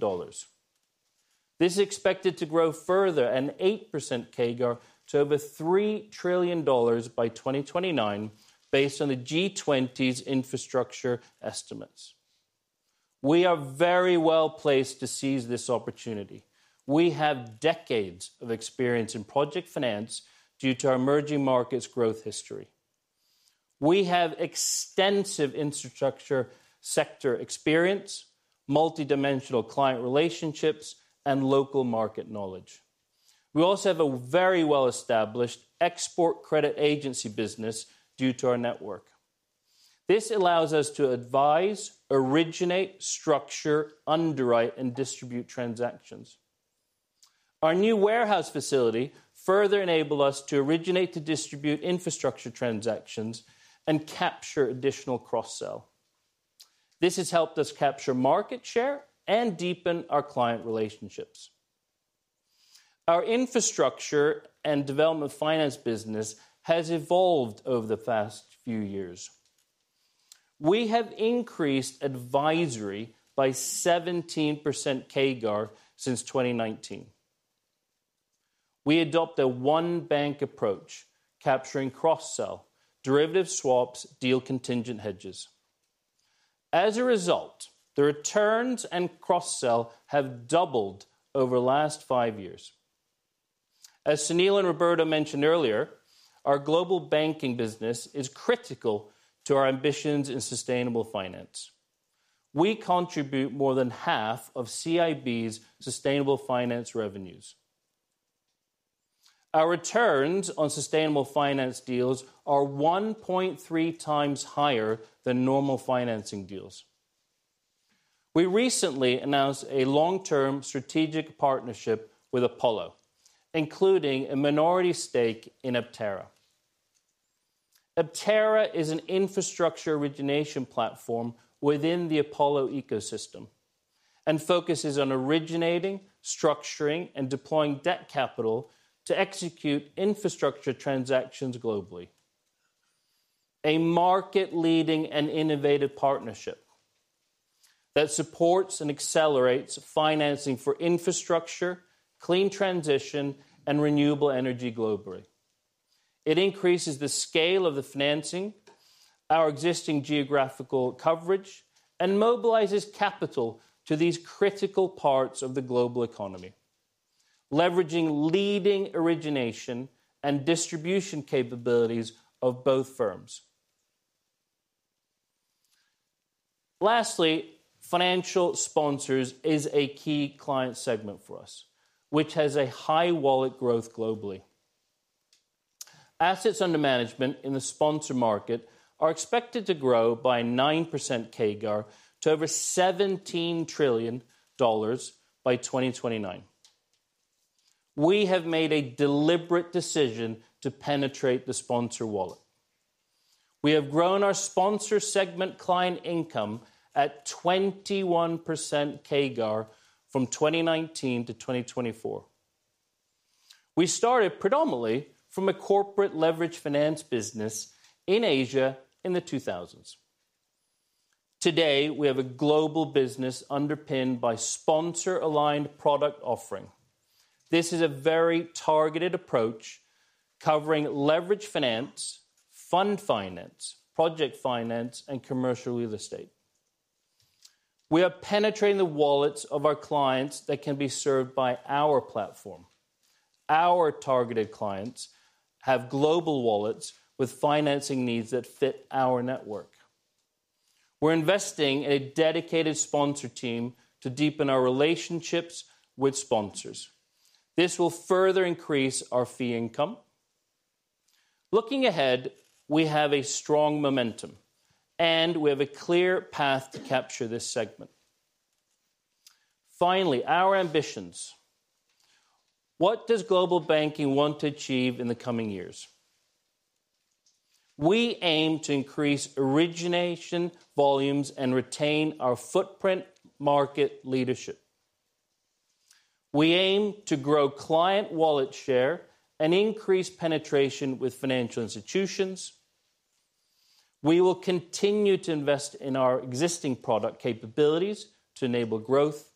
This is expected to grow further at an 8% CAGR to over $3 trillion by 2029, based on the G20's infrastructure estimates. We are very well placed to seize this opportunity. We have decades of experience in project finance due to our emerging markets' growth history. We have extensive infrastructure sector experience, multidimensional client relationships, and local market knowledge. We also have a very well-established export credit agency business due to our network. This allows us to advise, originate, structure, underwrite, and distribute transactions. Our new warehouse facility further enables us to originate-to-distribute infrastructure transactions and capture additional cross-sell. This has helped us capture market share and deepen our client relationships. Our infrastructure and development finance business has evolved over the past few years. We have increased advisory by 17% CAGR since 2019. We adopt a one-bank approach, capturing cross-sell, derivative swaps, deal contingent hedges. As a result, the returns and cross-sell have doubled over the last five years. As Sunil and Roberto mentioned earlier, our global banking business is critical to our ambitions in sustainable finance. We contribute more than half of CIB's sustainable finance revenues. Our returns on sustainable finance deals are 1.3 times higher than normal financing deals. We recently announced a long-term strategic partnership with Apollo, including a minority stake in Aptera. Aptera is an infrastructure origination platform within the Apollo ecosystem and focuses on originating, structuring, and deploying debt capital to execute infrastructure transactions globally. A market-leading and innovative partnership that supports and accelerates financing for infrastructure, clean transition, and renewable energy globally. It increases the scale of the financing, our existing geographical coverage, and mobilizes capital to these critical parts of the global economy, leveraging leading origination and distribution capabilities of both firms. Lastly, financial sponsors is a key client segment for us, which has a high wallet growth globally. Assets under management in the sponsor market are expected to grow by 9% CAGR to over $17 trillion by 2029. We have made a deliberate decision to penetrate the sponsor wallet. We have grown our sponsor segment client income at 21% CAGR from 2019 to 2024. We started predominantly from a corporate leverage finance business in Asia in the 2000s. Today, we have a global business underpinned by sponsor-aligned product offering. This is a very targeted approach covering leverage finance, fund finance, project finance, and commercial real estate. We are penetrating the wallets of our clients that can be served by our platform. Our targeted clients have global wallets with financing needs that fit our network. We're investing in a dedicated sponsor team to deepen our relationships with sponsors. This will further increase our fee income. Looking ahead, we have a strong momentum, and we have a clear path to capture this segment. Finally, our ambitions. What does global banking want to achieve in the coming years? We aim to increase origination volumes and retain our footprint market leadership. We aim to grow client wallet share and increase penetration with financial institutions. We will continue to invest in our existing product capabilities to enable growth,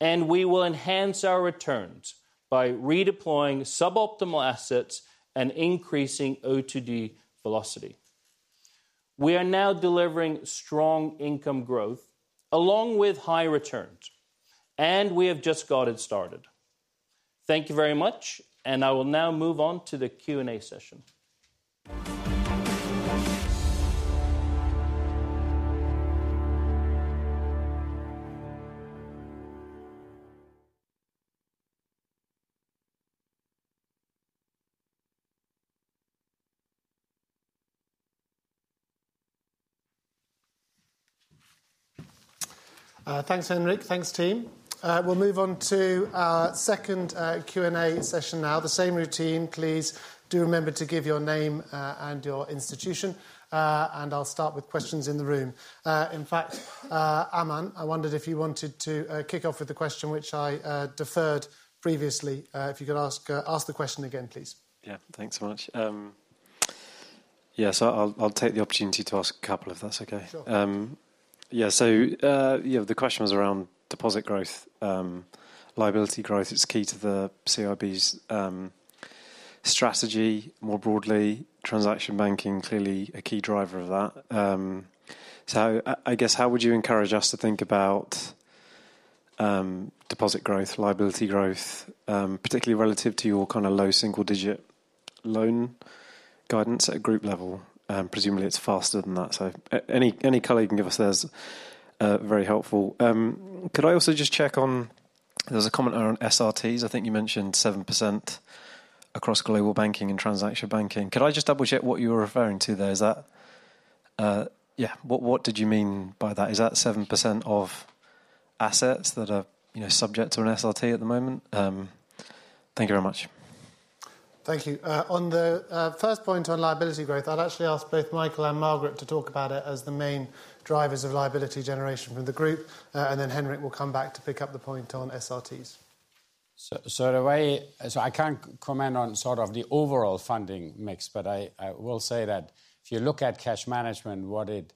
and we will enhance our returns by redeploying suboptimal assets and increasing O2D velocity. We are now delivering strong income growth along with high returns, and we have just got it started. Thank you very much, and I will now move on to the Q&A session. Thanks, Henrik. Thanks, team. We will move on to our second Q&A session now. The same routine, please do remember to give your name and your institution, and I will start with questions in the room. In fact, Aman, I wondered if you wanted to kick off with the question, which I deferred previously. If you could ask the question again, please. Yeah, thanks so much. Yeah, I'll take the opportunity to ask a couple if that's okay. Yeah, the question was around deposit growth, liability growth. It's key to the CIB's strategy more broadly. Transaction banking, clearly a key driver of that. I guess, how would you encourage us to think about deposit growth, liability growth, particularly relative to your kind of low single-digit loan guidance at a group level? Presumably, it's faster than that. Any color you can give us there is very helpful. Could I also just check on there's a comment around SRTs. I think you mentioned 7% across global banking and transaction banking. Could I just double-check what you were referring to there? Yeah, what did you mean by that? Is that 7% of assets that are subject to an SRT at the moment? Thank you very much. Thank you. On the first point on liability growth, I'd actually ask both Michael and Margaret to talk about it as the main drivers of liability generation from the group, and then Henrik will come back to pick up the point on SRTs. I can't comment on sort of the overall funding mix, but I will say that if you look at cash management, what it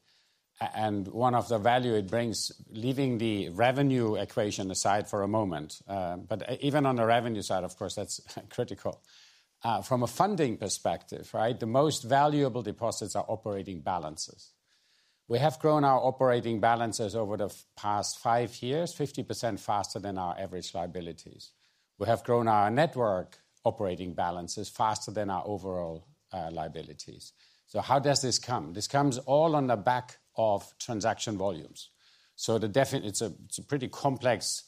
and one of the value it brings, leaving the revenue equation aside for a moment, but even on the revenue side, of course, that's critical. From a funding perspective, the most valuable deposits are operating balances. We have grown our operating balances over the past five years, 50% faster than our average liabilities. We have grown our network operating balances faster than our overall liabilities. How does this come? This comes all on the back of transaction volumes. It is a pretty complex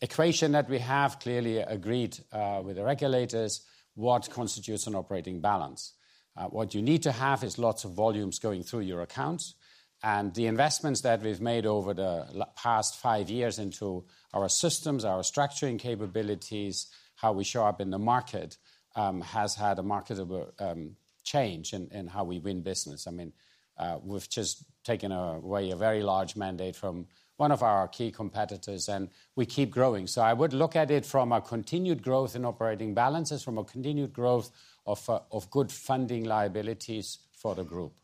equation that we have clearly agreed with the regulators what constitutes an operating balance. What you need to have is lots of volumes going through your accounts, and the investments that we have made over the past five years into our systems, our structuring capabilities, how we show up in the market has had a marketable change in how we win business. I mean, we have just taken away a very large mandate from one of our key competitors, and we keep growing. I would look at it from a continued growth in operating balances, from a continued growth of good funding liabilities for the group.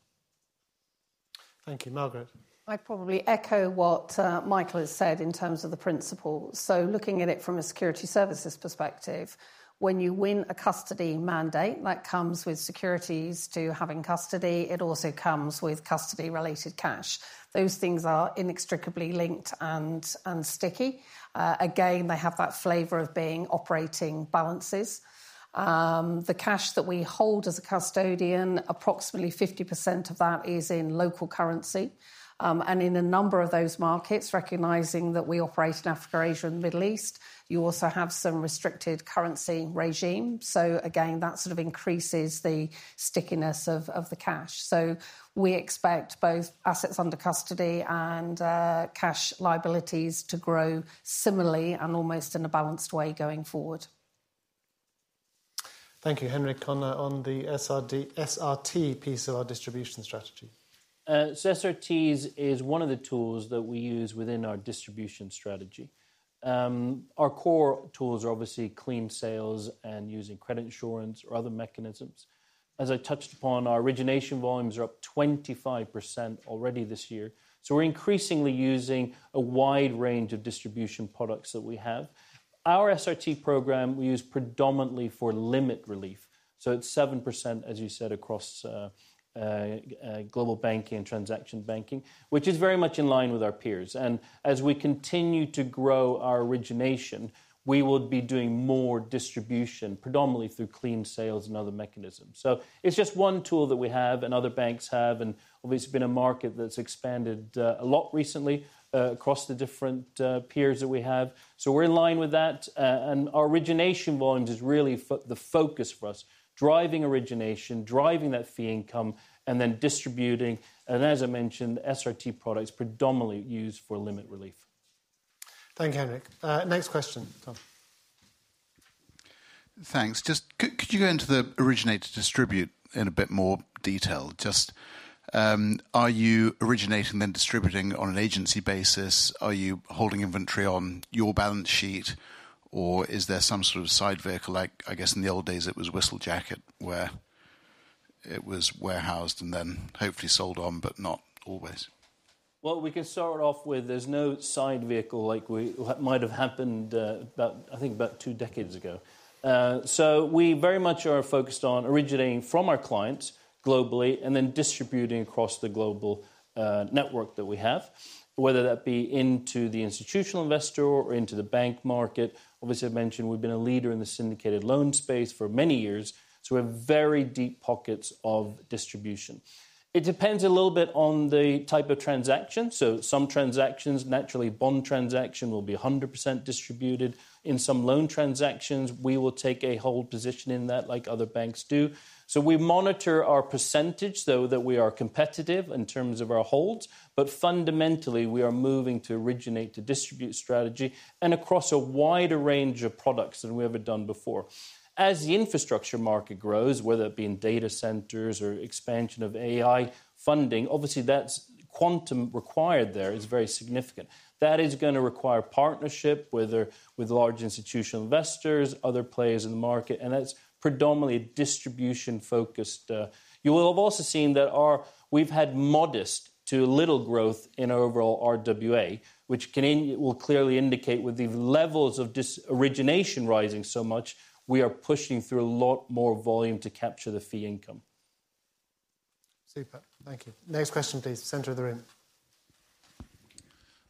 Thank you. Margaret. I'd probably echo what Michael has said in terms of the principle. Looking at it from a security services perspective, when you win a custody mandate, that comes with securities to having custody. It also comes with custody-related cash. Those things are inextricably linked and sticky. They have that flavor of being operating balances. The cash that we hold as a custodian, approximately 50% of that is in local currency. In a number of those markets, recognizing that we operate in Africa, Asia, and the Middle East, you also have some restricted currency regime. That sort of increases the stickiness of the cash. We expect both assets under custody and cash liabilities to grow similarly and almost in a balanced way going forward. Thank you. Henrik, on the SRT piece of our distribution strategy. SRTs is one of the tools that we use within our distribution strategy. Our core tools are obviously clean sales and using credit insurance or other mechanisms. As I touched upon, our origination volumes are up 25% already this year. We are increasingly using a wide range of distribution products that we have. Our SRT program we use predominantly for limit relief. It is 7%, as you said, across global banking and transaction banking, which is very much in line with our peers. As we continue to grow our origination, we will be doing more distribution, predominantly through clean sales and other mechanisms. It is just one tool that we have and other banks have, and obviously it has been a market that has expanded a lot recently across the different peers that we have. We're in line with that, and our origination volumes is really the focus for us, driving origination, driving that fee income, and then distributing. As I mentioned, SRT products predominantly used for limit relief. Thank you, Henrik. Next question, Tom. Thanks. Could you go into the originate to distribute in a bit more detail? Just are you originating then distributing on an agency basis? Are you holding inventory on your balance sheet, or is there some sort of side vehicle? I guess in the old days, it was whistle jacket where it was warehoused and then hopefully sold on, but not always. We can start off with there's no side vehicle like what might have happened, I think, about two decades ago. We very much are focused on originating from our clients globally and then distributing across the global network that we have, whether that be into the institutional investor or into the bank market. Obviously, I mentioned we've been a leader in the syndicated loan space for many years. We have very deep pockets of distribution. It depends a little bit on the type of transaction. Some transactions, naturally, bond transaction will be 100% distributed. In some loan transactions, we will take a hold position in that like other banks do. We monitor our percentage, though, that we are competitive in terms of our holds. Fundamentally, we are moving to originate to distribute strategy and across a wider range of products than we ever done before. As the infrastructure market grows, whether it be in data centers or expansion of AI funding, obviously that quantum required there is very significant. That is going to require partnership, whether with large institutional investors, other players in the market, and that's predominantly a distribution focus. You will have also seen that we've had modest to little growth in overall RWA, which will clearly indicate with the levels of origination rising so much, we are pushing through a lot more volume to capture the fee income. Super. Thank you. Next question, please. Center of the room.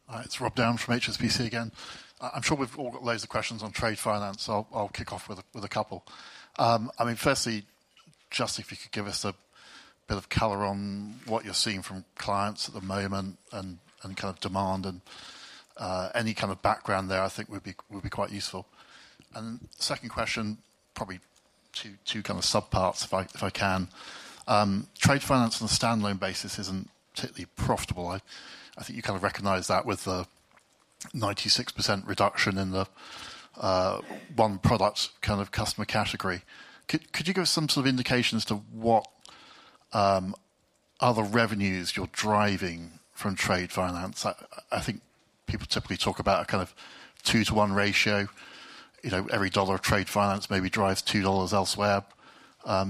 All right. It's Rob Down from HSBC again. I'm sure we've all got loads of questions on trade finance. I'll kick off with a couple. I mean, firstly, just if you could give us a bit of color on what you're seeing from clients at the moment and kind of demand and any kind of background there, I think would be quite useful. Second question, probably two kind of subparts, if I can. Trade finance on a standalone basis isn't particularly profitable. I think you kind of recognize that with the 96% reduction in the one product kind of customer category. Could you give us some sort of indications to what other revenues you're driving from trade finance? I think people typically talk about a kind of two-to-one ratio. Every dollar of trade finance maybe drives two dollars elsewhere.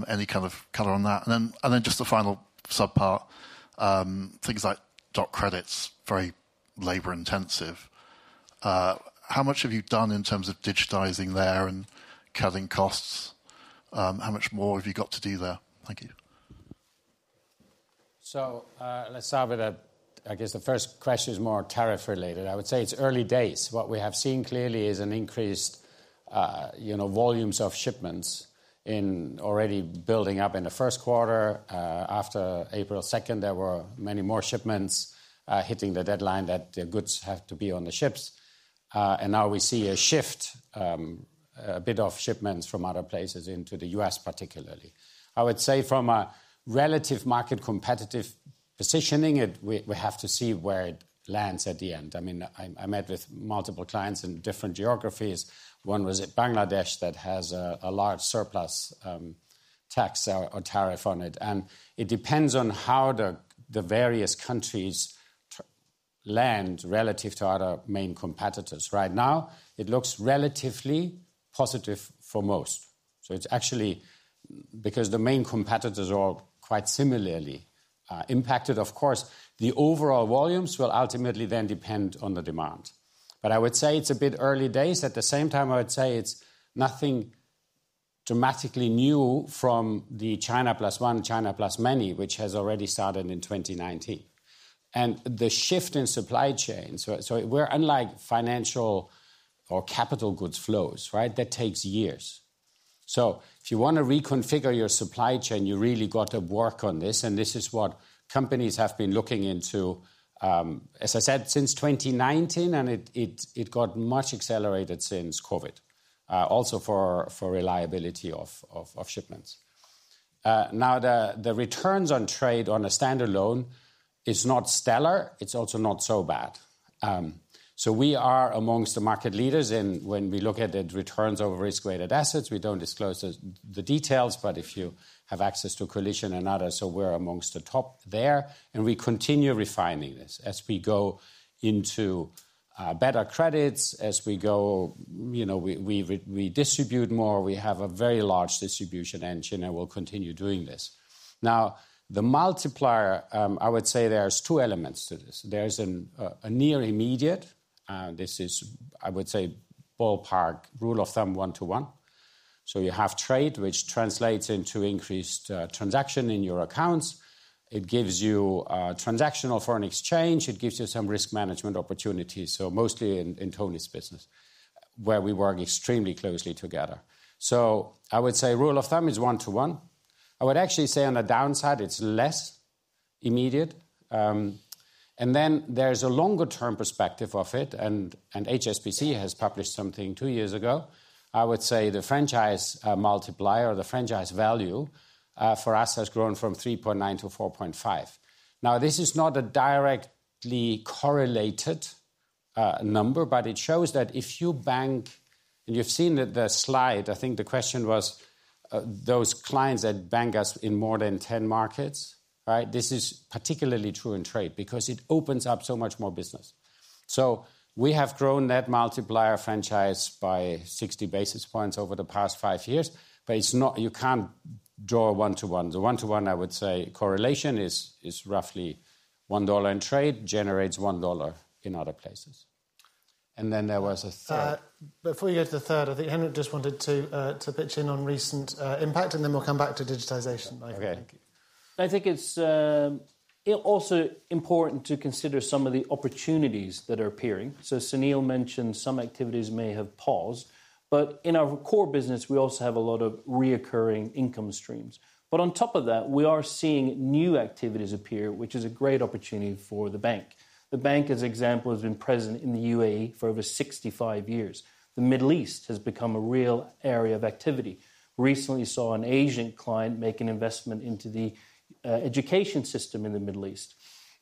Any kind of color on that? Just the final subpart, things like dot credits, very labor-intensive. How much have you done in terms of digitizing there and cutting costs? How much more have you got to do there? Thank you. Let's start with, I guess the first question is more tariff-related. I would say it's early days. What we have seen clearly is increased volumes of shipments already building up in the first quarter. After April 2, there were many more shipments hitting the deadline that the goods have to be on the ships. Now we see a shift, a bit of shipments from other places into the U.S., particularly. I would say from a relative market competitive positioning, we have to see where it lands at the end. I mean, I met with multiple clients in different geographies. One was at Bangladesh that has a large surplus tax or tariff on it. It depends on how the various countries land relative to other main competitors. Right now, it looks relatively positive for most. It's actually because the main competitors are all quite similarly impacted. Of course, the overall volumes will ultimately then depend on the demand. I would say it's a bit early days. At the same time, I would say it's nothing dramatically new from the China plus one, China plus many, which has already started in 2019. The shift in supply chains, unlike financial or capital goods flows, takes years. If you want to reconfigure your supply chain, you really got to work on this. This is what companies have been looking into, as I said, since 2019, and it got much accelerated since COVID, also for reliability of shipments. Now, the returns on trade on a standard loan is not stellar. It's also not so bad. We are amongst the market leaders when we look at the returns over risk-weighted assets. We do not disclose the details, but if you have access to Collision and others, we are amongst the top there. We continue refining this as we go into better credits, as we go, we distribute more. We have a very large distribution engine, and we will continue doing this. The multiplier, I would say there are two elements to this. There is a near immediate, this is, I would say, ballpark rule of thumb, one to one. You have trade, which translates into increased transaction in your accounts. It gives you transactional foreign exchange. It gives you some risk management opportunities, mostly in Tony's business, where we work extremely closely together. I would say rule of thumb is one to one. I would actually say on the downside, it's less immediate. There is a longer-term perspective of it. HSBC has published something two years ago. I would say the franchise multiplier or the franchise value for us has grown from 3.9 to 4.5. Now, this is not a directly correlated number, but it shows that if you bank, and you've seen the slide, I think the question was those clients that bank us in more than 10 markets, right? This is particularly true in trade because it opens up so much more business. We have grown that multiplier franchise by 60 basis points over the past five years, but you can't draw a one to one. The one to one, I would say, correlation is roughly $1 in trade generates $1 in other places. There was a third. Before you get to the third, I think Henrik just wanted to pitch in on recent impact, and then we'll come back to digitization. Okay. Thank you. I think it's also important to consider some of the opportunities that are appearing. Sunil mentioned some activities may have paused, but in our core business, we also have a lot of recurring income streams. On top of that, we are seeing new activities appear, which is a great opportunity for the bank. The bank, as an example, has been present in the UAE for over 65 years. The Middle East has become a real area of activity. Recently, we saw an Asian client make an investment into the education system in the Middle East.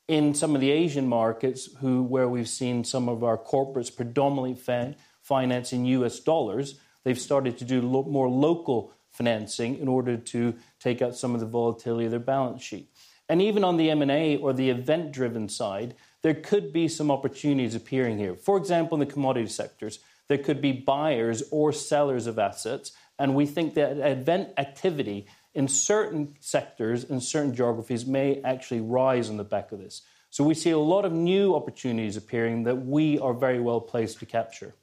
In some of the Asian markets, where we've seen some of our corporates predominantly financing US dollars, they've started to do more local financing in order to take out some of the volatility of their balance sheet. Even on the M&A or the event-driven side, there could be some opportunities appearing here. For example, in the commodity sectors, there could be buyers or sellers of assets. We think that event activity in certain sectors, in certain geographies, may actually rise on the back of this. We see a lot of new opportunities appearing that we are very well placed to capture.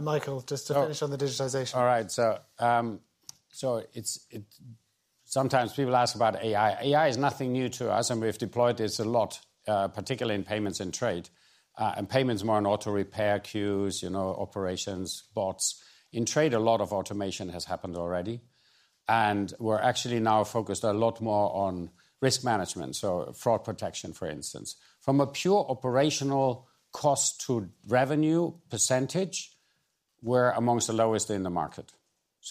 Michael, just to finish on the digitization. All right. Sometimes people ask about AI. AI is nothing new to us, and we've deployed this a lot, particularly in payments and trade. Payments are more on auto repair queues, operations, bots. In trade, a lot of automation has happened already. We are actually now focused a lot more on risk management, so fraud protection, for instance. From a pure operational cost to revenue percentage, we are amongst the lowest in the market.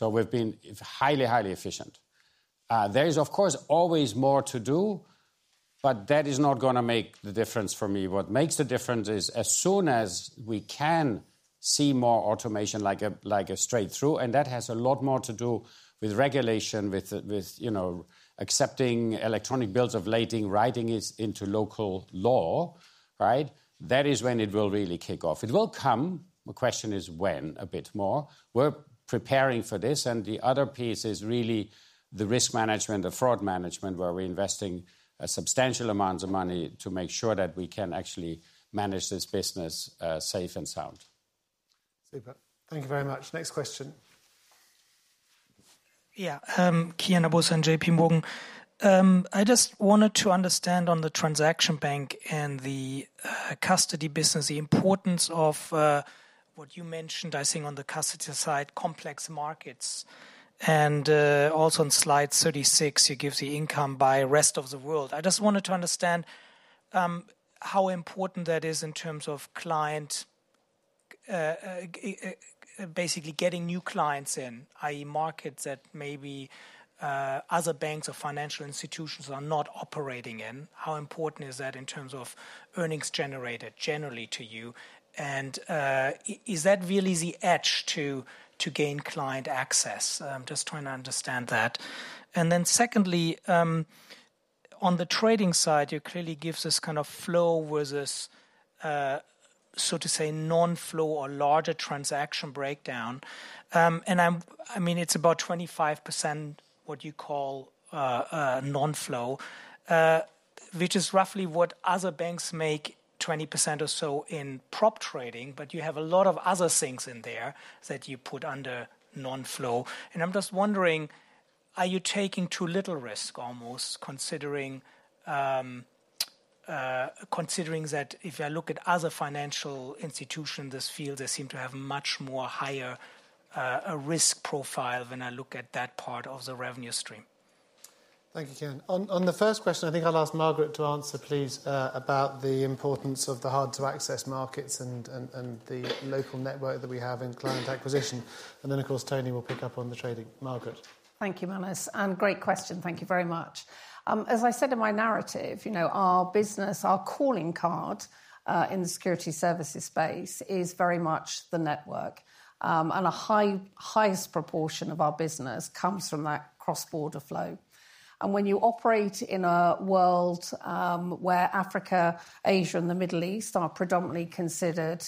We have been highly, highly efficient. There is, of course, always more to do, but that is not going to make the difference for me. What makes the difference is as soon as we can see more automation like a straight through, and that has a lot more to do with regulation, with accepting electronic bills of lading, writing it into local law, right? That is when it will really kick off. It will come. The question is when, a bit more. We are preparing for this. The other piece is really the risk management, the fraud management, where we're investing substantial amounts of money to make sure that we can actually manage this business safe and sound. Super. Thank you very much. Next question. Yeah. Kianna Fiouzi, JP Morgan. I just wanted to understand on the transaction bank and the custody business, the importance of what you mentioned, I think, on the custody side, complex markets. Also on slide 36, you give the income by rest of the world. I just wanted to understand how important that is in terms of client, basically getting new clients in, i.e., markets that maybe other banks or financial institutions are not operating in. How important is that in terms of earnings generated generally to you? Is that really the edge to gain client access? I'm just trying to understand that. Then secondly, on the trading side, you clearly give this kind of flow versus, so to say, non-flow or larger transaction breakdown. I mean, it is about 25% what you call non-flow, which is roughly what other banks make, 20% or so in prop trading, but you have a lot of other things in there that you put under non-flow. I am just wondering, are you taking too little risk, almost, considering that if I look at other financial institutions in this field, they seem to have much more higher risk profile when I look at that part of the revenue stream? Thank you, Kianna. On the first question, I think I will ask Margaret to answer, please, about the importance of the hard-to-access markets and the local network that we have in client acquisition. Of course, Tony will pick up on the trading. Margaret. Thank you, Manus. Great question. Thank you very much. As I said in my narrative, our business, our calling card in the security services space is very much the network. A highest proportion of our business comes from that cross-border flow. When you operate in a world where Africa, Asia, and the Middle East are predominantly considered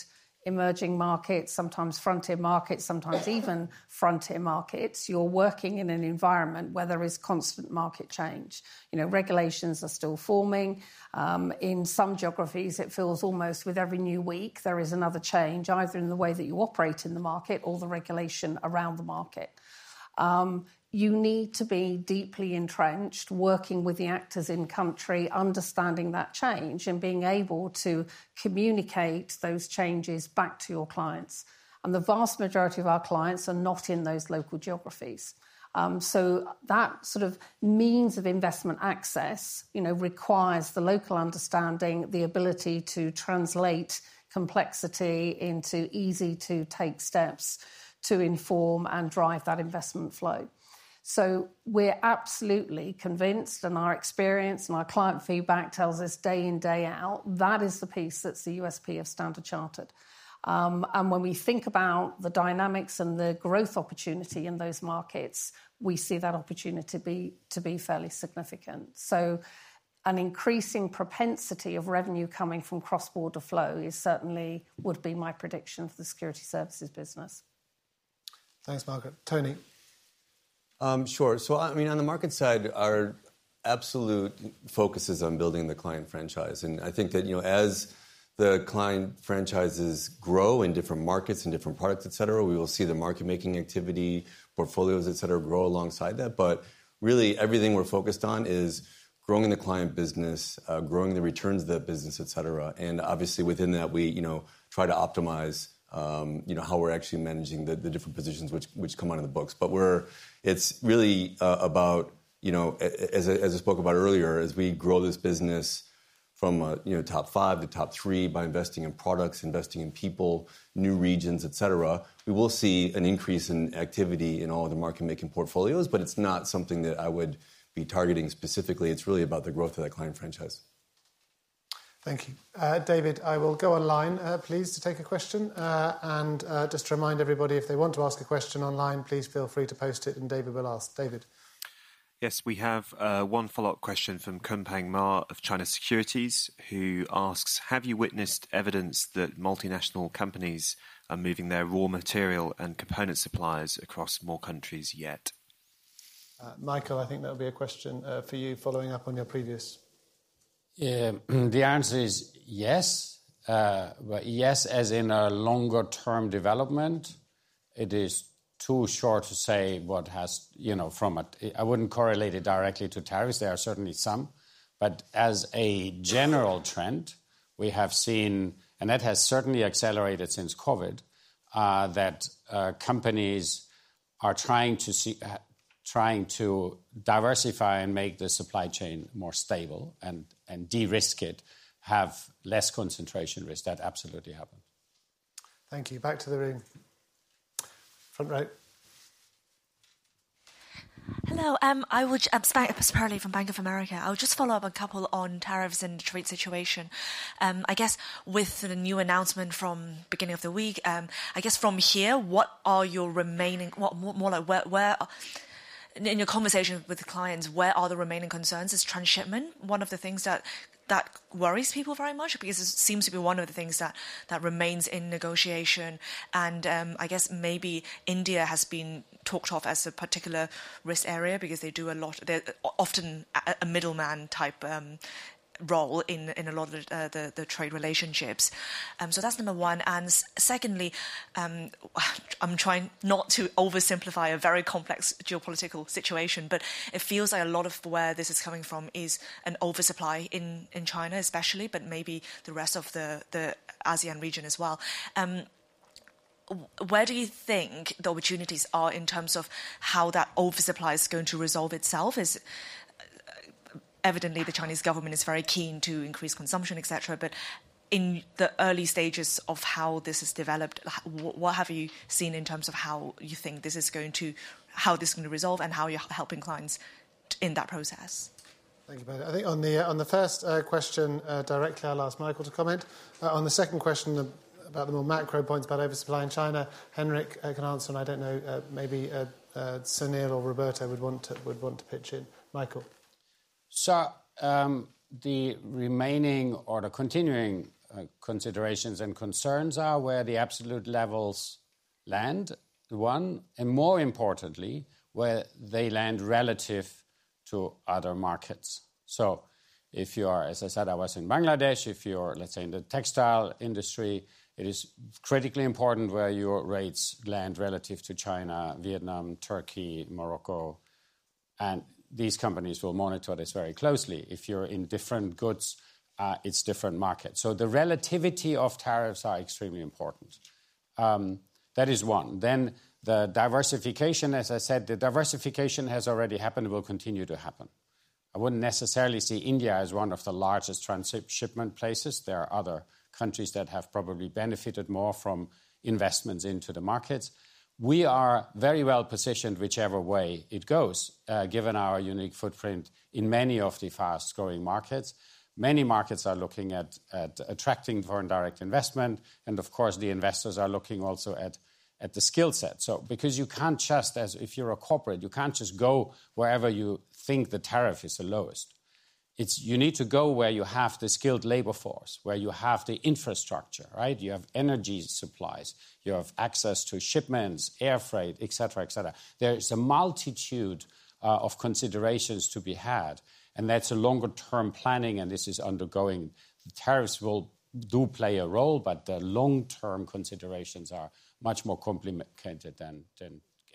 emerging markets, sometimes frontier markets, sometimes even frontier markets, you're working in an environment where there is constant market change. Regulations are still forming. In some geographies, it feels almost with every new week, there is another change, either in the way that you operate in the market or the regulation around the market. You need to be deeply entrenched, working with the actors in country, understanding that change and being able to communicate those changes back to your clients. The vast majority of our clients are not in those local geographies. That sort of means of investment access requires the local understanding, the ability to translate complexity into easy-to-take steps to inform and drive that investment flow. We are absolutely convinced, and our experience and our client feedback tells us day in, day out, that is the piece that is the USP of Standard Chartered. When we think about the dynamics and the growth opportunity in those markets, we see that opportunity to be fairly significant. An increasing propensity of revenue coming from cross-border flow certainly would be my prediction for the security services business. Thanks, Margaret. Tony. Sure. I mean, on the market side, our absolute focus is on building the client franchise. I think that as the client franchises grow in different markets and different products, etc., we will see the market-making activity, portfolios, etc., grow alongside that. Really, everything we're focused on is growing the client business, growing the returns of that business, etc. Obviously, within that, we try to optimize how we're actually managing the different positions which come out of the books. It is really about, as I spoke about earlier, as we grow this business from top five to top three by investing in products, investing in people, new regions, etc., we will see an increase in activity in all of the market-making portfolios, but it is not something that I would be targeting specifically. It is really about the growth of that client franchise. Thank you. David, I will go online, please, to take a question. Just to remind everybody, if they want to ask a question online, please feel free to post it, and David will ask. David. Yes, we have one follow-up question from Kunpeng Ma of China Securities, who asks, have you witnessed evidence that multinational companies are moving their raw material and component suppliers across more countries yet? Michael, I think that would be a question for you, following up on your previous. Yeah, the answer is yes. Yes, as in a longer-term development, it is too short to say what has from a, I wouldn't correlate it directly to tariffs. There are certainly some. As a general trend, we have seen, and that has certainly accelerated since COVID, that companies are trying to diversify and make the supply chain more stable and de-risk it, have less concentration risk. That absolutely happened. Thank you. Back to the room. Front row. Hello. I would just thank you personally from Bank of America. I'll just follow up a couple on tariffs and the trade situation. I guess with the new announcement from the beginning of the week, I guess from here, what are your remaining, more like in your conversation with the clients, where are the remaining concerns? Is transshipment one of the things that worries people very much? Because it seems to be one of the things that remains in negotiation. I guess maybe India has been talked off as a particular risk area because they do a lot, they're often a middleman type role in a lot of the trade relationships. So that's number one. Secondly, I'm trying not to oversimplify a very complex geopolitical situation, but it feels like a lot of where this is coming from is an oversupply in China, especially, but maybe the rest of the ASEAN region as well. Where do you think the opportunities are in terms of how that oversupply is going to resolve itself? Evidently, the Chinese government is very keen to increase consumption, etc. In the early stages of how this is developed, what have you seen in terms of how you think this is going to, how this is going to resolve and how you're helping clients in that process? Thank you Perry. I think on the first question directly, I'll ask Michael to comment. On the second question about the more macro points about oversupply in China, Henrik can answer, and I don't know, maybe Sunil or Roberto would want to pitch in. Michael. The remaining or the continuing considerations and concerns are where the absolute levels land, one, and more importantly, where they land relative to other markets. If you are, as I said, I was in Bangladesh. If you're, let's say, in the textile industry, it is critically important where your rates land relative to China, Vietnam, Turkey, Morocco. These companies will monitor this very closely. If you're in different goods, it's different markets. The relativity of tariffs is extremely important. That is one. The diversification, as I said, the diversification has already happened, will continue to happen. I wouldn't necessarily see India as one of the largest transshipment places. There are other countries that have probably benefited more from investments into the markets. We are very well positioned whichever way it goes, given our unique footprint in many of the fast-growing markets. Many markets are looking at attracting foreign direct investment. Of course, the investors are looking also at the skill set. Because you can't just, as if you're a corporate, you can't just go wherever you think the tariff is the lowest. You need to go where you have the skilled labor force, where you have the infrastructure, right? You have energy supplies. You have access to shipments, air freight, etc., etc. There is a multitude of considerations to be had. That's a longer-term planning, and this is undergoing. Tariffs will do play a role, but the long-term considerations are much more complicated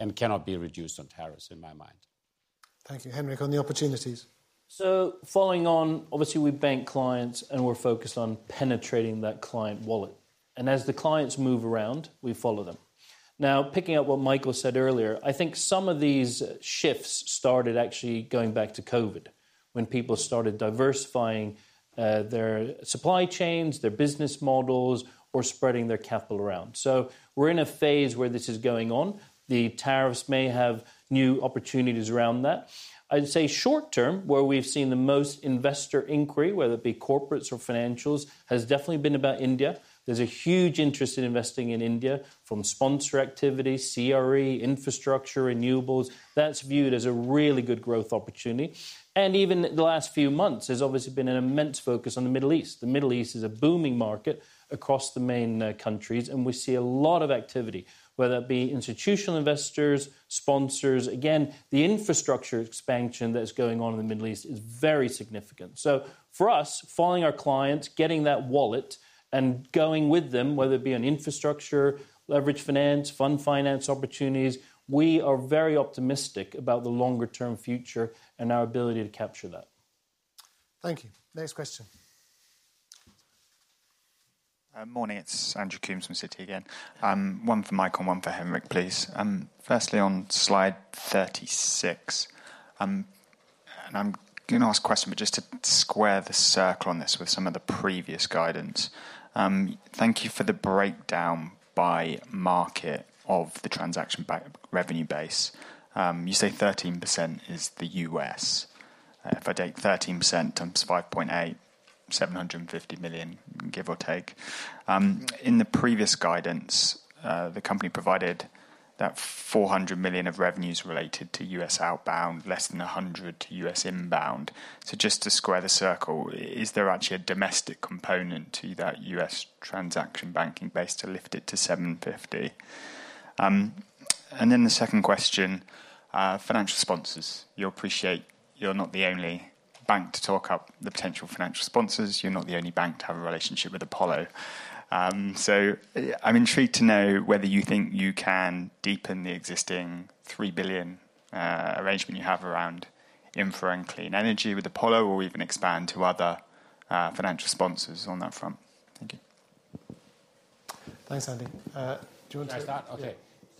and cannot be reduced on tariffs, in my mind. Thank you. Henrik, on the opportunities. Following on, obviously, we bank clients and we're focused on penetrating that client wallet. As the clients move around, we follow them. Now, picking up what Michael said earlier, I think some of these shifts started actually going back to COVID, when people started diversifying their supply chains, their business models, or spreading their capital around. We are in a phase where this is going on. The tariffs may have new opportunities around that. I'd say short-term, where we've seen the most investor inquiry, whether it be corporates or financials, has definitely been about India. There's a huge interest in investing in India from sponsor activity, CRE, infrastructure, renewables. That's viewed as a really good growth opportunity. Even the last few months has obviously been an immense focus on the Middle East. The Middle East is a booming market across the main countries, and we see a lot of activity, whether it be institutional investors, sponsors. Again, the infrastructure expansion that's going on in the Middle East is very significant. For us, following our clients, getting that wallet and going with them, whether it be on infrastructure, leverage finance, fund finance opportunities, we are very optimistic about the longer-term future and our ability to capture that. Thank you. Next question. Morning. It's Andrew Coombs from Citi again. One for Michael and one for Henrik, please. Firstly, on slide 36, and I'm going to ask a question, but just to square the circle on this with some of the previous guidance. Thank you for the breakdown by market of the transaction revenue base. You say 13% is the U.S. If I take 13% times 5.8, $750 million, give or take. In the previous guidance, the company provided that $400 million of revenues related to U.S. outbound, less than $100 million to U.S. inbound. Just to square the circle, is there actually a domestic component to that U.S. transaction banking base to lift it to $750 million? The second question, financial sponsors. You'll appreciate you're not the only bank to talk up the potential financial sponsors. You're not the only bank to have a relationship with Apollo. I'm intrigued to know whether you think you can deepen the existing $3 billion arrangement you have around infra and clean energy with Apollo or even expand to other financial sponsors on that front. Thank you. Thanks, Andy. Do you want to? There's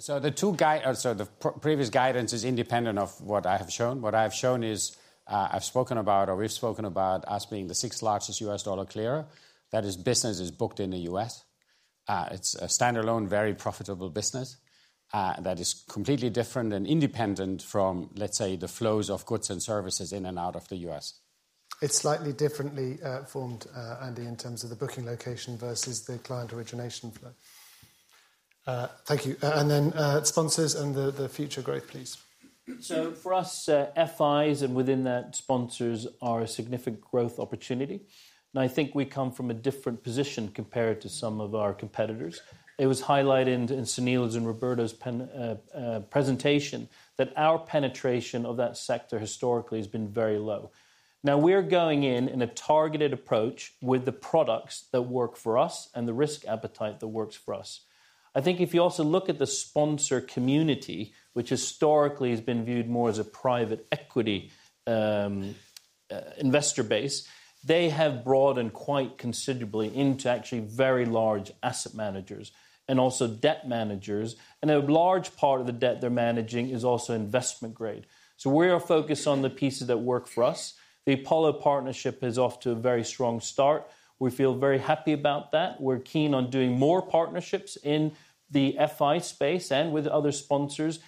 that. The two guidance, sorry, the previous guidance is independent of what I have shown. What I have shown is I've spoken about, or we've spoken about, us being the sixth largest U.S. dollar clearer. That is, business is booked in the U.S. It's a standalone, very profitable business that is completely different and independent from, let's say, the flows of goods and services in and out of the U.S. It's slightly differently formed, Andy, in terms of the booking location versus the client origination flow. Thank you. Sponsors and the future growth, please. For us, FIs and within that, sponsors are a significant growth opportunity. I think we come from a different position compared to some of our competitors. It was highlighted in Sunil's and Roberto's presentation that our penetration of that sector historically has been very low. Now, we're going in in a targeted approach with the products that work for us and the risk appetite that works for us. I think if you also look at the sponsor community, which historically has been viewed more as a private equity investor base, they have broadened quite considerably into actually very large asset managers and also debt managers. A large part of the debt they're managing is also investment grade. We are focused on the pieces that work for us. The Apollo partnership is off to a very strong start. We feel very happy about that. We're keen on doing more partnerships in the FI space and with other sponsors.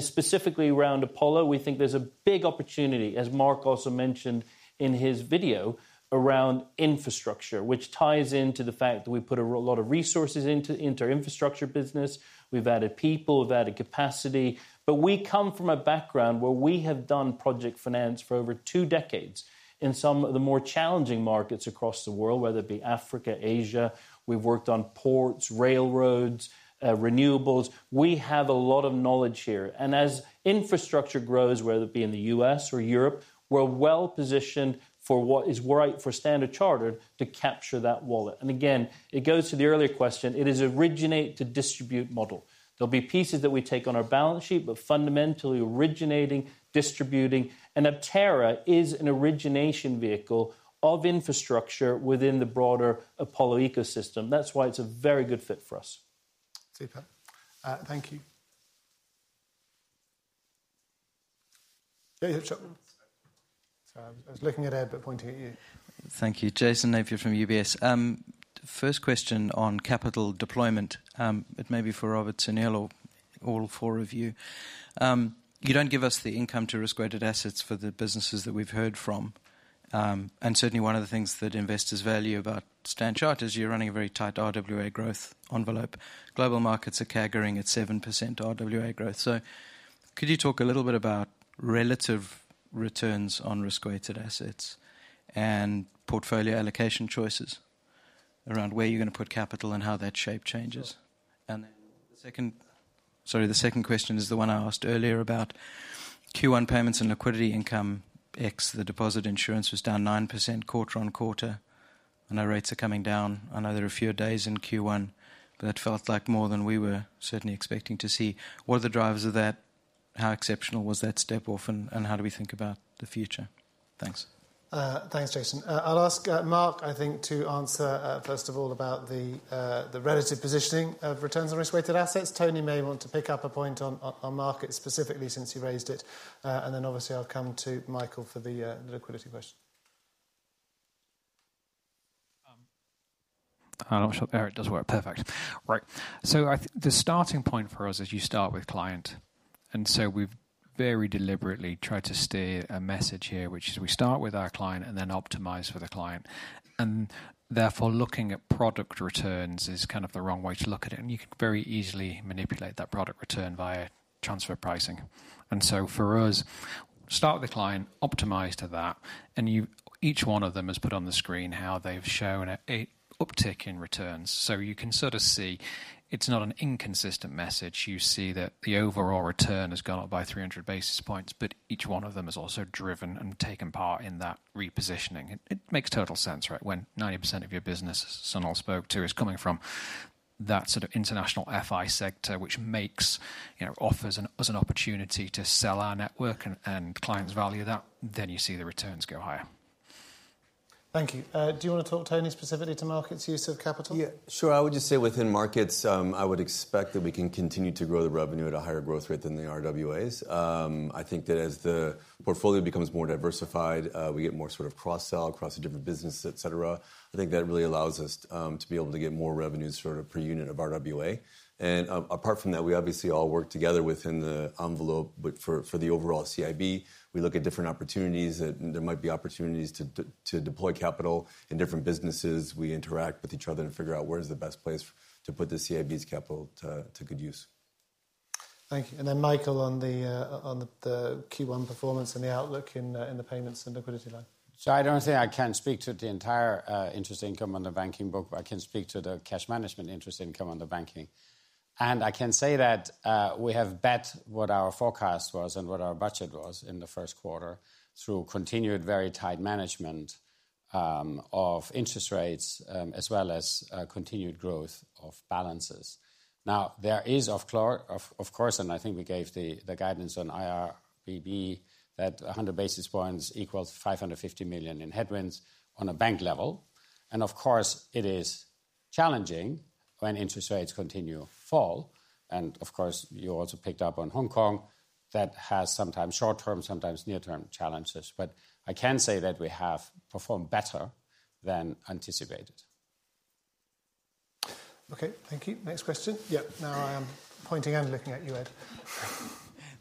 Specifically around Apollo, we think there's a big opportunity, as Mark also mentioned in his video, around infrastructure, which ties into the fact that we put a lot of resources into our infrastructure business. We've added people, we've added capacity. We come from a background where we have done project finance for over two decades in some of the more challenging markets across the world, whether it be Africa, Asia. We've worked on ports, railroads, renewables. We have a lot of knowledge here. As infrastructure grows, whether it be in the U.S. or Europe, we're well positioned for what is right for Standard Chartered to capture that wallet. It goes to the earlier question, it is an originate-to-distribute model. There'll be pieces that we take on our balance sheet, but fundamentally originating, distributing. Aptera is an origination vehicle of infrastructure within the broader Apollo ecosystem. That's why it's a very good fit for us. Super. Thank you. Sorry, I was looking at Ed, but pointing at you. Thank you. Jason Napier from UBS. First question on capital deployment. It may be for Robert, Sunil, or all four of you. You do not give us the income-to-risk-weighted assets for the businesses that we have heard from. Certainly, one of the things that investors value about Standard Chartered is you are running a very tight RWA growth envelope. Global markets are caggering at 7% RWA growth. Could you talk a little bit about relative returns on risk-weighted assets and portfolio allocation choices around where you are going to put capital and how that shape changes? The second, sorry, the second question is the one I asked earlier about Q1 payments and liquidity income X. The deposit insurance was down 9% quarter on quarter. I know rates are coming down. I know there are fewer days in Q1, but it felt like more than we were certainly expecting to see. What are the drivers of that? How exceptional was that step off, and how do we think about the future? Thanks. Thanks, Jason. I'll ask Mark, I think, to answer, first of all, about the relative positioning of returns on risk-weighted assets. Tony may want to pick up a point on market specifically since you raised it. Obviously, I'll come to Michael for the liquidity question. I'm not sure the error does work. Perfect. Right. The starting point for us is you start with client. We've very deliberately tried to steer a message here, which is we start with our client and then optimize for the client. Therefore, looking at product returns is kind of the wrong way to look at it. You can very easily manipulate that product return via transfer pricing. For us, start with the client, optimize to that. Each one of them has put on the screen how they have shown an uptick in returns. You can sort of see it is not an inconsistent message. You see that the overall return has gone up by 300 basis points, but each one of them has also driven and taken part in that repositioning. It makes total sense, right? When 90% of your business, Sunil spoke to, is coming from that sort of international FI sector, which offers us an opportunity to sell our network and clients value that, you see the returns go higher. Thank you. Do you want to talk to any specifically to markets' use of capital? Yeah, sure. I would just say within markets, I would expect that we can continue to grow the revenue at a higher growth rate than the RWAs. I think that as the portfolio becomes more diversified, we get more sort of cross-sell across the different businesses, etc. I think that really allows us to be able to get more revenue sort of per unit of RWA. Apart from that, we obviously all work together within the envelope, but for the overall CIB, we look at different opportunities that there might be opportunities to deploy capital in different businesses. We interact with each other and figure out where's the best place to put the CIB's capital to good use. Thank you. Michael, on the Q1 performance and the outlook in the payments and liquidity line. I do not say I cannot speak to the entire interest income on the banking book, but I can speak to the cash management interest income on the banking. I can say that we have bet what our forecast was and what our budget was in the first quarter through continued very tight management of interest rates as well as continued growth of balances. There is, of course, and I think we gave the guidance on IRBB that 100 basis points equals $550 million in headwinds on a bank level. It is challenging when interest rates continue to fall. You also picked up on Hong Kong that has sometimes short-term, sometimes near-term challenges. I can say that we have performed better than anticipated. Okay. Thank you. Next question. Yeah. Now I am pointing and looking at you, Ed.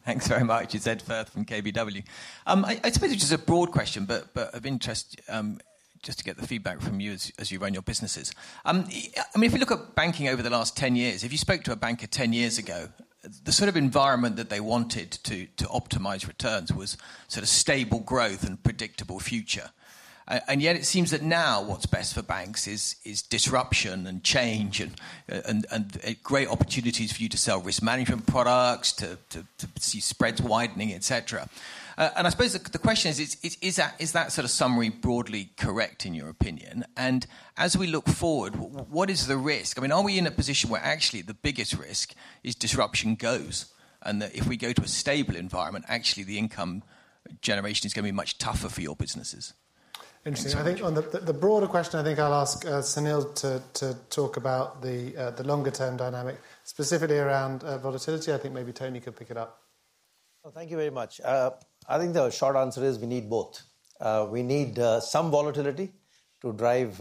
Thanks very much. It is Ed Firth from KBW. I suppose it is just a broad question, but of interest just to get the feedback from you as you run your businesses. I mean, if you look at banking over the last 10 years, if you spoke to a banker 10 years ago, the sort of environment that they wanted to optimize returns was sort of stable growth and predictable future. Yet it seems that now what's best for banks is disruption and change and great opportunities for you to sell risk management products, to see spreads widening, etc. I suppose the question is, is that sort of summary broadly correct in your opinion? As we look forward, what is the risk? I mean, are we in a position where actually the biggest risk is disruption goes and that if we go to a stable environment, actually the income generation is going to be much tougher for your businesses? Interesting. I think on the broader question, I think I'll ask Sunil to talk about the longer-term dynamic, specifically around volatility. I think maybe Tony could pick it up. Thank you very much. I think the short answer is we need both. We need some volatility to drive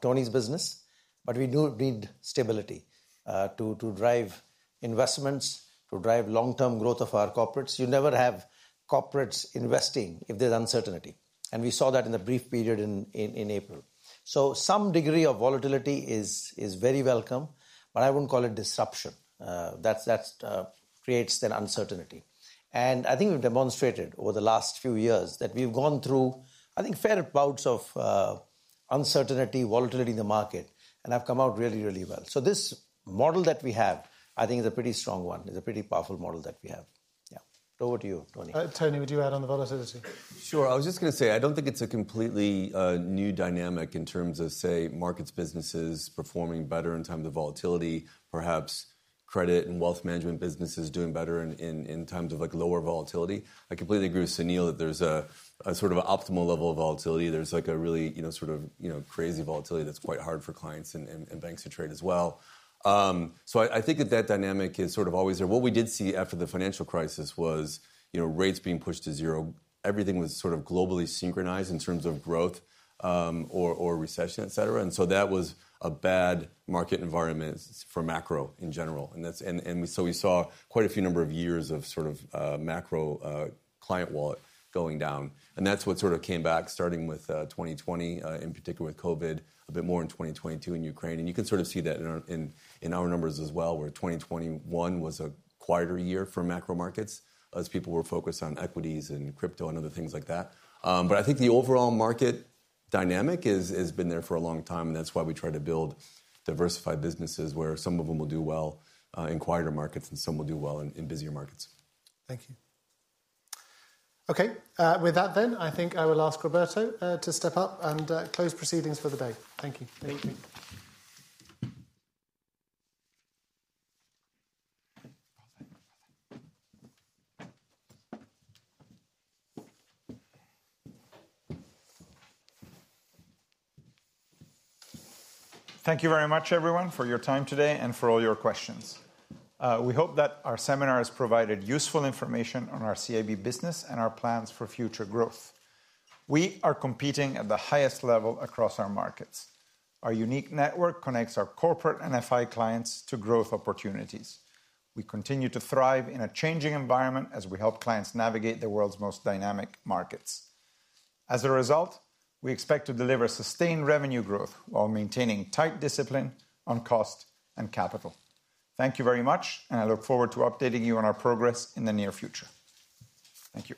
Tony's business, but we do need stability to drive investments, to drive long-term growth of our corporates. You never have corporates investing if there's uncertainty. We saw that in the brief period in April. Some degree of volatility is very welcome, but I wouldn't call it disruption. That creates that uncertainty. I think we've demonstrated over the last few years that we've gone through, I think, fair bouts of uncertainty, volatility in the market, and have come out really, really well. This model that we have, I think, is a pretty strong one. It's a pretty powerful model that we have. Yeah. Over to you, Tony. Tony, would you add on the volatility? Sure. I was just going to say, I don't think it's a completely new dynamic in terms of, say, markets' businesses performing better in times of volatility, perhaps credit and wealth management businesses doing better in times of lower volatility. I completely agree with Sunil that there's a sort of optimal level of volatility. There's like a really sort of crazy volatility that's quite hard for clients and banks to trade as well. I think that that dynamic is sort of always there. What we did see after the financial crisis was rates being pushed to zero. Everything was sort of globally synchronized in terms of growth or recession, etc. That was a bad market environment for macro in general. We saw quite a few number of years of sort of macro client wallet going down. That is what sort of came back, starting with 2020, in particular with COVID, a bit more in 2022 in Ukraine. You can sort of see that in our numbers as well, where 2021 was a quieter year for macro markets as people were focused on equities and crypto and other things like that. I think the overall market dynamic has been there for a long time, and that is why we try to build diversified businesses where some of them will do well in quieter markets and some will do well in busier markets. Thank you. Okay. With that, then, I think I will ask Roberto to step up and close proceedings for the day. Thank you. Thank you. Thank you very much, everyone, for your time today and for all your questions. We hope that our seminar has provided useful information on our CIB business and our plans for future growth. We are competing at the highest level across our markets. Our unique network connects our corporate and FI clients to growth opportunities. We continue to thrive in a changing environment as we help clients navigate the world's most dynamic markets. As a result, we expect to deliver sustained revenue growth while maintaining tight discipline on cost and capital. Thank you very much, and I look forward to updating you on our progress in the near future. Thank you.